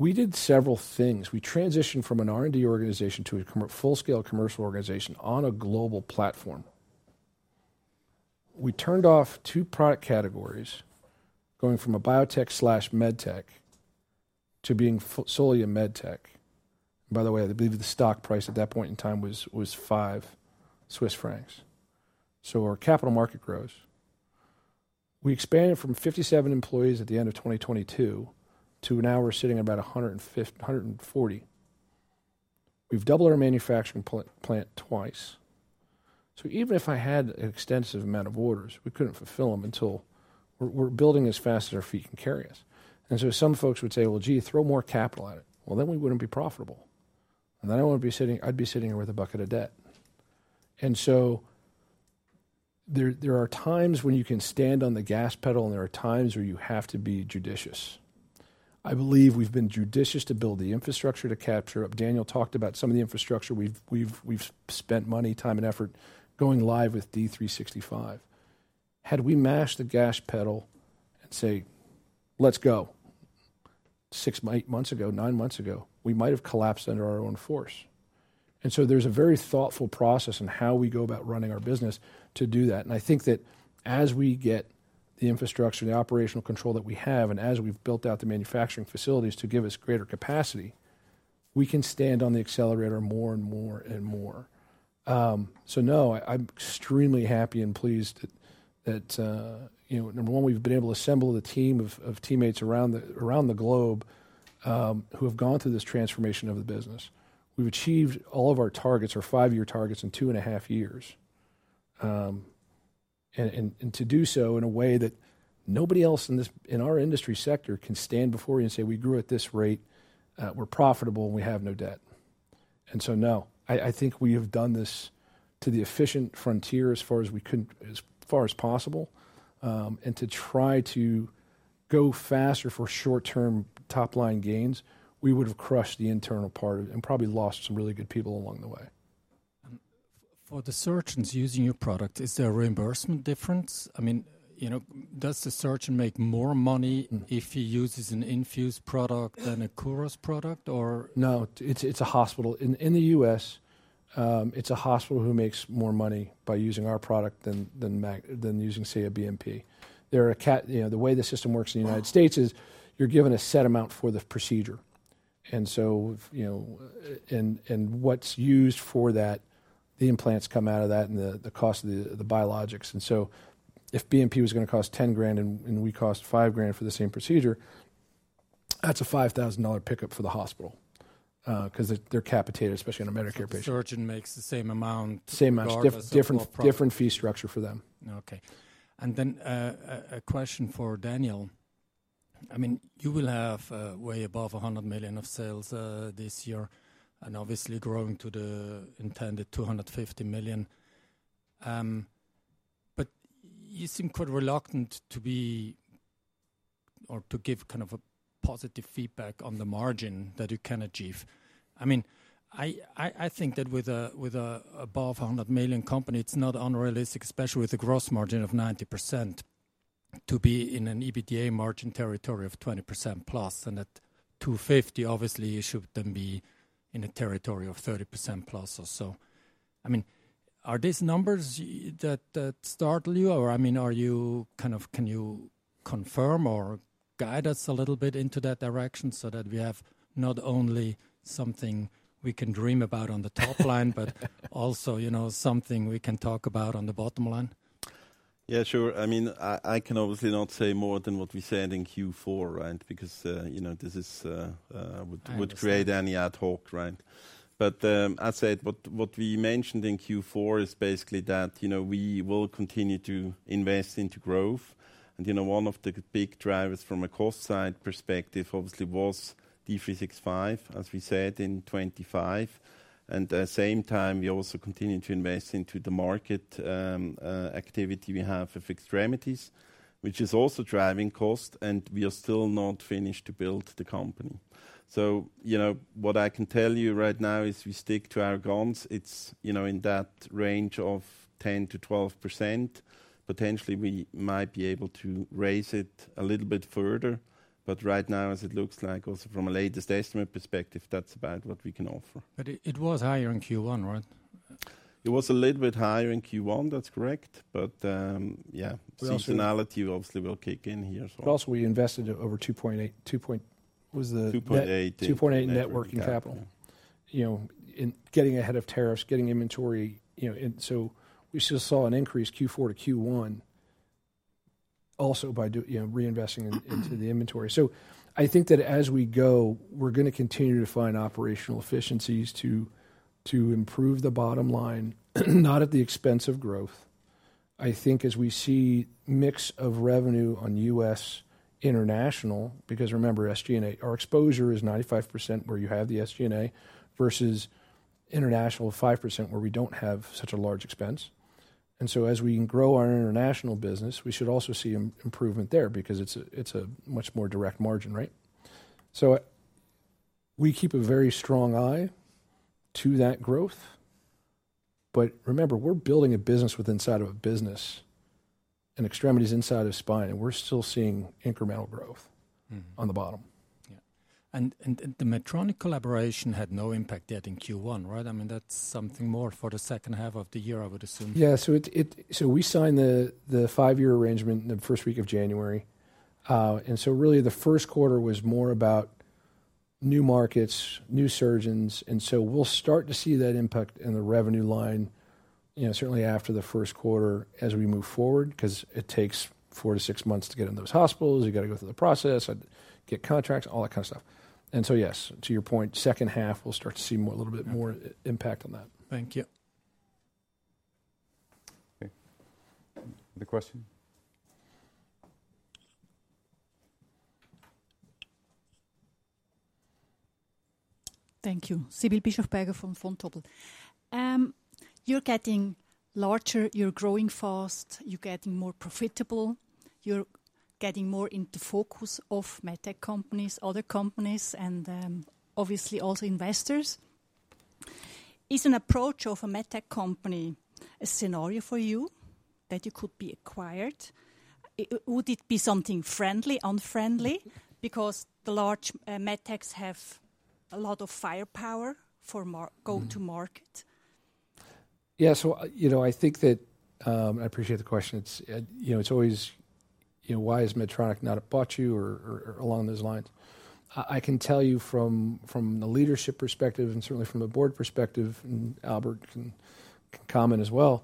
we did several things. We transitioned from an R&D organization to a full-scale commercial organization on a global platform. We turned off two product categories going from a biotech/medtech to being solely a medtech. By the way, I believe the stock price at that point in time was 5 Swiss francs. So our capital market grows. We expanded from 57 employees at the end of 2022 to now we're sitting at about 140. We've doubled our manufacturing plant twice. Even if I had an extensive amount of orders, we couldn't fulfill them until we're building as fast as our feet can carry us. Some folks would say, gee, throw more capital at it. Then we wouldn't be profitable. I would be sitting here with a bucket of debt. There are times when you can stand on the gas pedal, and there are times where you have to be judicious. I believe we've been judicious to build the infrastructure to capture up. Daniel talked about some of the infrastructure. We've spent money, time, and effort going live with D365. Had we mashed the gas pedal and said, let's go six months ago, nine months ago, we might have collapsed under our own force. There is a very thoughtful process on how we go about running our business to do that. I think that as we get the infrastructure, the operational control that we have, and as we have built out the manufacturing facilities to give us greater capacity, we can stand on the accelerator more and more and more. No, I am extremely happy and pleased that, number one, we have been able to assemble the team of teammates around the globe who have gone through this transformation of the business. We have achieved all of our targets, our five-year targets in two and a half years. To do so in a way that nobody else in our industry sector can stand before you and say, we grew at this rate, we are profitable, and we have no debt. No, I think we have done this to the efficient frontier as far as we could, as far as possible. To try to go faster for short-term top-line gains, we would have crushed the internal part and probably lost some really good people along the way. For the surgeons using your product, is there a reimbursement difference? I mean, does the surgeon make more money if he uses an Infuse product than a Kuros product or? No, it's a hospital. In the U.S., it's a hospital who makes more money by using our product than using, say, a BMP. The way the system works in the United States is you're given a set amount for the procedure. What's used for that, the implants come out of that and the cost of the biologics. If BMP was going to cost $10,000 and we cost $5,000 for the same procedure, that's a $5,000 pickup for the hospital because they're capitated, especially on a Medicare patient. Surgeon makes the same amount. Same amount of profit. Different fee structure for them. Okay. A question for Daniel. I mean, you will have way above $100 million of sales this year and obviously growing to the intended $250 million. You seem quite reluctant to be or to give kind of a positive feedback on the margin that you can achieve. I mean, I think that with an above $100 million company, it's not unrealistic, especially with a gross margin of 90%, to be in an EBITDA margin territory of 20%+. At $250 million, obviously, you should then be in a territory of 30%+ or so. I mean, are these numbers that startle you? Or I mean, can you confirm or guide us a little bit into that direction so that we have not only something we can dream about on the top line, but also something we can talk about on the bottom line? Yeah, sure. I mean, I can obviously not say more than what we said in Q4, right? Because this would create any ad hoc, right? But I said what we mentioned in Q4 is basically that we will continue to invest into growth. And one of the big drivers from a cost side perspective, obviously, was D365, as we said, in 2025. At the same time, we also continue to invest into the market activity we have of extremities, which is also driving cost, and we are still not finished to build the company. What I can tell you right now is we stick to our guns. It's in that range of 10%-12%. Potentially, we might be able to raise it a little bit further. Right now, as it looks like, also from a latest estimate perspective, that's about what we can offer. It was higher in Q1, right? It was a little bit higher in Q1. That's correct. Seasonality obviously will kick in here. Plus, we invested over $2.8 million, $2.8 million. $2.8 million networking capital. Getting ahead of tariffs, getting inventory. We still saw an increase Q4 to Q1 also by reinvesting into the inventory. I think that as we go, we're going to continue to find operational efficiencies to improve the bottom line, not at the expense of growth. I think as we see mix of revenue on U.S. international, because remember, our exposure is 95% where you have the SG&A versus international 5% where we do not have such a large expense. As we grow our international business, we should also see improvement there because it is a much more direct margin, right? We keep a very strong eye to that growth. Remember, we are building a business with inside of a business and extremities inside of spine, and we are still seeing incremental growth on the bottom. Yeah. The Medtronic collaboration had no impact yet in Q1, right? I mean, that is something more for the second half of the year, I would assume. Yeah. We signed the five-year arrangement in the first week of January. Really, the first quarter was more about new markets, new surgeons. We'll start to see that impact in the revenue line certainly after the first quarter as we move forward because it takes four to six months to get in those hospitals. You have to go through the process, get contracts, all that kind of stuff. Yes, to your point, second half, we'll start to see a little bit more impact on that. Thank you. Okay. The question. Thank you. Sibylle Bischoff-Pegge from Fonds Total. You're getting larger, you're growing fast, you're getting more profitable, you're getting more into focus of medtech companies, other companies, and obviously also investors. Is an approach of a medtech company a scenario for you that you could be acquired? Would it be something friendly, unfriendly? Because the large medtechs have a lot of firepower for go-to-market. Yeah. I think that I appreciate the question. It's always, why has Medtronic not bought you or along those lines? I can tell you from the leadership perspective and certainly from the board perspective, and Albert can comment as well,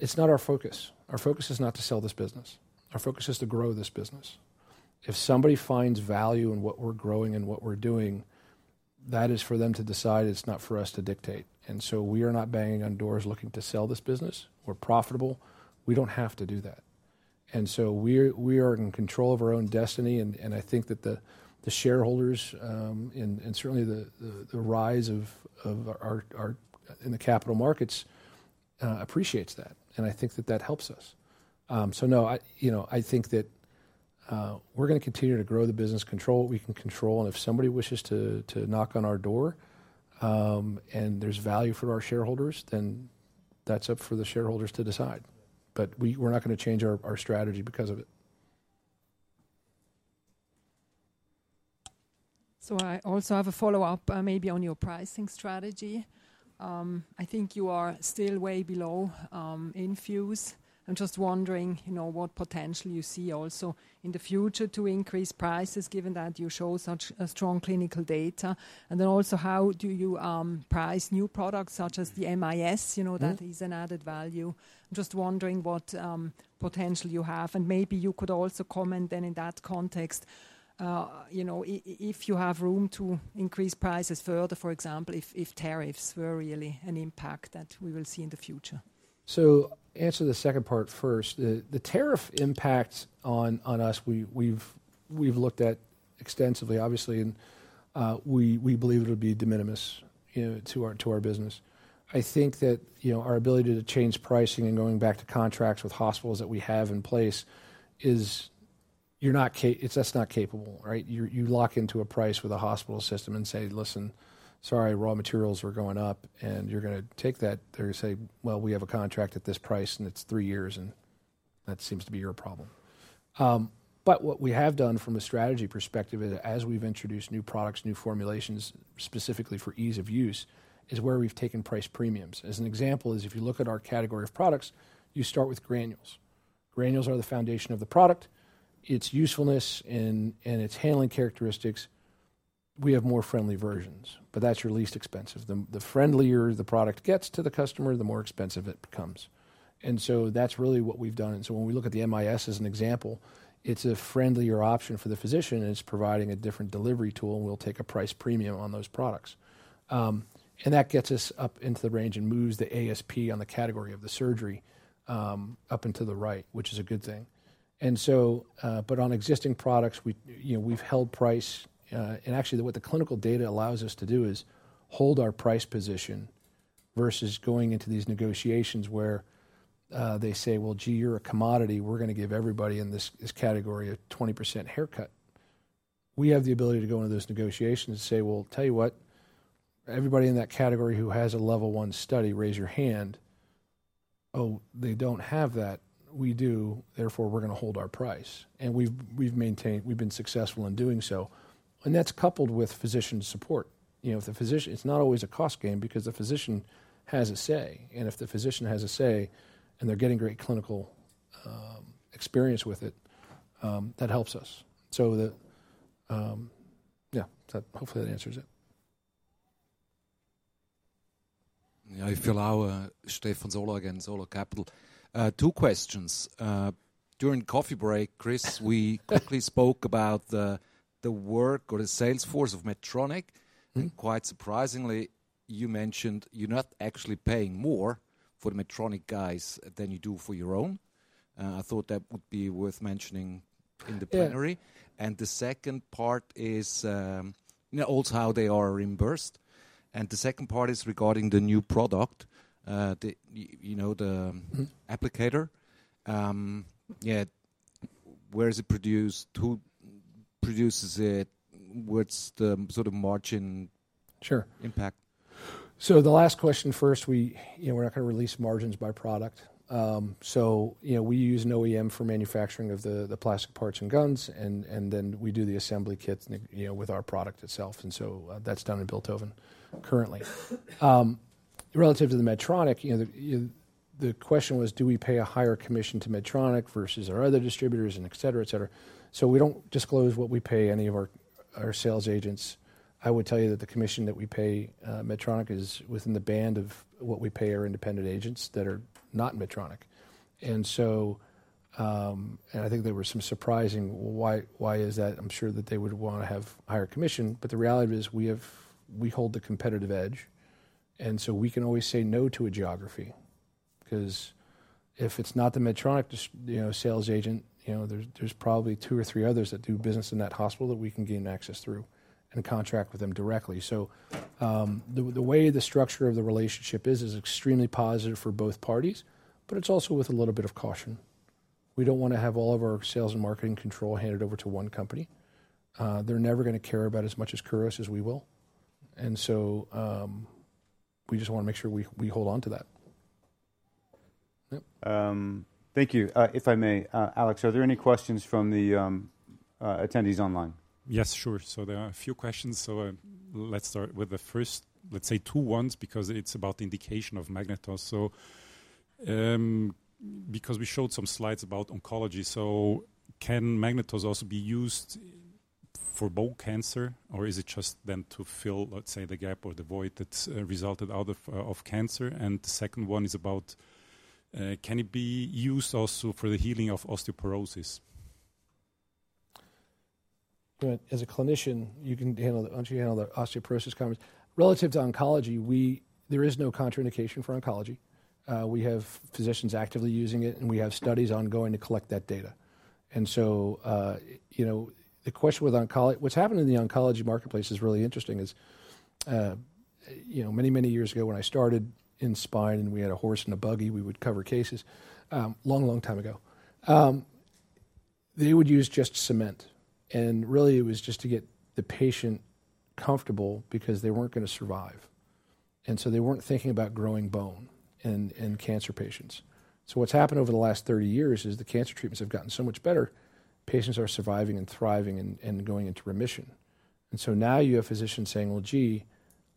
it's not our focus. Our focus is not to sell this business. Our focus is to grow this business. If somebody finds value in what we're growing and what we're doing, that is for them to decide. It's not for us to dictate. We are not banging on doors looking to sell this business. We're profitable. We don't have to do that. We are in control of our own destiny. I think that the shareholders and certainly the rise in the capital markets appreciates that. I think that that helps us. No, I think that we're going to continue to grow the business, control what we can control. If somebody wishes to knock on our door and there's value for our shareholders, then that's up for the shareholders to decide. We're not going to change our strategy because of it. I also have a follow-up maybe on your pricing strategy. I think you are still way below Infuse. I'm just wondering what potential you see also in the future to increase prices given that you show such strong clinical data. How do you price new products such as the MIS? That is an added value. I'm just wondering what potential you have. Maybe you could also comment then in that context if you have room to increase prices further, for example, if tariffs were really an impact that we will see in the future. Answer the second part first. The tariff impacts on us, we've looked at extensively, obviously, and we believe it would be de minimis to our business. I think that our ability to change pricing and going back to contracts with hospitals that we have in place is that's not capable, right? You lock into a price with a hospital system and say, listen, sorry, raw materials are going up, and you're going to take that. They're going to say, we have a contract at this price, and it's three years, and that seems to be your problem. What we have done from a strategy perspective is as we've introduced new products, new formulations, specifically for ease of use, is where we've taken price premiums. As an example, if you look at our category of products, you start with granules. Granules are the foundation of the product. Its usefulness and its handling characteristics, we have more friendly versions, but that's your least expensive. The friendlier the product gets to the customer, the more expensive it becomes. That is really what we've done. When we look at the MIS as an example, it's a friendlier option for the physician, and it's providing a different delivery tool, and we'll take a price premium on those products. That gets us up into the range and moves the ASP on the category of the surgery up into the right, which is a good thing. On existing products, we've held price. Actually, what the clinical data allows us to do is hold our price position versus going into these negotiations where they say, well, gee, you're a commodity. We're going to give everybody in this category a 20% haircut. We have the ability to go into those negotiations and say, tell you what, everybody in that category who has a level one study, raise your hand. Oh, they do not have that. We do. Therefore, we are going to hold our price. We have been successful in doing so. That is coupled with physician support. It is not always a cost game because the physician has a say. If the physician has a say and they are getting great clinical experience with it, that helps us. Yeah, hopefully that answers it. I fill our Stefan Zoller again, Zoller Capital. Two questions. During coffee break, Chris, we quickly spoke about the work or the salesforce of Medtronic. Quite surprisingly, you mentioned you are not actually paying more for the Medtronic guys than you do for your own. I thought that would be worth mentioning in the plenary. The second part is also how they are reimbursed. The second part is regarding the new product, the applicator. Yeah. Where is it produced? Who produces it? What's the sort of margin impact? The last question first, we're not going to release margins by product. We use an OEM for manufacturing of the plastic parts and guns, and then we do the assembly kits with our product itself. That is done in Bilthoven currently. Relative to Medtronic, the question was, do we pay a higher commission to Medtronic versus our other distributors, etc., etc.? We don't disclose what we pay any of our sales agents. I would tell you that the commission that we pay Medtronic is within the band of what we pay our independent agents that are not Medtronic. I think there were some surprising, why is that? I'm sure that they would want to have higher commission. The reality is we hold the competitive edge. We can always say no to a geography because if it's not the Medtronic sales agent, there's probably two or three others that do business in that hospital that we can gain access through and contract with them directly. The way the structure of the relationship is, is extremely positive for both parties, but it's also with a little bit of caution. We don't want to have all of our sales and marketing control handed over to one company. They're never going to care about it as much as Kuros as we will. We just want to make sure we hold on to that. Thank you. If I may, Alex, are there any questions from the attendees online? Yes, sure. There are a few questions. Let's start with the first, let's say, two ones because it's about the indication of MagnetOs. Because we showed some slides about oncology, can MagnetOs also be used for bone cancer, or is it just then to fill, let's say, the gap or the void that resulted out of cancer? The second one is about, can it be used also for the healing of osteoporosis? As a clinician, you can handle the osteoporosis comments. Relative to oncology, there is no contraindication for oncology. We have physicians actively using it, and we have studies ongoing to collect that data. The question with oncology, what's happened in the oncology marketplace is really interesting. Many, many years ago when I started in spine and we had a horse and a buggy, we would cover cases a long, long time ago. They would use just cement. It was just to get the patient comfortable because they were not going to survive. They were not thinking about growing bone in cancer patients. What has happened over the last 30 years is the cancer treatments have gotten so much better, patients are surviving and thriving and going into remission. Now you have physicians saying, gee,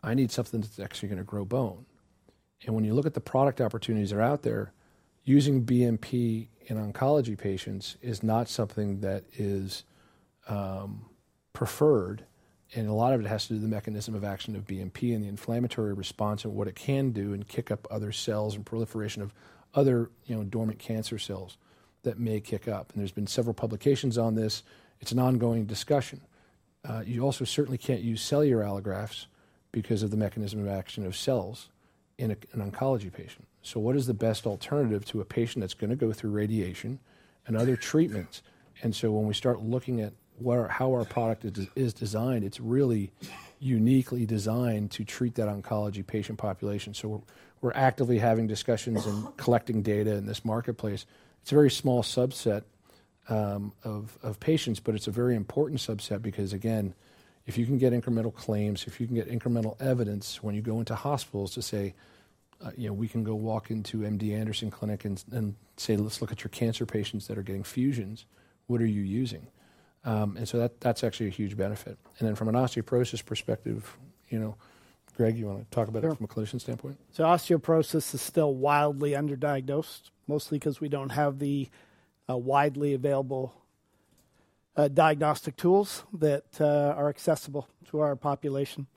I need something that is actually going to grow bone. When you look at the product opportunities that are out there, using BMP in oncology patients is not something that is preferred. A lot of it has to do with the mechanism of action of BMP and the inflammatory response and what it can do and kick up other cells and proliferation of other dormant cancer cells that may kick up. There have been several publications on this. It is an ongoing discussion. You also certainly can't use cellular allografts because of the mechanism of action of cells in an oncology patient. What is the best alternative to a patient that's going to go through radiation and other treatments? When we start looking at how our product is designed, it's really uniquely designed to treat that oncology patient population. We're actively having discussions and collecting data in this marketplace. It's a very small subset of patients, but it's a very important subset because, again, if you can get incremental claims, if you can get incremental evidence when you go into hospitals to say, we can go walk into MD Anderson Cancer Center and say, let's look at your cancer patients that are getting fusions, what are you using? That's actually a huge benefit. From an osteoporosis perspective, Greg, you want to talk about it from a clinician standpoint? Osteoporosis is still wildly underdiagnosed, mostly because we do not have the widely available diagnostic tools that are accessible to our population.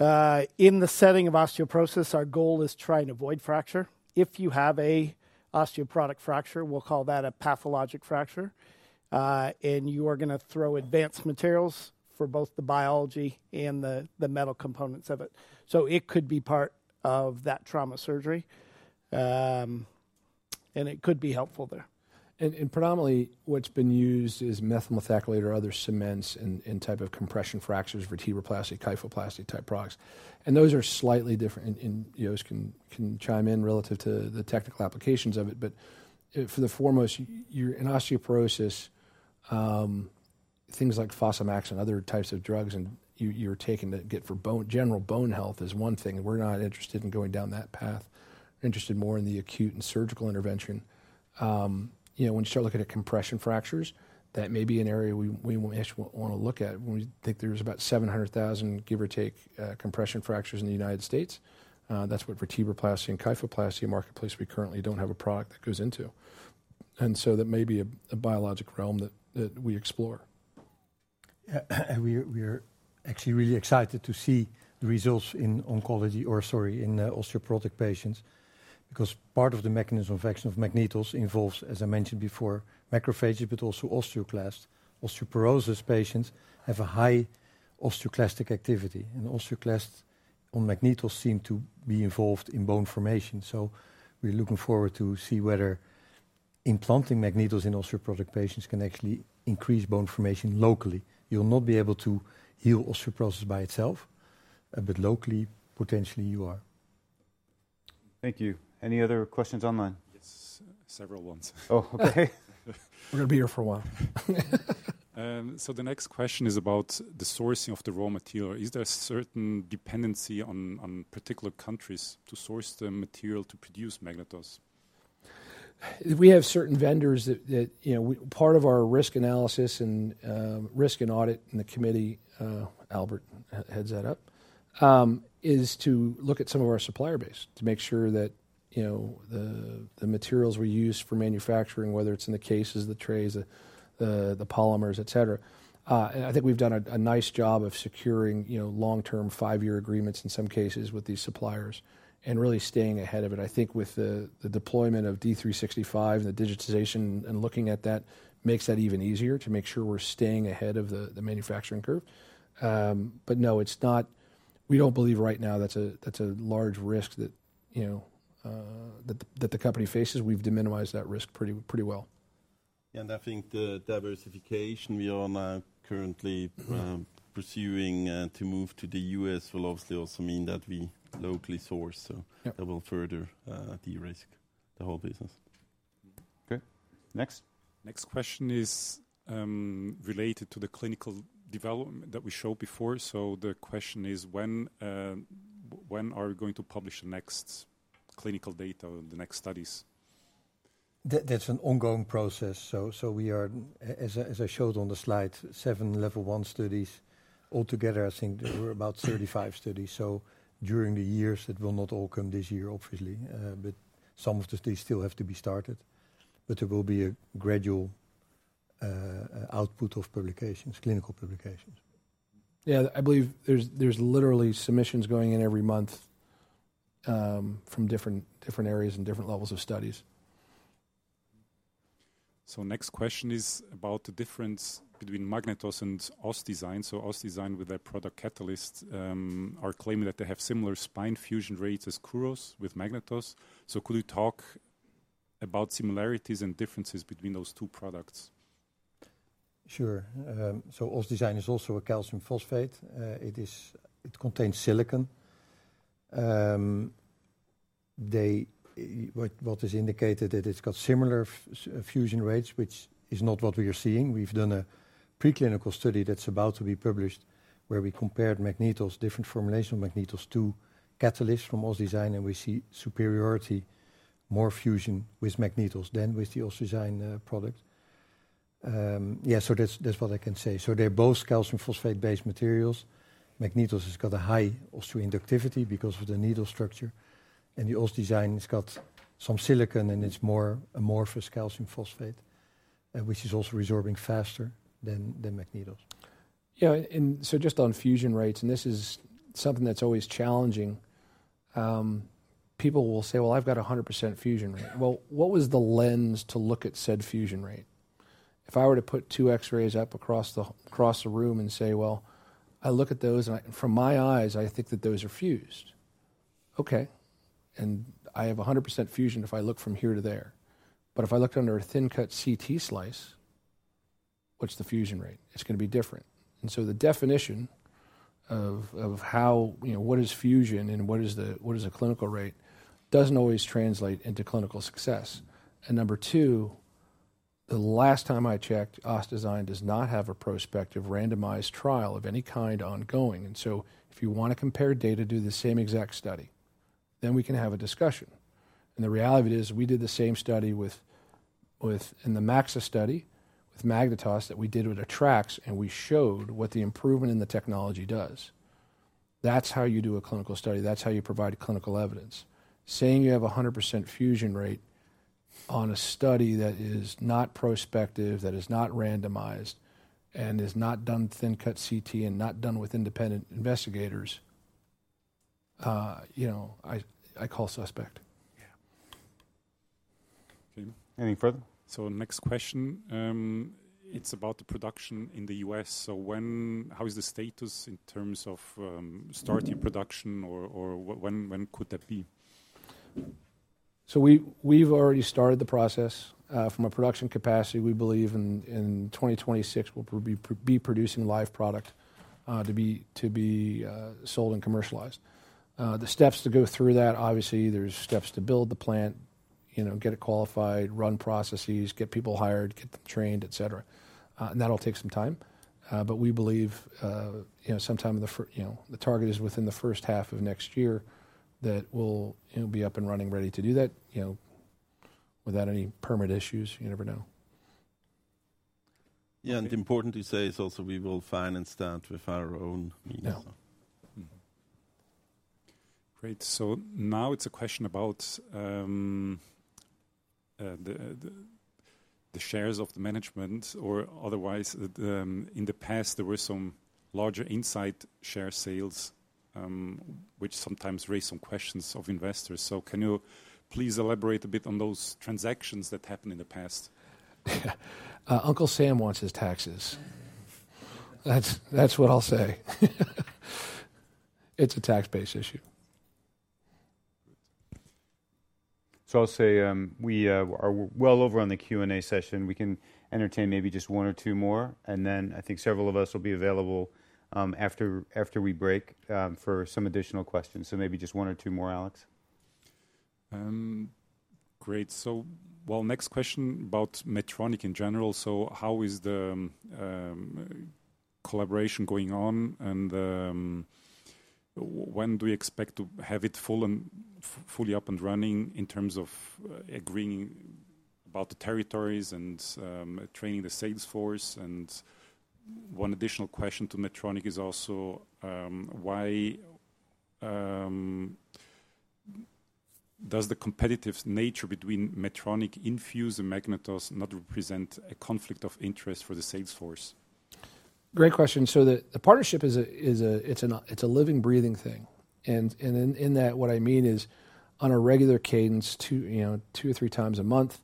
In the setting of osteoporosis, our goal is to try and avoid fracture. If you have an osteoporotic fracture, we will call that a pathologic fracture, and you are going to throw advanced materials for both the biology and the metal components of it. It could be part of that trauma surgery, and it could be helpful there. Predominantly, what has been used is methyl methacrylate or other cements in type of compression fractures, vertebroplasty, kyphoplasty type products. Those are slightly different. You can chime in relative to the technical applications of it. For the foremost, in osteoporosis, things like Fosamax and other types of drugs that you're taking to get for general bone health is one thing. We're not interested in going down that path. We're interested more in the acute and surgical intervention. When you start looking at compression fractures, that may be an area we actually want to look at. We think there's about 700,000, give or take, compression fractures in the United States. That's what vertebroplasty and kyphoplasty marketplace we currently don't have a product that goes into. That may be a biologic realm that we explore. We are actually really excited to see the results in osteoporotic patients because part of the mechanism of action of MagnetOs involves, as I mentioned before, macrophages, but also osteoclasts. Osteoporosis patients have a high osteoclastic activity. Osteoclasts on MagnetOs seem to be involved in bone formation. We are looking forward to see whether implanting MagnetOs in osteoporotic patients can actually increase bone formation locally. You will not be able to heal osteoporosis by itself, but locally, potentially you are. Thank you. Any other questions online? Yes, several ones. Oh, okay. We are going to be here for a while. The next question is about the sourcing of the raw material. Is there a certain dependency on particular countries to source the material to produce MagnetOs? We have certain vendors that, as part of our risk analysis and risk and audit in the committee—Albert heads that up—is to look at some of our supplier base to make sure that the materials we use for manufacturing, whether it is in the cases, the trays, the polymers, etc. I think we've done a nice job of securing long-term five-year agreements in some cases with these suppliers and really staying ahead of it. I think with the deployment of D365 and the digitization and looking at that makes that even easier to make sure we're staying ahead of the manufacturing curve. No, we don't believe right now that's a large risk that the company faces. We've deminimized that risk pretty well. Yeah, and I think the diversification we are currently pursuing to move to the U.S. will obviously also mean that we locally source. That will further de-risk the whole business. Okay. Next. Next question is related to the clinical development that we showed before. The question is, when are we going to publish the next clinical data or the next studies? That's an ongoing process. We are, as I showed on the slide, seven level one studies. Altogether, I think there were about 35 studies. During the years, it will not all come this year, obviously, but some of the studies still have to be started. There will be a gradual output of publications, clinical publications. Yeah, I believe there's literally submissions going in every month from different areas and different levels of studies. The next question is about the difference between MagnetOs and OS Design. OS Design, with their product Catalyst, are claiming that they have similar spine fusion rates as Kuros with MagnetOs. Could you talk about similarities and differences between those two products? Sure. OS Design is also a calcium phosphate. It contains silicon. What is indicated is that it's got similar fusion rates, which is not what we are seeing. We've done a preclinical study that's about to be published where we compared MagnetOs, different formulations of MagnetOs to Catalyst from OS Design, and we see superiority, more fusion with MagnetOs than with the OS Design product. Yeah, so that's what I can say. They're both calcium phosphate-based materials. MagnetOs has got a high osteoinductivity because of the needle structure. The OS Design has got some silicon and it's more amorphous calcium phosphate, which is also resorbing faster than MagnetOs. Yeah, just on fusion rates, and this is something that's always challenging. People will say, I've got 100% fusion rate. What was the lens to look at said fusion rate? If I were to put two X-rays up across the room and say, I look at those and from my eyes, I think that those are fused. Okay. I have 100% fusion if I look from here to there. If I looked under a thin-cut CT slice, what's the fusion rate? It's going to be different. The definition of what is fusion and what is a clinical rate doesn't always translate into clinical success. Number two, the last time I checked, OS Design does not have a prospective randomized trial of any kind ongoing. If you want to compare data to do the same exact study, then we can have a discussion. The reality of it is we did the same study in the MAXA study with MagnetOs that we did with a TREX, and we showed what the improvement in the technology does. That's how you do a clinical study. That's how you provide clinical evidence. Saying you have 100% fusion rate on a study that is not prospective, that is not randomized, and is not done thin-cut CT and not done with independent investigators, I call suspect. Yeah. Any further? Next question, it's about the production in the U.S. How is the status in terms of starting production or when could that be? We've already started the process. From a production capacity, we believe in 2026 we'll be producing live product to be sold and commercialized. The steps to go through that, obviously, there's steps to build the plant, get it qualified, run processes, get people hired, get them trained, etc. That'll take some time. We believe sometime the target is within the first half of next year that we'll be up and running, ready to do that without any permit issues. You never know. Yeah, and important to say is also we will finance that with our own. Yeah. Great. Now it's a question about the shares of the management or otherwise. In the past, there were some larger inside share sales, which sometimes raised some questions of investors. Can you please elaborate a bit on those transactions that happened in the past? Uncle Sam wants his taxes. That's what I'll say. It's a tax-based issue. I'll say we are well over on the Q&A session. We can entertain maybe just one or two more. I think several of us will be available after we break for some additional questions. Maybe just one or two more, Alex. Great. Next question about Medtronic in general. How is the collaboration going on? When do we expect to have it fully up and running in terms of agreeing about the territories and training the salesforce? One additional question to Medtronic is also why does the competitive nature between Medtronic Infuse and MagnetOs not represent a conflict of interest for the salesforce? Great question. The partnership is a living, breathing thing. In that, what I mean is on a regular cadence, two or three times a month,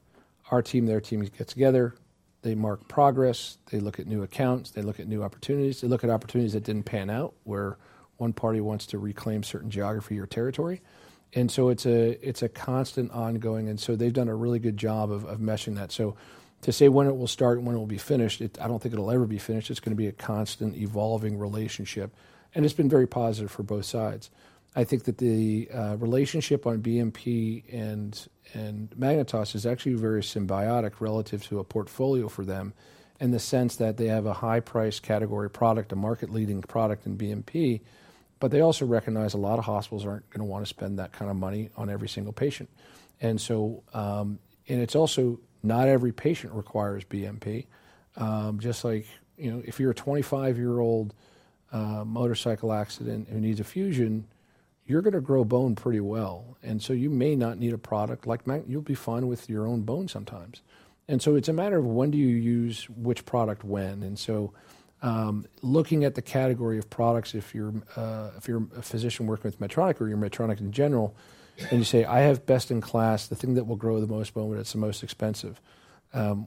our team and their team get together. They mark progress. They look at new accounts. They look at new opportunities. They look at opportunities that did not pan out where one party wants to reclaim certain geography or territory. It is a constant ongoing process. They have done a really good job of meshing that. To say when it will start and when it will be finished, I don't think it'll ever be finished. It's going to be a constantly evolving relationship. It's been very positive for both sides. I think that the relationship on BMP and MagnetOs is actually very symbiotic relative to a portfolio for them in the sense that they have a high-priced category product, a market-leading product in BMP, but they also recognize a lot of hospitals aren't going to want to spend that kind of money on every single patient. It's also not every patient requires BMP. Just like if you're a 25-year-old motorcycle accident who needs a fusion, you're going to grow bone pretty well. You may not need a product like MagnetOs. You'll be fine with your own bone sometimes. It's a matter of when do you use which product when. Looking at the category of products, if you're a physician working with Medtronic or you're Medtronic in general, and you say, "I have best in class, the thing that will grow the most bone when it's the most expensive,"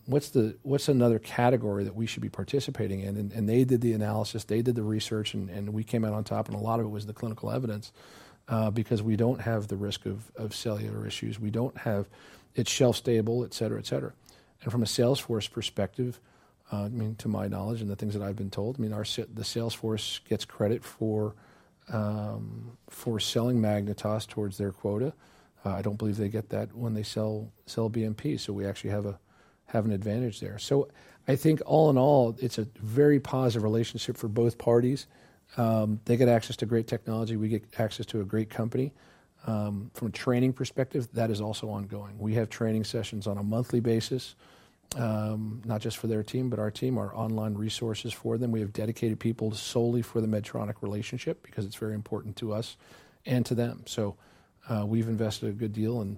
what's another category that we should be participating in? They did the analysis, they did the research, and we came out on top. A lot of it was the clinical evidence because we don't have the risk of cellular issues. We don't have it shelf-stable, etc., etc. From a salesforce perspective, to my knowledge and the things that I've been told, the salesforce gets credit for selling MagnetOs towards their quota. I don't believe they get that when they sell BMP. We actually have an advantage there. I think all in all, it's a very positive relationship for both parties. They get access to great technology. We get access to a great company. From a training perspective, that is also ongoing. We have training sessions on a monthly basis, not just for their team, but our team, our online resources for them. We have dedicated people solely for the Medtronic relationship because it's very important to us and to them. We have invested a good deal, and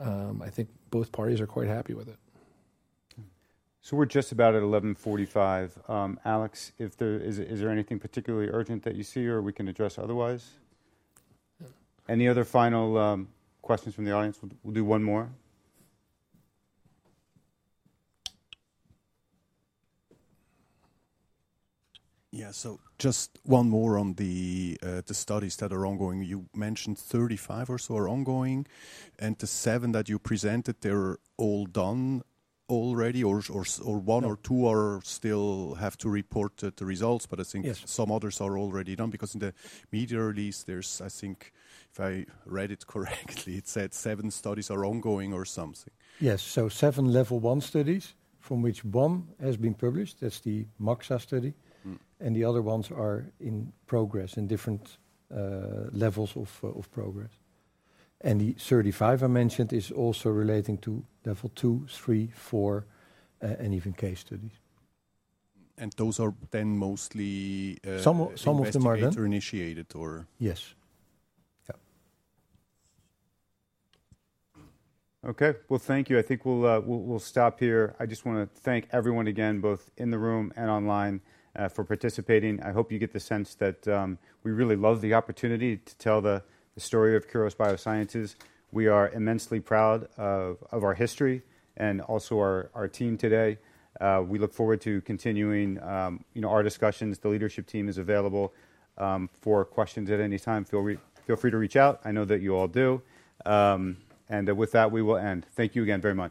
I think both parties are quite happy with it. We are just about at 11:45. Alex, is there anything particularly urgent that you see or we can address otherwise? Any other final questions from the audience? We'll do one more. Yeah, just one more on the studies that are ongoing. You mentioned 35 or so are ongoing. The seven that you presented, they're all done already, or one or two still have to report the results, but I think some others are already done because in the media release, there's, I think, if I read it correctly, it said seven studies are ongoing or something. Yes, seven level one studies from which one has been published. That's the MAXA study. The other ones are in progress, in different levels of progress. The 35 I mentioned is also relating to level two, three, four, and even case studies. Those are then mostly. Some of them are then. Initiated or. Yes. Yeah. Okay. Thank you. I think we'll stop here. I just want to thank everyone again, both in the room and online, for participating. I hope you get the sense that we really love the opportunity to tell the story of Kuros Biosciences. We are immensely proud of our history and also our team today. We look forward to continuing our discussions. The leadership team is available for questions at any time. Feel free to reach out. I know that you all do. With that, we will end. Thank you again very much.